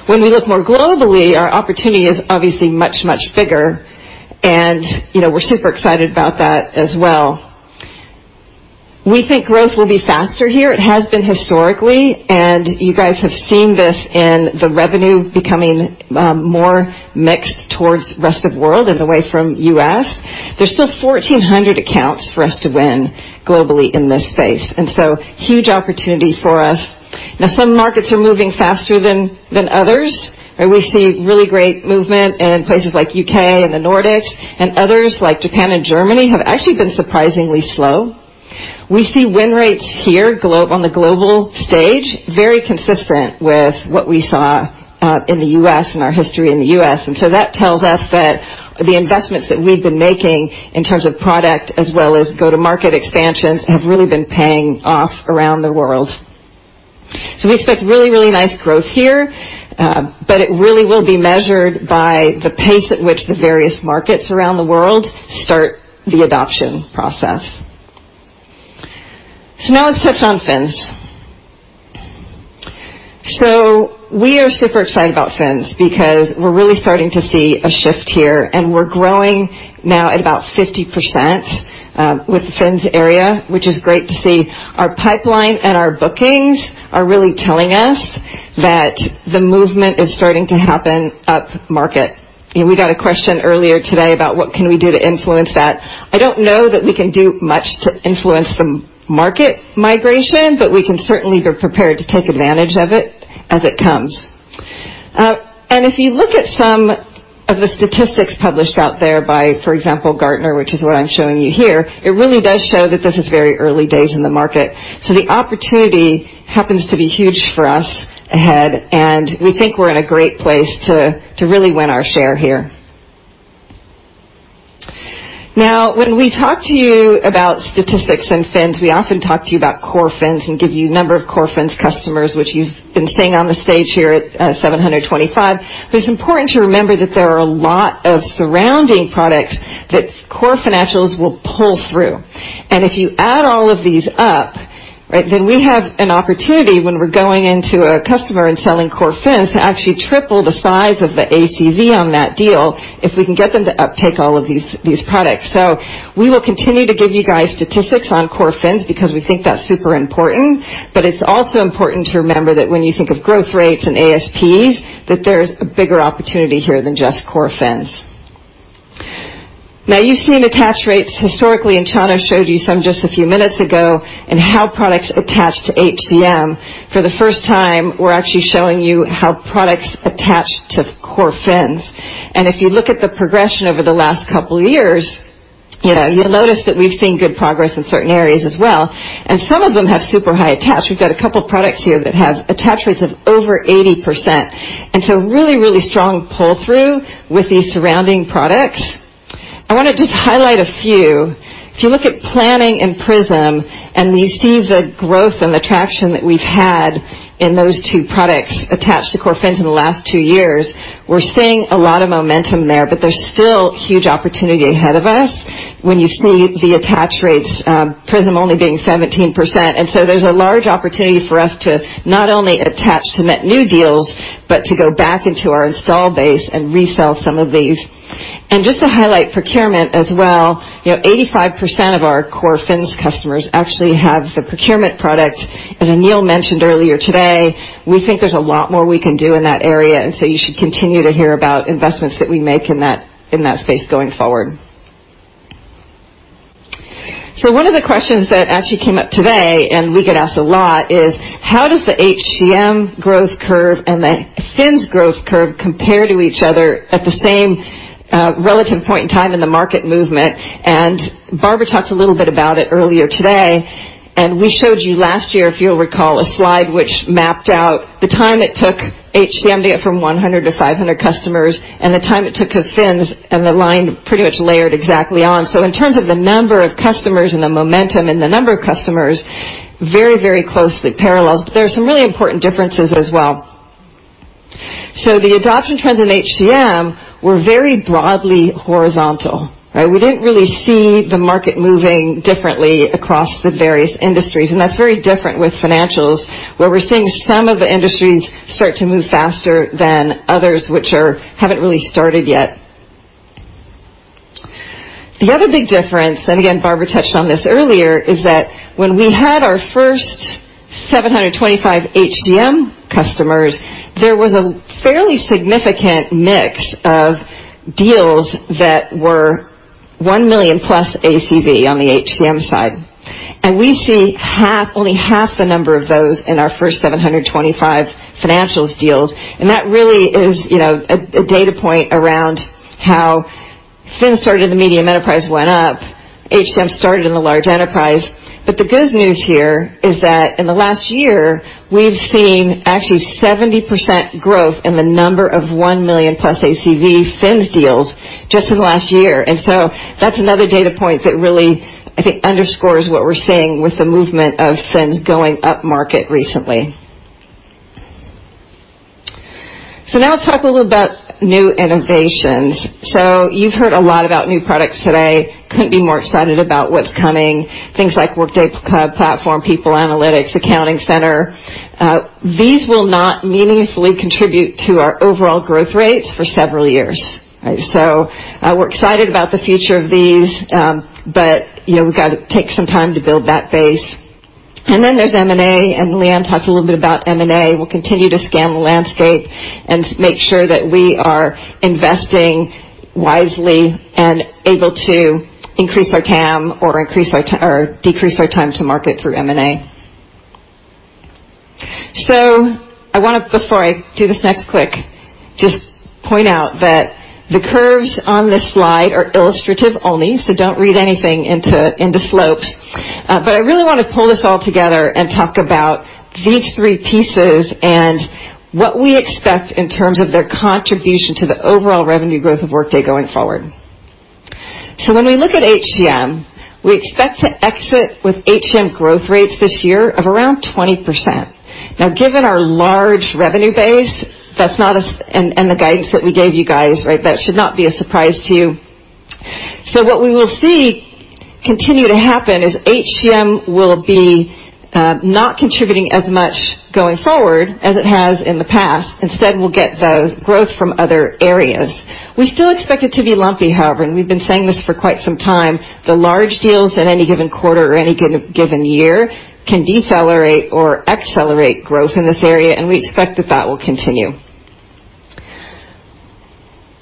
When we look more globally, our opportunity is obviously much, much bigger. We're super excited about that as well. We think growth will be faster here. It has been historically, and you guys have seen this in the revenue becoming more mixed towards rest of world and away from U.S. There's still 1,400 accounts for us to win globally in this space. Huge opportunity for us. Now, some markets are moving faster than others. We see really great movement in places like U.K. and the Nordics, and others like Japan and Germany have actually been surprisingly slow. We see win rates here on the global stage, very consistent with what we saw in the U.S. and our history in the U.S. That tells us that the investments that we've been making in terms of product as well as go-to-market expansions have really been paying off around the world. We expect really, really nice growth here, but it really will be measured by the pace at which the various markets around the world start the adoption process. Now let's touch on Fins. We are super excited about Fins because we're really starting to see a shift here, and we're growing now at about 50% with the Fins area, which is great to see. Our pipeline and our bookings are really telling us that the movement is starting to happen up market. We got a question earlier today about what can we do to influence that. I don't know that we can do much to influence the market migration, but we can certainly be prepared to take advantage of it as it comes. If you look at some of the statistics published out there by, for example, Gartner, which is what I'm showing you here, it really does show that this is very early days in the market. The opportunity happens to be huge for us ahead, and we think we're in a great place to really win our share here. When we talk to you about statistics and Fins, we often talk to you about core Fins and give you number of core Fins customers, which you've been seeing on the stage here at 725. It's important to remember that there are a lot of surrounding products that core financials will pull through. If you add all of these up, then we have an opportunity when we're going into a customer and selling core Fins to actually triple the size of the ACV on that deal if we can get them to uptake all of these products. We will continue to give you guys statistics on core Fins because we think that's super important. It's also important to remember that when you think of growth rates and ASPs, that there is a bigger opportunity here than just core Fins. Now, you've seen attach rates historically, and Chano showed you some just a few minutes ago, and how products attach to HCM. For the first time, we're actually showing you how products attach to core Fins. If you look at the progression over the last couple of years, you'll notice that we've seen good progress in certain areas as well, and some of them have super high attach. We've got a couple products here that have attach rates of over 80%, and so really, really strong pull-through with these surrounding products. I want to just highlight a few. If you look at Planning and Prism, and you see the growth and the traction that we've had in those two products attached to core Fins in the last 2 years, we're seeing a lot of momentum there, but there's still huge opportunity ahead of us. When you see the attach rates, Prism only being 17%. There's a large opportunity for us to not only attach to net new deals, but to go back into our install base and resell some of these. Just to highlight Procurement as well, 85% of our core Fins customers actually have the Procurement product. As Aneel mentioned earlier today, we think there's a lot more we can do in that area, and so you should continue to hear about investments that we make in that space going forward. One of the questions that actually came up today, and we get asked a lot, is how does the HCM growth curve and the Fins growth curve compare to each other at the same relative point in time in the market movement? Barbara talked a little bit about it earlier today, and we showed you last year, if you'll recall, a slide which mapped out the time it took HCM to get from 100 to 500 customers and the time it took Fins, and the line pretty much layered exactly on. In terms of the number of customers and the momentum in the number of customers, very, very closely parallels. There are some really important differences as well. The adoption trends in HCM were very broadly horizontal, right? We didn't really see the market moving differently across the various industries, and that's very different with financials, where we're seeing some of the industries start to move faster than others which haven't really started yet. The other big difference, Barbara touched on this earlier, is that when we had our first 725 HCM customers, there was a fairly significant mix of deals that were $1 million plus ACV on the HCM side. We see only half the number of those in our first 725 financials deals. That really is a data point around how Fins started in the medium enterprise, went up, HCM started in the large enterprise. The good news here is that in the last year, we've seen actually 70% growth in the number of $1 million plus ACV Fins deals just in the last year. That's another data point that really, I think, underscores what we're seeing with the movement of Fins going upmarket recently. Now let's talk a little about new innovations. You've heard a lot about new products today. Couldn't be more excited about what's coming. Things like Workday Cloud Platform, People Analytics, Accounting Center. These will not meaningfully contribute to our overall growth rate for several years. We're excited about the future of these, but we've got to take some time to build that base. Then there's M&A, and Léo talked a little bit about M&A. We'll continue to scan the landscape and make sure that we are investing wisely and able to increase our TAM or decrease our time to market through M&A. I want to, before I do this next click, just point out that the curves on this slide are illustrative only, so don't read anything into slopes. I really want to pull this all together and talk about these three pieces and what we expect in terms of their contribution to the overall revenue growth of Workday going forward. When we look at HCM, we expect to exit with HCM growth rates this year of around 20%. Now, given our large revenue base, and the guidance that we gave you guys, that should not be a surprise to you. What we will see continue to happen is HCM will be not contributing as much going forward as it has in the past. Instead, we'll get those growth from other areas. We still expect it to be lumpy, however, and we've been saying this for quite some time. The large deals at any given quarter or any given year can decelerate or accelerate growth in this area, and we expect that that will continue.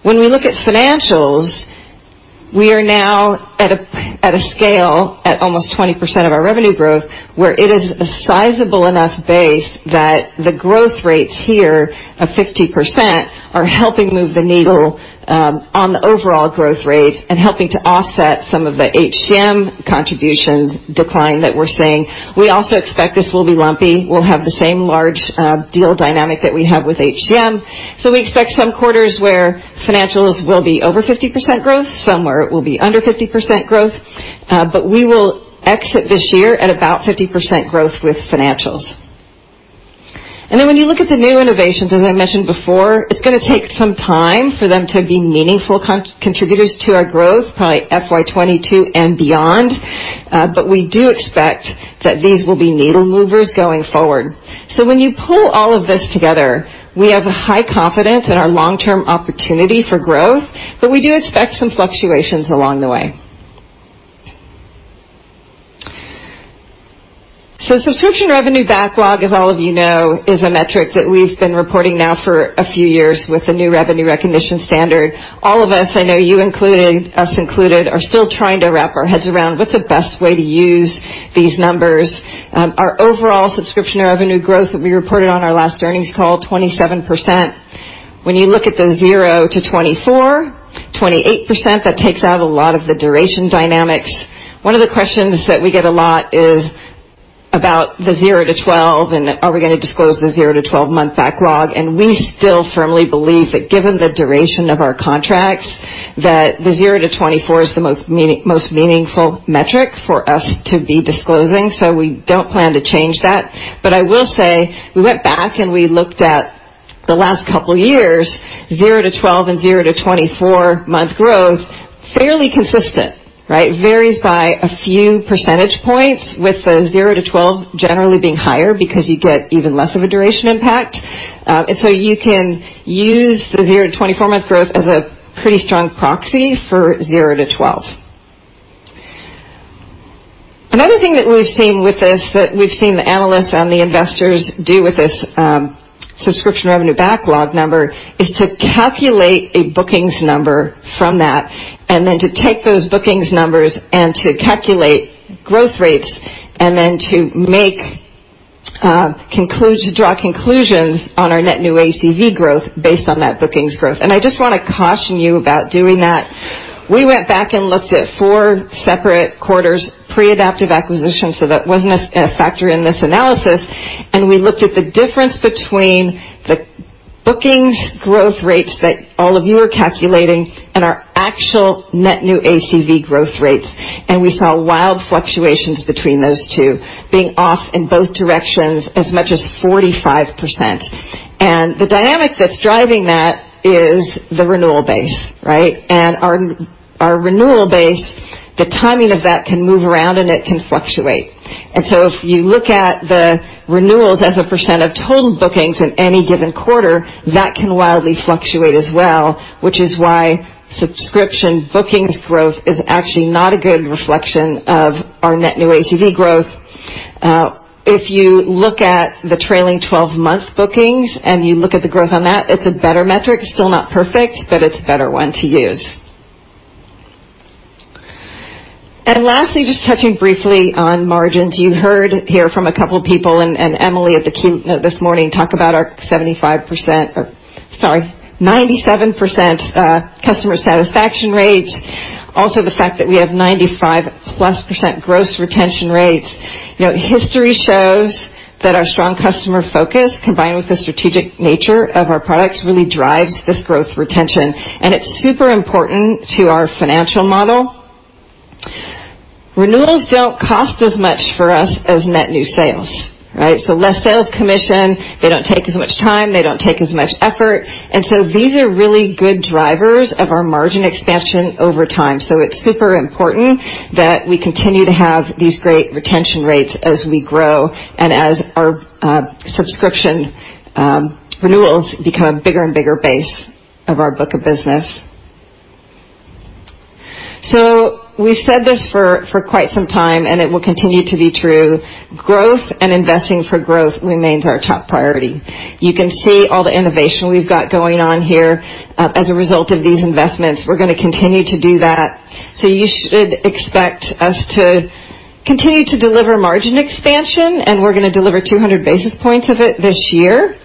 When we look at financials, we are now at a scale at almost 20% of our revenue growth, where it is a sizable enough base that the growth rates here of 50% are helping move the needle on the overall growth rate and helping to offset some of the HCM contributions decline that we're seeing. We also expect this will be lumpy. We'll have the same large deal dynamic that we have with HCM. We expect some quarters where financials will be over 50% growth, some where it will be under 50% growth. We will exit this year at about 50% growth with Financials. When you look at the new innovations, as I mentioned before, it's going to take some time for them to be meaningful contributors to our growth, probably FY 2022 and beyond. We do expect that these will be needle movers going forward. When you pull all of this together, we have a high confidence in our long-term opportunity for growth, but we do expect some fluctuations along the way. Subscription revenue backlog, as all of you know, is a metric that we've been reporting now for a few years with the new revenue recognition standard. All of us, I know you included, us included, are still trying to wrap our heads around what the best way to use these numbers. Our overall subscription revenue growth that we reported on our last earnings call, 27%. When you look at the zero to 24, 28%, that takes out a lot of the duration dynamics. One of the questions that we get a lot is about the zero to 12. Are we going to disclose the zero to 12-month backlog? We still firmly believe that given the duration of our contracts, that the zero to 24 is the most meaningful metric for us to be disclosing. We don't plan to change that. I will say, we went back and we looked at the last couple years, zero to 12 and zero to 24-month growth, fairly consistent. Varies by a few percentage points with the zero to 12 generally being higher because you get even less of a duration impact. You can use the zero to 24-month growth as a pretty strong proxy for zero to 12. Another thing that we've seen with this, that we've seen the analysts and the investors do with this subscription revenue backlog number is to calculate a bookings number from that, then to take those bookings numbers and to calculate growth rates, then to draw conclusions on our net new ACV growth based on that bookings growth. I just want to caution you about doing that. We went back and looked at four separate quarters, pre-Adaptive acquisition, so that wasn't a factor in this analysis. We looked at the difference between the bookings growth rates that all of you are calculating and our actual net new ACV growth rates. We saw wild fluctuations between those two, being off in both directions as much as 45%. The dynamic that's driving that is the renewal base. Our renewal base, the timing of that can move around, and it can fluctuate. If you look at the renewals as a % of total bookings in any given quarter, that can wildly fluctuate as well, which is why subscription bookings growth is actually not a good reflection of our net new ACV growth. If you look at the trailing 12-month bookings, and you look at the growth on that, it's a better metric. Still not perfect, but it's a better one to use. Lastly, just touching briefly on margins. You heard here from a couple of people, and Emily at the keynote this morning talk about our 75% Sorry, 97% customer satisfaction rates. Also, the fact that we have 95-plus % gross retention rates. History shows that our strong customer focus, combined with the strategic nature of our products, really drives this growth retention, and it's super important to our financial model. Renewals don't cost as much for us as net new sales. Less sales commission, they don't take as much time, they don't take as much effort. These are really good drivers of our margin expansion over time. It's super important that we continue to have these great retention rates as we grow and as our subscription renewals become a bigger and bigger base of our book of business. We've said this for quite some time, and it will continue to be true, growth and investing for growth remains our top priority. You can see all the innovation we've got going on here as a result of these investments. We're going to continue to do that. You should expect us to continue to deliver margin expansion, and we're going to deliver 200 basis points of it this year.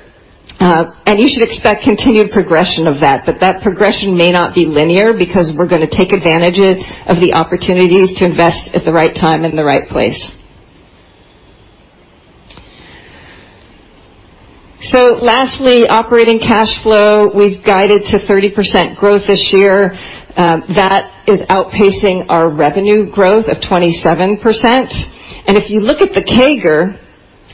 You should expect continued progression of that, but that progression may not be linear because we're going to take advantage of the opportunities to invest at the right time and the right place. Lastly, operating cash flow, we've guided to 30% growth this year. That is outpacing our revenue growth of 27%. If you look at the CAGR,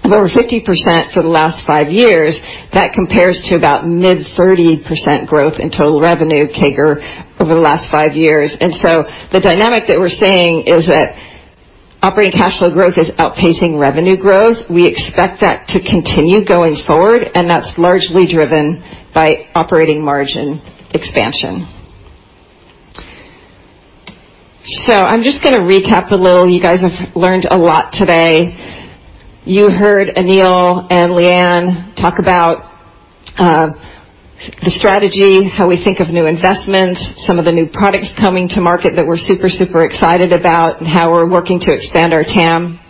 over 50% for the last five years, that compares to about mid 30% growth in total revenue CAGR over the last five years. The dynamic that we're seeing is that operating cash flow growth is outpacing revenue growth. We expect that to continue going forward, and that's largely driven by operating margin expansion. I'm just going to recap a little. You guys have learned a lot today. You heard Aneel and Leighanne talk about the strategy, how we think of new investments, some of the new products coming to market that we're super excited about, and how we're working to expand our TAM.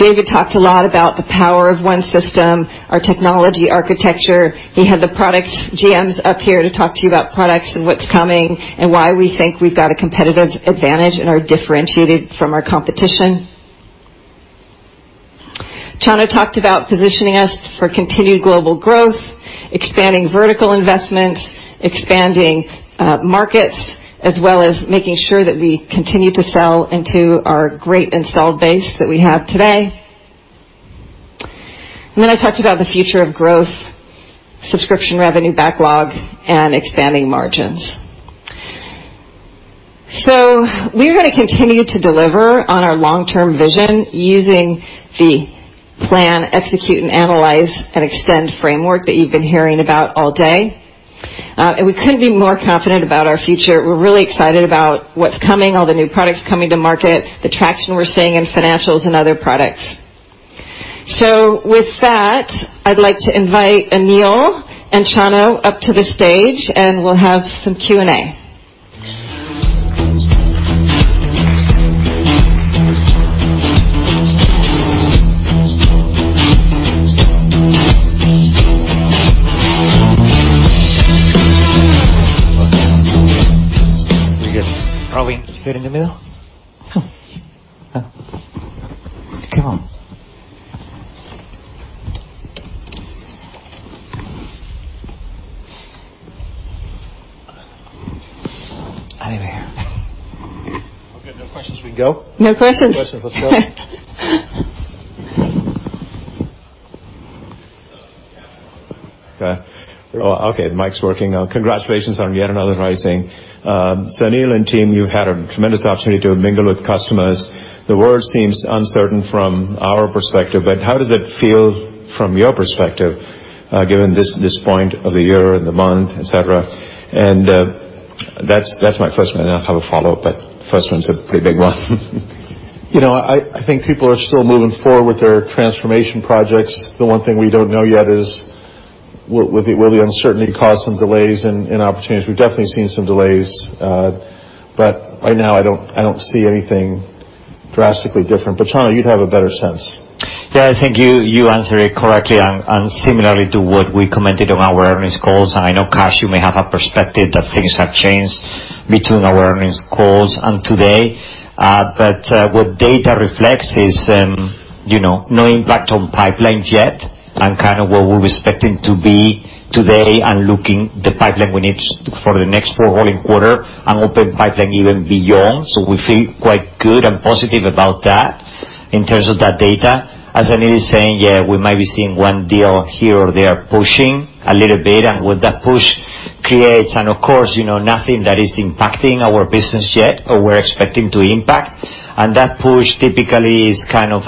David talked a lot about the Power of One system, our technology architecture. He had the product GMs up here to talk to you about products and what's coming and why we think we've got a competitive advantage and are differentiated from our competition. Chano talked about positioning us for continued global growth, expanding vertical investments, expanding markets, as well as making sure that we continue to sell into our great installed base that we have today. I talked about the future of growth, subscription revenue backlog, and expanding margins. We're going to continue to deliver on our long-term vision using the plan, execute, and analyze, and extend framework that you've been hearing about all day. We couldn't be more confident about our future. We're really excited about what's coming, all the new products coming to market, the traction we're seeing in financials and other products. With that, I'd like to invite Aneel and Chano up to the stage, and we'll have some Q&A. Pretty good. Probably need to get in the middle? Come. Come. Anyway. Okay, no questions, we go? No questions? No questions. Let's go. Okay. Okay, the mic's working. Congratulations on yet another pricing. Aneel and team, you've had a tremendous opportunity to mingle with customers. The world seems uncertain from our perspective, but how does it feel from your perspective, given this point of the year and the month, et cetera? That's my first one, and I have a follow-up, but first one's a pretty big one. I think people are still moving forward with their transformation projects. The one thing we don't know yet is will the uncertainty cause some delays in opportunities. We've definitely seen some delays. Right now, I don't see anything drastically different. Chano, you'd have a better sense. I think you answered it correctly, similarly to what we commented on our earnings calls. I know, Kash, you may have a perspective that things have changed between our earnings calls and today. What data reflects is no impact on pipelines yet and kind of where we're expecting to be today and looking the pipeline we need for the next four rolling quarter and open pipeline even beyond. We feel quite good and positive about that in terms of that data. As Aneel is saying, yeah, we might be seeing one deal here or there pushing a little bit, what that push creates, of course, nothing that is impacting our business yet, or we're expecting to impact. That push typically is kind of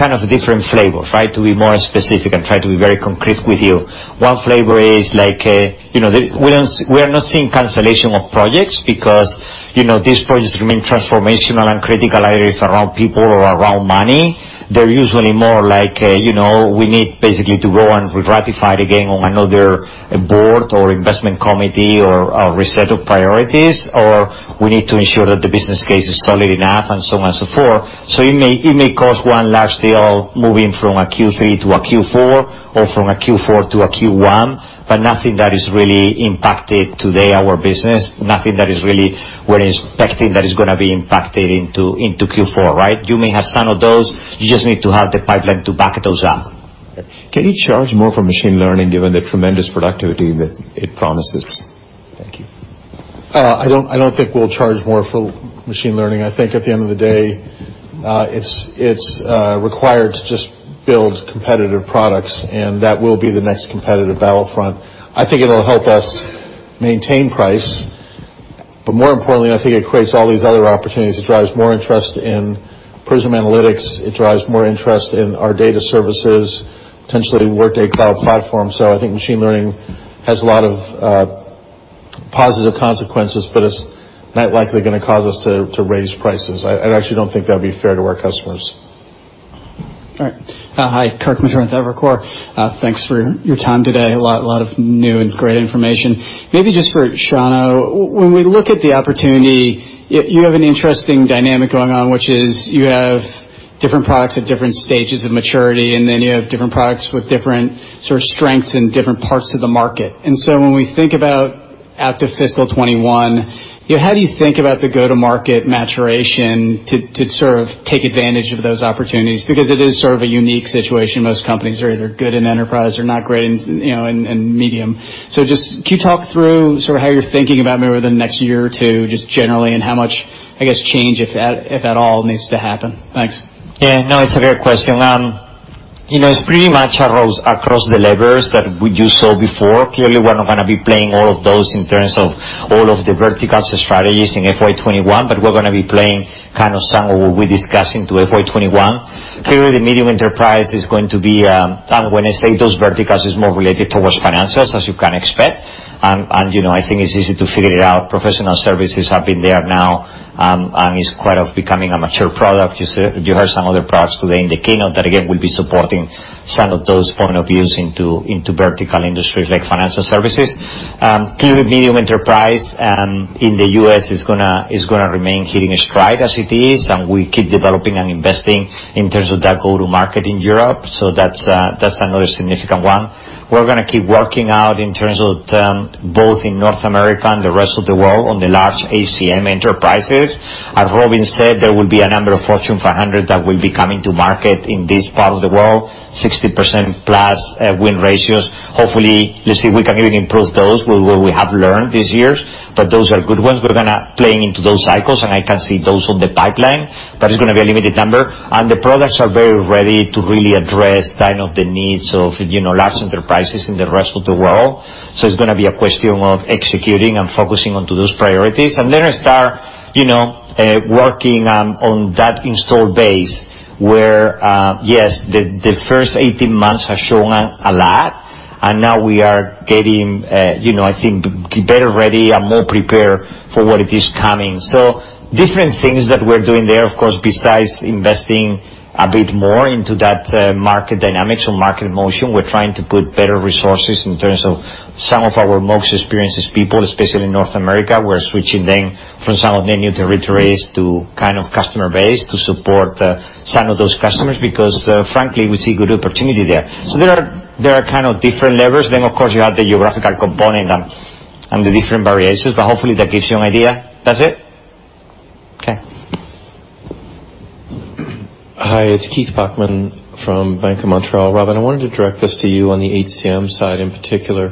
a different flavor. To be more specific and try to be very concrete with you, one flavor is we are not seeing cancellation of projects because these projects remain transformational and critical areas around people or around money. They're usually more like we need basically to go and ratify it again on another board or investment committee or a reset of priorities, or we need to ensure that the business case is solid enough and so much so forth. It may cause one large deal moving from a Q3 to a Q4 or from a Q4 to a Q1, but nothing that is really impacted today our business, nothing that is really we're expecting that is going to be impacted into Q4, right? You may have some of those. You just need to have the pipeline to back those up. Can you charge more for machine learning given the tremendous productivity that it promises? Thank you. I don't think we'll charge more for machine learning. I think at the end of the day, it's required to just build competitive products, and that will be the next competitive battlefront. I think it'll help us maintain price. More importantly, I think it creates all these other opportunities. It drives more interest in Workday Prism Analytics. It drives more interest in our data services, potentially Workday Cloud Platform. I think machine learning has a lot of positive consequences for this. Not likely going to cause us to raise prices. I actually don't think that'd be fair to our customers. All right. Hi, Kirk Materne with Evercore. Thanks for your time today. A lot of new and great information. Maybe just for Chano, when we look at the opportunity, you have an interesting dynamic going on, which is you have different products at different stages of maturity, and then you have different products with different sort of strengths in different parts of the market. When we think about out to fiscal 2021, how do you think about the go-to-market maturation to sort of take advantage of those opportunities? Because it is sort of a unique situation. Most companies are either good in enterprise or not great in medium. Can you talk through sort of how you're thinking about maybe within the next year or two, just generally, and how much, I guess, change, if at all, needs to happen? Thanks. Yeah, no, it's a great question. It's pretty much arose across the levers that you saw before. Clearly, we're not going to be playing all of those in terms of all of the verticals strategies in FY 2021, but we're going to be playing kind of some of what we're discussing to FY 2021. Clearly, medium enterprise is going to be, and when I say those verticals, it's more related towards financials, as you can expect. I think it's easy to figure it out. Professional services have been there now, and it's quite becoming a mature product. You heard some other products today in the keynote that again, will be supporting some of those point of views into vertical industries like financial services. Clearly, medium enterprise in the U.S. is going to remain hitting its stride as it is, we keep developing and investing in terms of that go-to-market in Europe. That's another significant one. We're going to keep working out in terms of both in North America and the rest of the world on the large HCM enterprises. As Robynne said, there will be a number of Fortune 500 that will be coming to market in this part of the world, 60%-plus win ratios. Hopefully, let's see if we can even improve those with what we have learned these years. Those are good ones. We're going to play into those cycles, and I can see those on the pipeline, but it's going to be a limited number. The products are very ready to really address the needs of large enterprises in the rest of the world. It's going to be a question of executing and focusing onto those priorities. Then I start working on that install base where, yes, the first 18 months has shown a lot, and now we are getting I think better ready and more prepared for what it is coming. Different things that we're doing there, of course, besides investing a bit more into that market dynamics or market motion. We're trying to put better resources in terms of some of our most experienced people, especially in North America. We're switching them from some of the new territories to kind of customer base to support some of those customers because, frankly, we see good opportunity there. There are kind of different levers. Of course, you have the geographical component and the different variations, but hopefully, that gives you an idea. That's it? Okay. Hi, it's Keith Bachman from Bank of Montreal. Robynne, I wanted to direct this to you on the HCM side in particular.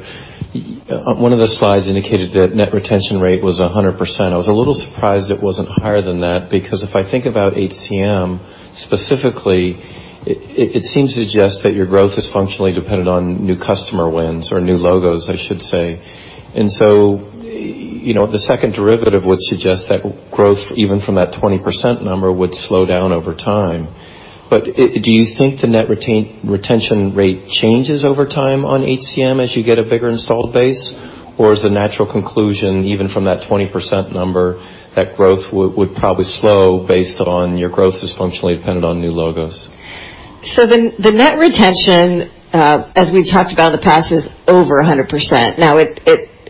One of the slides indicated that net retention rate was 100%. I was a little surprised it wasn't higher than that. If I think about HCM specifically, it seems to suggest that your growth is functionally dependent on new customer wins or new logos, I should say. The second derivative would suggest that growth, even from that 20% number, would slow down over time. Do you think the net retention rate changes over time on HCM as you get a bigger installed base? Is the natural conclusion, even from that 20% number, that growth would probably slow based on your growth is functionally dependent on new logos? The net retention, as we've talked about in the past, is over 100%.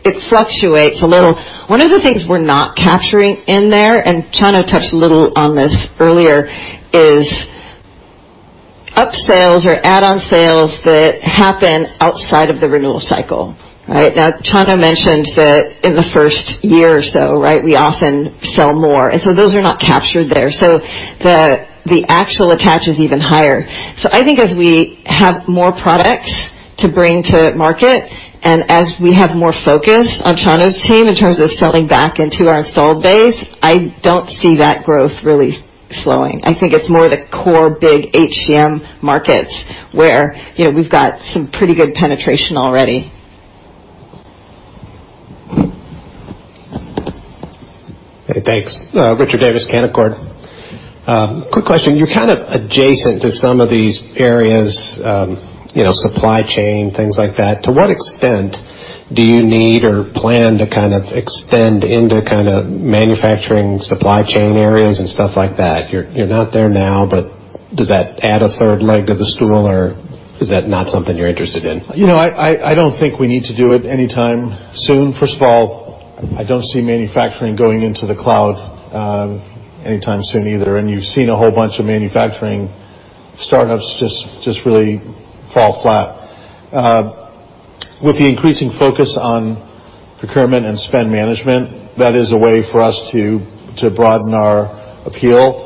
It fluctuates a little. One of the things we're not capturing in there, and Chano touched a little on this earlier, is upsales or add-on sales that happen outside of the renewal cycle. Chano mentioned that in the first year or so, right, we often sell more, and so those are not captured there. The actual attach is even higher. I think as we have more products to bring to market and as we have more focus on Chano's team in terms of selling back into our installed base, I don't see that growth really slowing. I think it's more the core big HCM markets where we've got some pretty good penetration already. Okay, thanks. Richard Davis, Canaccord. Quick question. You're kind of adjacent to some of these areas, supply chain, things like that. To what extent do you need or plan to extend into manufacturing supply chain areas and stuff like that? You're not there now, does that add a third leg to the stool, or is that not something you're interested in? I don't think we need to do it anytime soon. First of all, I don't see manufacturing going into the cloud anytime soon either. You've seen a whole bunch of manufacturing startups just really fall flat. With the increasing focus on procurement and spend management, that is a way for us to broaden our appeal,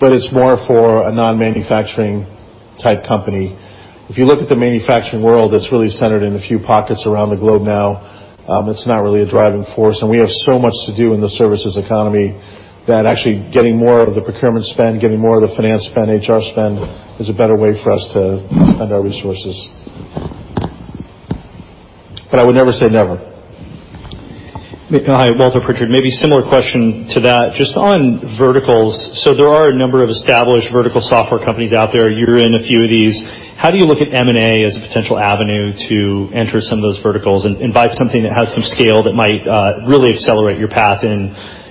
but it's more for a non-manufacturing type company. If you look at the manufacturing world, that's really centered in a few pockets around the globe now. It's not really a driving force. We have so much to do in the services economy that actually getting more of the procurement spend, getting more of the finance spend, HR spend is a better way for us to spend our resources. I would never say never. Hi, Walter Pritchard. Maybe similar question to that. Just on verticals. There are a number of established vertical software companies out there. You're in a few of these. How do you look at M&A as a potential avenue to enter some of those verticals and buy something that has some scale that might really accelerate your path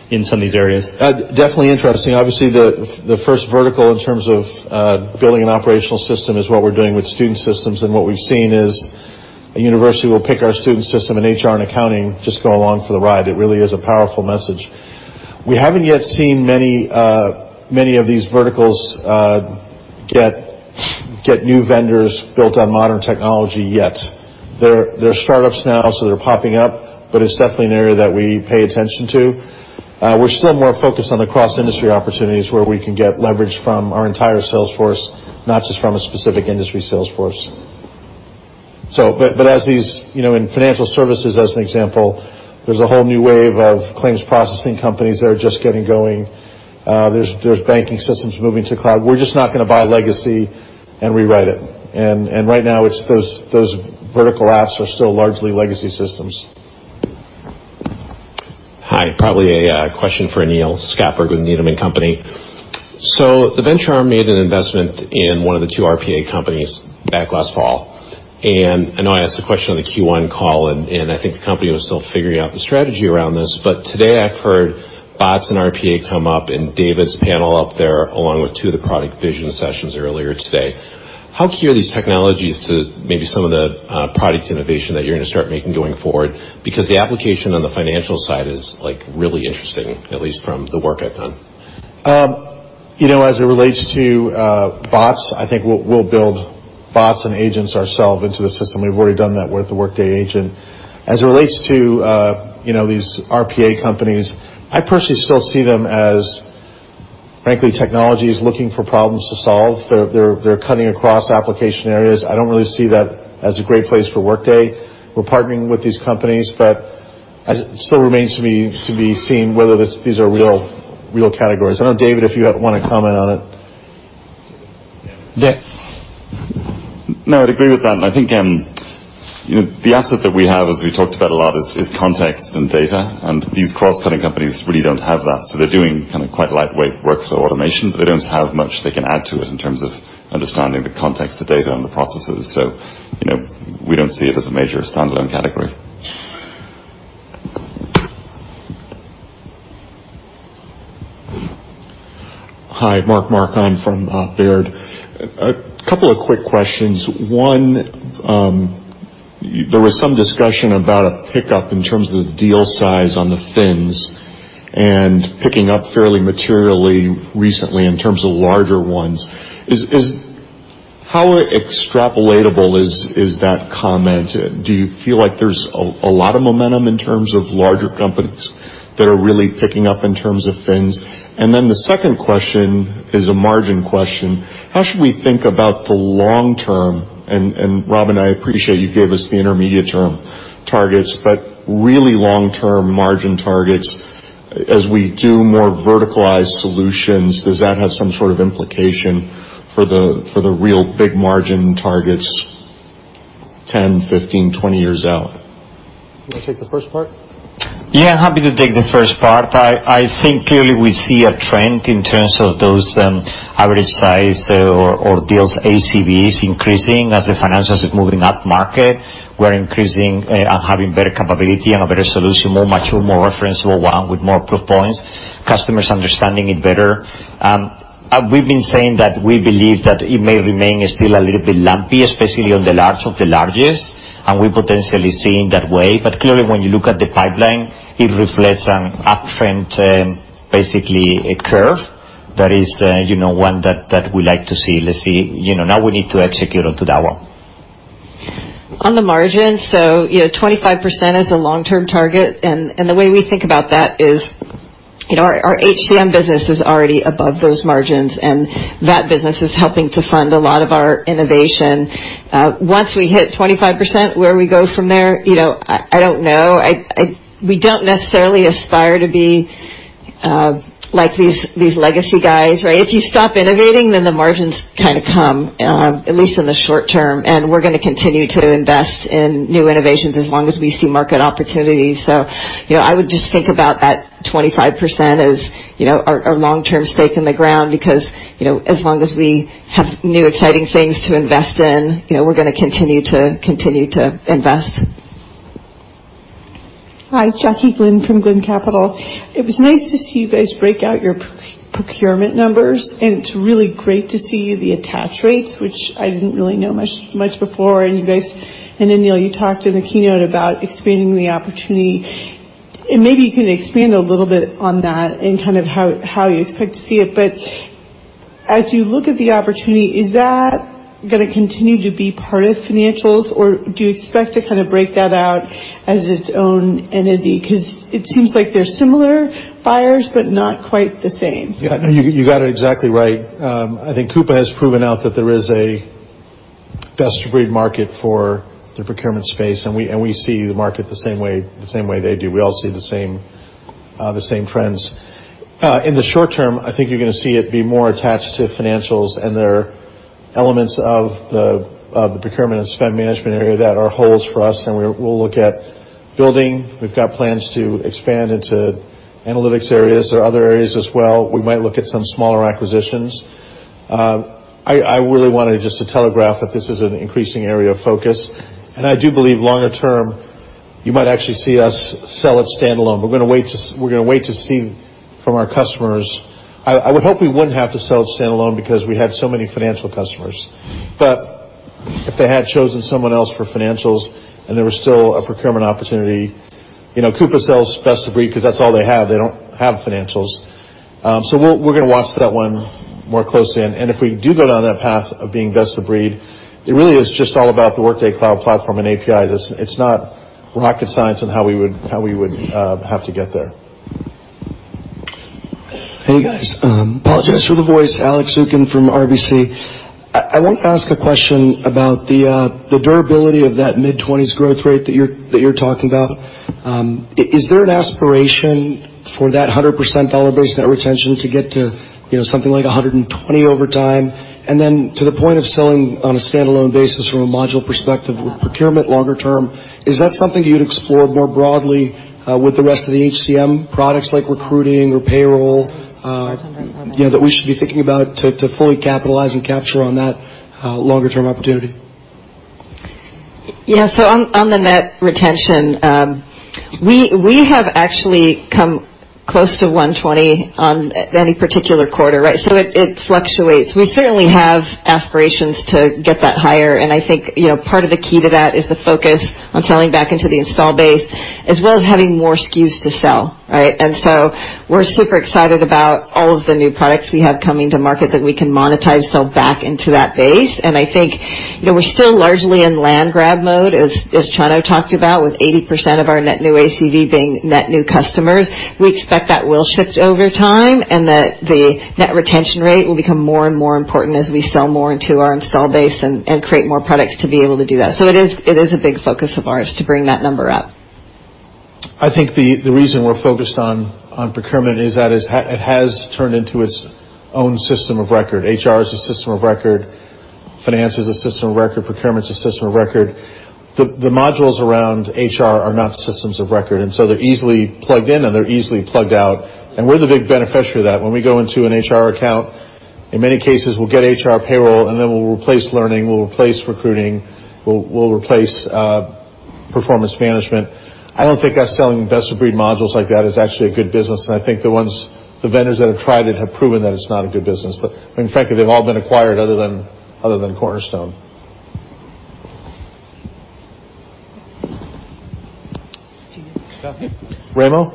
in some of these areas? Definitely interesting. Obviously, the first vertical in terms of building an operational system is what we're doing with student systems. What we've seen is a university will pick our student system, and HR and accounting just go along for the ride. It really is a powerful message. We haven't yet seen many of these verticals get new vendors built on modern technology yet. There are startups now, so they're popping up, but it's definitely an area that we pay attention to. We're still more focused on the cross-industry opportunities where we can get leverage from our entire sales force, not just from a specific industry sales force. In financial services, as an example, there's a whole new wave of claims processing companies that are just getting going. There's banking systems moving to cloud. We're just not going to buy legacy and rewrite it. Right now, those vertical apps are still largely legacy systems. Hi. Probably a question for Aneel. Scott Berg with Needham & Company. The venture arm made an investment in one of the two RPA companies back last fall. I know I asked a question on the Q1 call, and I think the company was still figuring out the strategy around this. Today, I've heard bots and RPA come up in David's panel up there, along with two of the product vision sessions earlier today. How key are these technologies to maybe some of the product innovation that you're going to start making going forward? Because the application on the financial side is really interesting, at least from the work I've done. As it relates to bots, I think we'll build bots and agents ourselves into the system. We've already done that with the Workday Agent. As it relates to these RPA companies, I personally still see them as, frankly, technologies looking for problems to solve. They're cutting across application areas. I don't really see that as a great place for Workday. We're partnering with these companies, but it still remains to be seen whether these are real categories. I don't know, David, if you want to comment on it. Yeah. No, I'd agree with that. I think the asset that we have, as we talked about a lot, is context and data. These cross-cutting companies really don't have that. They're doing quite lightweight workflow automation, but they don't have much they can add to it in terms of understanding the context, the data, and the processes. We don't see it as a major standalone category. Hi, Mark Marcon from Baird. A couple of quick questions. One, there was some discussion about a pickup in terms of the deal size on the fins and picking up fairly materially recently in terms of larger ones. How extrapolatable is that comment? Do you feel like there's a lot of momentum in terms of larger companies that are really picking up in terms of things? The second question is a margin question. How should we think about the long-term, and Robynne, I appreciate you gave us the intermediate-term targets, but really long-term margin targets as we do more verticalized solutions, does that have some sort of implication for the real big margin targets 10, 15, 20 years out? You want to take the first part? Yeah, happy to take the first part. I think clearly we see a trend in terms of those average size or deals ACVs increasing as the Financials is moving up market. We're increasing and having better capability and a better solution, more mature, more referenceable one with more proof points, customers understanding it better. We've been saying that we believe that it may remain still a little bit lumpy, especially on the large of the largest, and we're potentially seeing that way. Clearly, when you look at the pipeline, it reflects an uptrend, basically a curve that is one that we like to see. Now we need to execute on to that one. On the margin, 25% is the long-term target, and the way we think about that is our HCM business is already above those margins, and that business is helping to fund a lot of our innovation. Once we hit 25%, where we go from there, I don't know. We don't necessarily aspire to be like these legacy guys. If you stop innovating, then the margins come, at least in the short term, and we're going to continue to invest in new innovations as long as we see market opportunities. I would just think about that 25% as our long-term stake in the ground because, as long as we have new exciting things to invest in, we're going to continue to invest. Hi, Jacqueline Glynn from Glynn Capital. It was nice to see you guys break out your procurement numbers, it's really great to see the attach rates, which I didn't really know much before. You guys, and Aneel, you talked in the keynote about expanding the opportunity. Maybe you can expand a little bit on that and how you expect to see it. As you look at the opportunity, is that going to continue to be part of financials? Or do you expect to break that out as its own entity? It seems like they're similar buyers, but not quite the same. Yeah, no, you got it exactly right. I think Coupa has proven out that there is a best-of-breed market for the procurement space, and we see the market the same way they do. We all see the same trends. In the short term, I think you're going to see it be more attached to financials and their elements of the procurement and spend management area that are holes for us, and we'll look at building. We've got plans to expand into analytics areas. There are other areas as well. We might look at some smaller acquisitions. I really wanted just to telegraph that this is an increasing area of focus, and I do believe longer term, you might actually see us sell it standalone. We're going to wait to see from our customers. I would hope we wouldn't have to sell it standalone because we had so many financial customers. If they had chosen someone else for financials and there was still a procurement opportunity, Coupa sells best of breed because that's all they have. They don't have financials. We're going to watch that one more closely. If we do go down that path of being best of breed, it really is just all about the Workday Cloud Platform and API. It's not rocket science on how we would have to get there. Hey, guys. Apologies for the voice, Alex Zukin from RBC. I want to ask a question about the durability of that mid-20s growth rate that you're talking about. Is there an aspiration for that 100% dollar-based net retention to get to something like 120 over time? To the point of selling on a standalone basis from a module perspective with procurement longer term, is that something you'd explore more broadly with the rest of the HCM products like recruiting or payroll that we should be thinking about to fully capitalize and capture on that longer-term opportunity? Yeah. On the net retention, we have actually come close to 120 on any particular quarter. It fluctuates. We certainly have aspirations to get that higher. I think part of the key to that is the focus on selling back into the install base, as well as having more SKUs to sell. We're super excited about all of the new products we have coming to market that we can monetize sell back into that base. I think we're still largely in land grab mode, as Chano talked about, with 80% of our net new ACV being net new customers. We expect that will shift over time. The net retention rate will become more and more important as we sell more into our install base and create more products to be able to do that. It is a big focus of ours to bring that number up. I think the reason we're focused on procurement is that it has turned into its own system of record. HR is a system of record, finance is a system of record, procurement's a system of record. The modules around HR are not systems of record. They're easily plugged in, and they're easily plugged out. We're the big beneficiary of that. When we go into an HR account, in many cases, we'll get HR payroll, and then we'll replace learning, we'll replace recruiting, we'll replace performance management. I don't think us selling best-of-breed modules like that is actually a good business, and I think the vendors that have tried it have proven that it's not a good business. Frankly, they've all been acquired other than Cornerstone. Yeah. Raimo?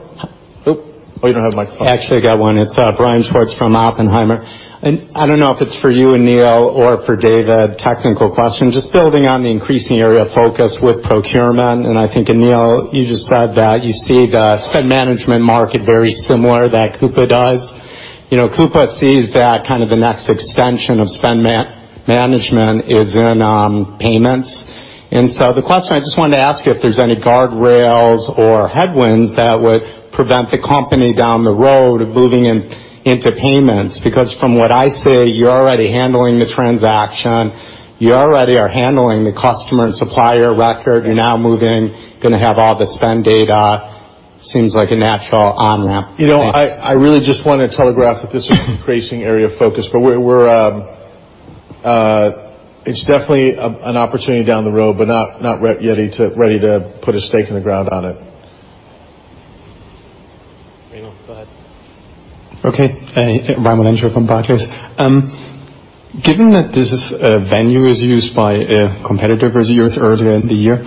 Oh, you don't have a microphone. I actually got one. It's Brian Schwartz from Oppenheimer. I don't know if it's for you, Aneel, or for David, technical question, just building on the increasing area of focus with procurement. I think Aneel, you just said that you see the spend management market very similar that Coupa does. Coupa sees that kind of the next extension of spend management is in payments. The question, I just wanted to ask you if there's any guardrails or headwinds that would prevent the company down the road moving into payments, because from what I see, you're already handling the transaction. You already are handling the customer and supplier record. You're now moving, going to have all the spend data. Seems like a natural on-ramp. I really just want to telegraph that this is an increasing area of focus, but it's definitely an opportunity down the road, but not yet ready to put a stake in the ground on it. Raimo, go ahead. Okay. Raimo Lenschow from Barclays. Given that this venue is used by a competitor who was used earlier in the year,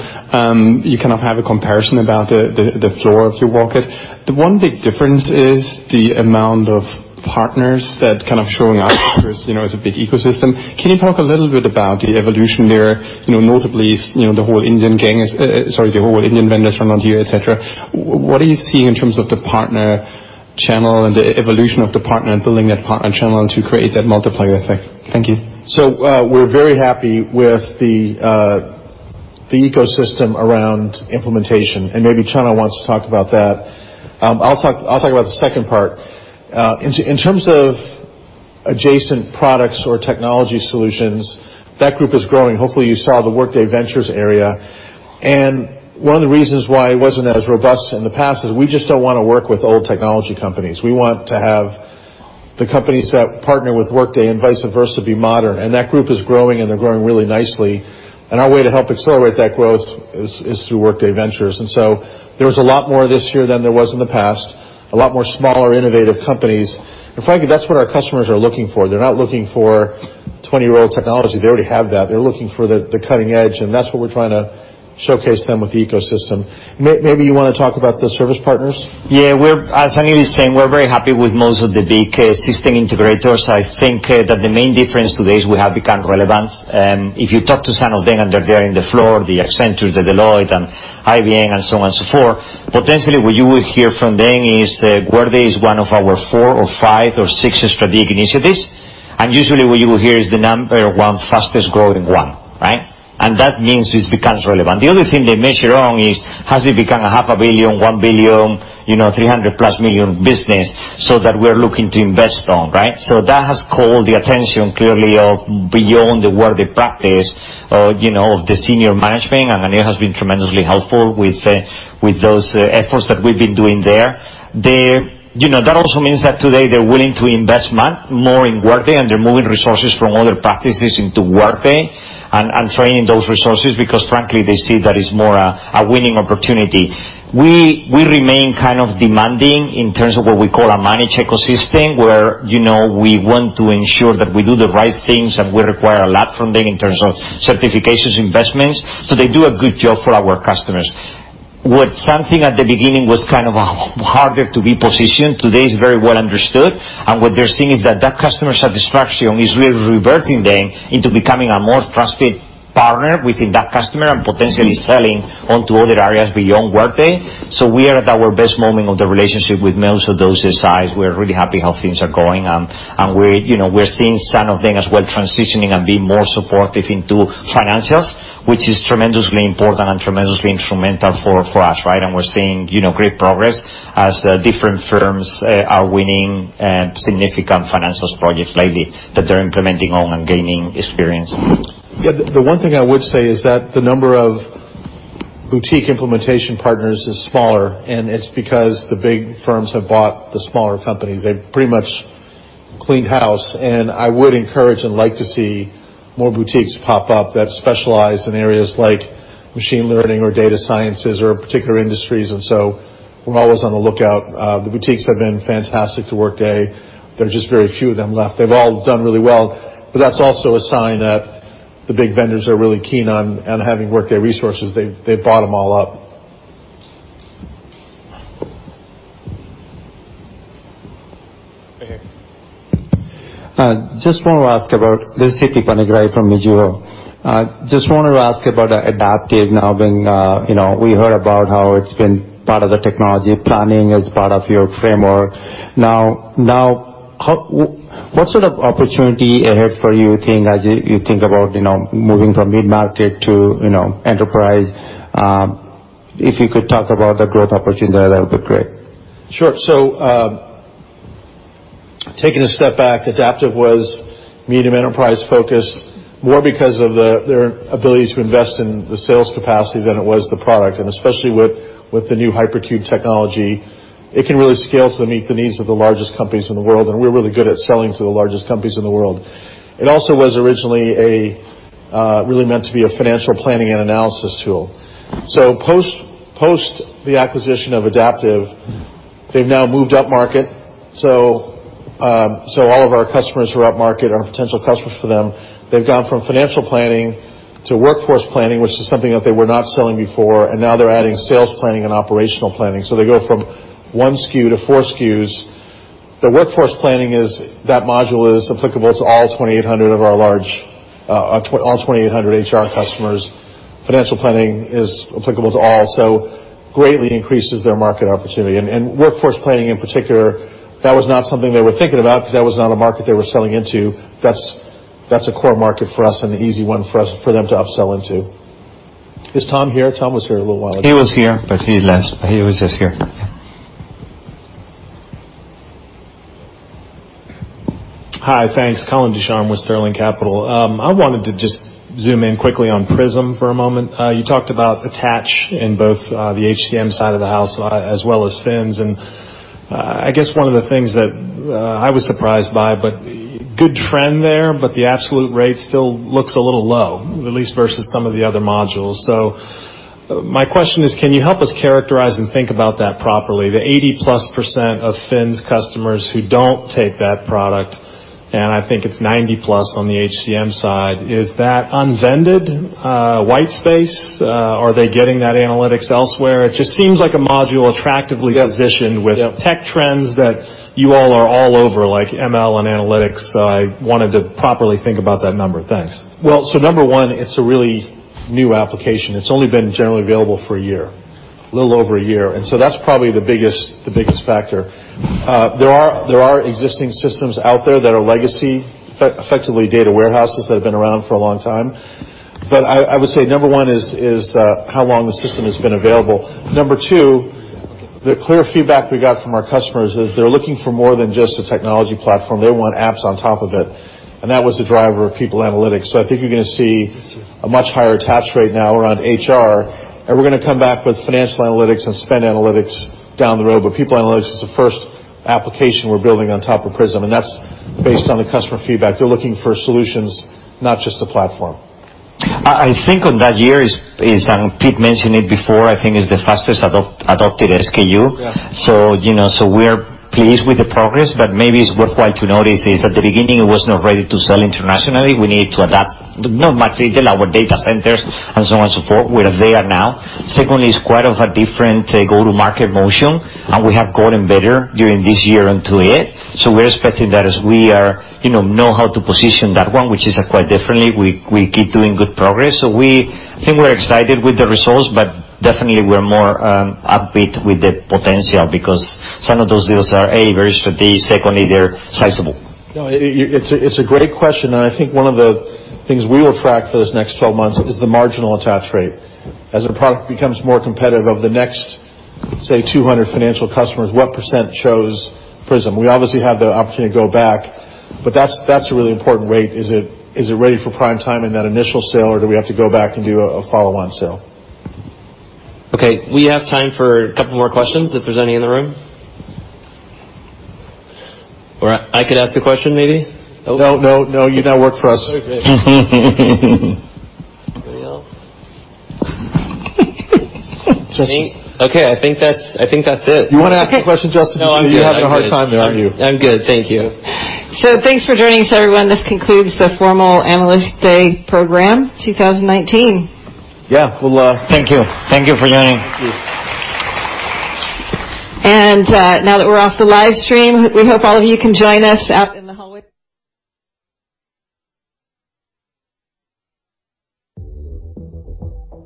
you cannot have a comparison about the floor if you walk it. The one big difference is the amount of partners that showing up as a big ecosystem. Can you talk a little bit about the evolution there, notably, the whole Indian vendors from India, et cetera. What are you seeing in terms of the partner channel and the evolution of the partner and building that partner channel to create that multiplier effect? Thank you. We're very happy with the ecosystem around implementation, and maybe Chano wants to talk about that. I'll talk about the second part. In terms of adjacent products or technology solutions, that group is growing. Hopefully, you saw the Workday Ventures area. One of the reasons why it wasn't as robust in the past is we just don't want to work with old technology companies. We want to have the companies that partner with Workday and vice versa be modern. That group is growing, and they're growing really nicely. Our way to help accelerate that growth is through Workday Ventures. There was a lot more this year than there was in the past, a lot more smaller, innovative companies. Frankly, that's what our customers are looking for. They're not looking for 20-year-old technology. They already have that. They're looking for the cutting edge, and that's what we're trying to showcase them with the ecosystem. Maybe you want to talk about the service partners? Yeah. As Aneel was saying, we're very happy with most of the big system integrators. I think that the main difference today is we have become relevant. If you talk to some of them, and they're there in the floor, the Accenture, the Deloitte and IBM and so on and so forth, potentially, what you will hear from them is Workday is one of our four or five or six strategic initiatives. Usually, what you will hear is the number one fastest-growing one, right? That means it becomes relevant. The only thing they measure on is, has it become a half a billion, $1 billion, $300-plus million business so that we're looking to invest on, right? That has called the attention, clearly, of beyond the Workday practice of the senior management, and Aneel has been tremendously helpful with those efforts that we've been doing there. That also means that today they're willing to invest more in Workday. They're moving resources from other practices into Workday and training those resources because frankly, they see that it's more a winning opportunity. We remain demanding in terms of what we call a managed ecosystem, where we want to ensure that we do the right things and we require a lot from them in terms of certifications, investments, so they do a good job for our customers. What something at the beginning was harder to be positioned, today is very well understood. What they're seeing is that that customer satisfaction is really reverting them into becoming a more trusted partner within that customer and potentially selling onto other areas beyond Workday. We are at our best moment of the relationship with most of those sides. We're really happy how things are going. We're seeing some of them as well transitioning and being more supportive into financials, which is tremendously important and tremendously instrumental for us, right? We're seeing great progress as different firms are winning significant financials projects lately that they're implementing on and gaining experience. Yeah. The one thing I would say is that the number of boutique implementation partners is smaller. It's because the big firms have bought the smaller companies. They've pretty much cleaned house. I would encourage and like to see more boutiques pop up that specialize in areas like machine learning or data sciences or particular industries. We're always on the lookout. The boutiques have been fantastic to Workday. There are just very few of them left. They've all done really well, but that's also a sign that the big vendors are really keen on having Workday resources. They've bought them all up. Right here. Just want to ask about This is. They've now moved up market. All of our customers who are up market are potential customers for them. They've gone from financial planning to workforce planning, which is something that they were not selling before. Now they're adding sales planning and operational planning. They go from one SKU to four SKUs. The workforce planning module is applicable to all 2,800 HR customers. Financial planning is applicable to all. Greatly increases their market opportunity. Workforce planning in particular, that was not something they were thinking about because that was not a market they were selling into. That's a core market for us and an easy one for them to upsell into. Is Tom here? Tom was here a little while ago. He was here, but he left. He was just here. Hi. Thanks. Colin Ducharme with Sterling Capital. I wanted to just zoom in quickly on Prism for a moment. You talked about attach in both the HCM side of the house, as well as Fins. I guess one of the things that I was surprised by, but good trend there, but the absolute rate still looks a little low, at least versus some of the other modules. My question is, can you help us characterize and think about that properly? The 80%+ of Fins customers who don't take that product, and I think it's 90%+ on the HCM side, is that unvended white space? Are they getting that analytics elsewhere? It just seems like a module attractively positioned. Yep with tech trends that you all are all over, like ML and analytics. I wanted to properly think about that number. Thanks. It's a really new application. It's only been generally available for a year, a little over a year. That's probably the biggest factor. There are existing systems out there that are legacy, effectively data warehouses that have been around for a long time. I would say number one is how long the system has been available. Number two, the clear feedback we got from our customers is they're looking for more than just a technology platform. They want apps on top of it. That was the driver of Workday People Analytics. I think you're going to see a much higher attach rate now around HR. We're going to come back with financial analytics and spend analytics down the road. Workday People Analytics is the first application we're building on top of Workday Prism Analytics. That's based on the customer feedback. They're looking for solutions, not just a platform. I think on that year is, and Pete mentioned it before, I think it's the fastest adopted SKU. Yeah. We're pleased with the progress, but maybe it's worthwhile to notice is, at the beginning, it was not ready to sell internationally. We needed to adapt not much detail, our data centers and so on, support where they are now. Secondly, it's quite a different go-to-market motion, and we have gotten better during this year into it. We're expecting that as we know how to position that one, which is quite different. We keep doing good progress. We think we're excited with the results, but definitely, we're more upbeat with the potential because some of those deals are, A, very strategic. Secondly, they're sizable. No, it's a great question, and I think one of the things we will track for this next 12 months is the marginal attach rate. As a product becomes more competitive of the next, say, 200 financial customers, what % chose Prism? We obviously have the opportunity to go back, but that's a really important rate. Is it ready for prime time in that initial sale, or do we have to go back and do a follow-on sale? Okay. We have time for a couple more questions if there's any in the room. I could ask a question maybe. No, you now work for us. Okay, great. Anybody else? Okay, I think that's it. You want to ask a question, Justin? No, I'm good. You're having a hard time there, aren't you? I'm good. Thank you. Thanks for joining us, everyone. This concludes the formal Analyst Day Program 2019. Yeah. Well, thank you. Thank you for joining. Thank you. Now that we're off the live stream, we hope all of you can join us out in the hallway.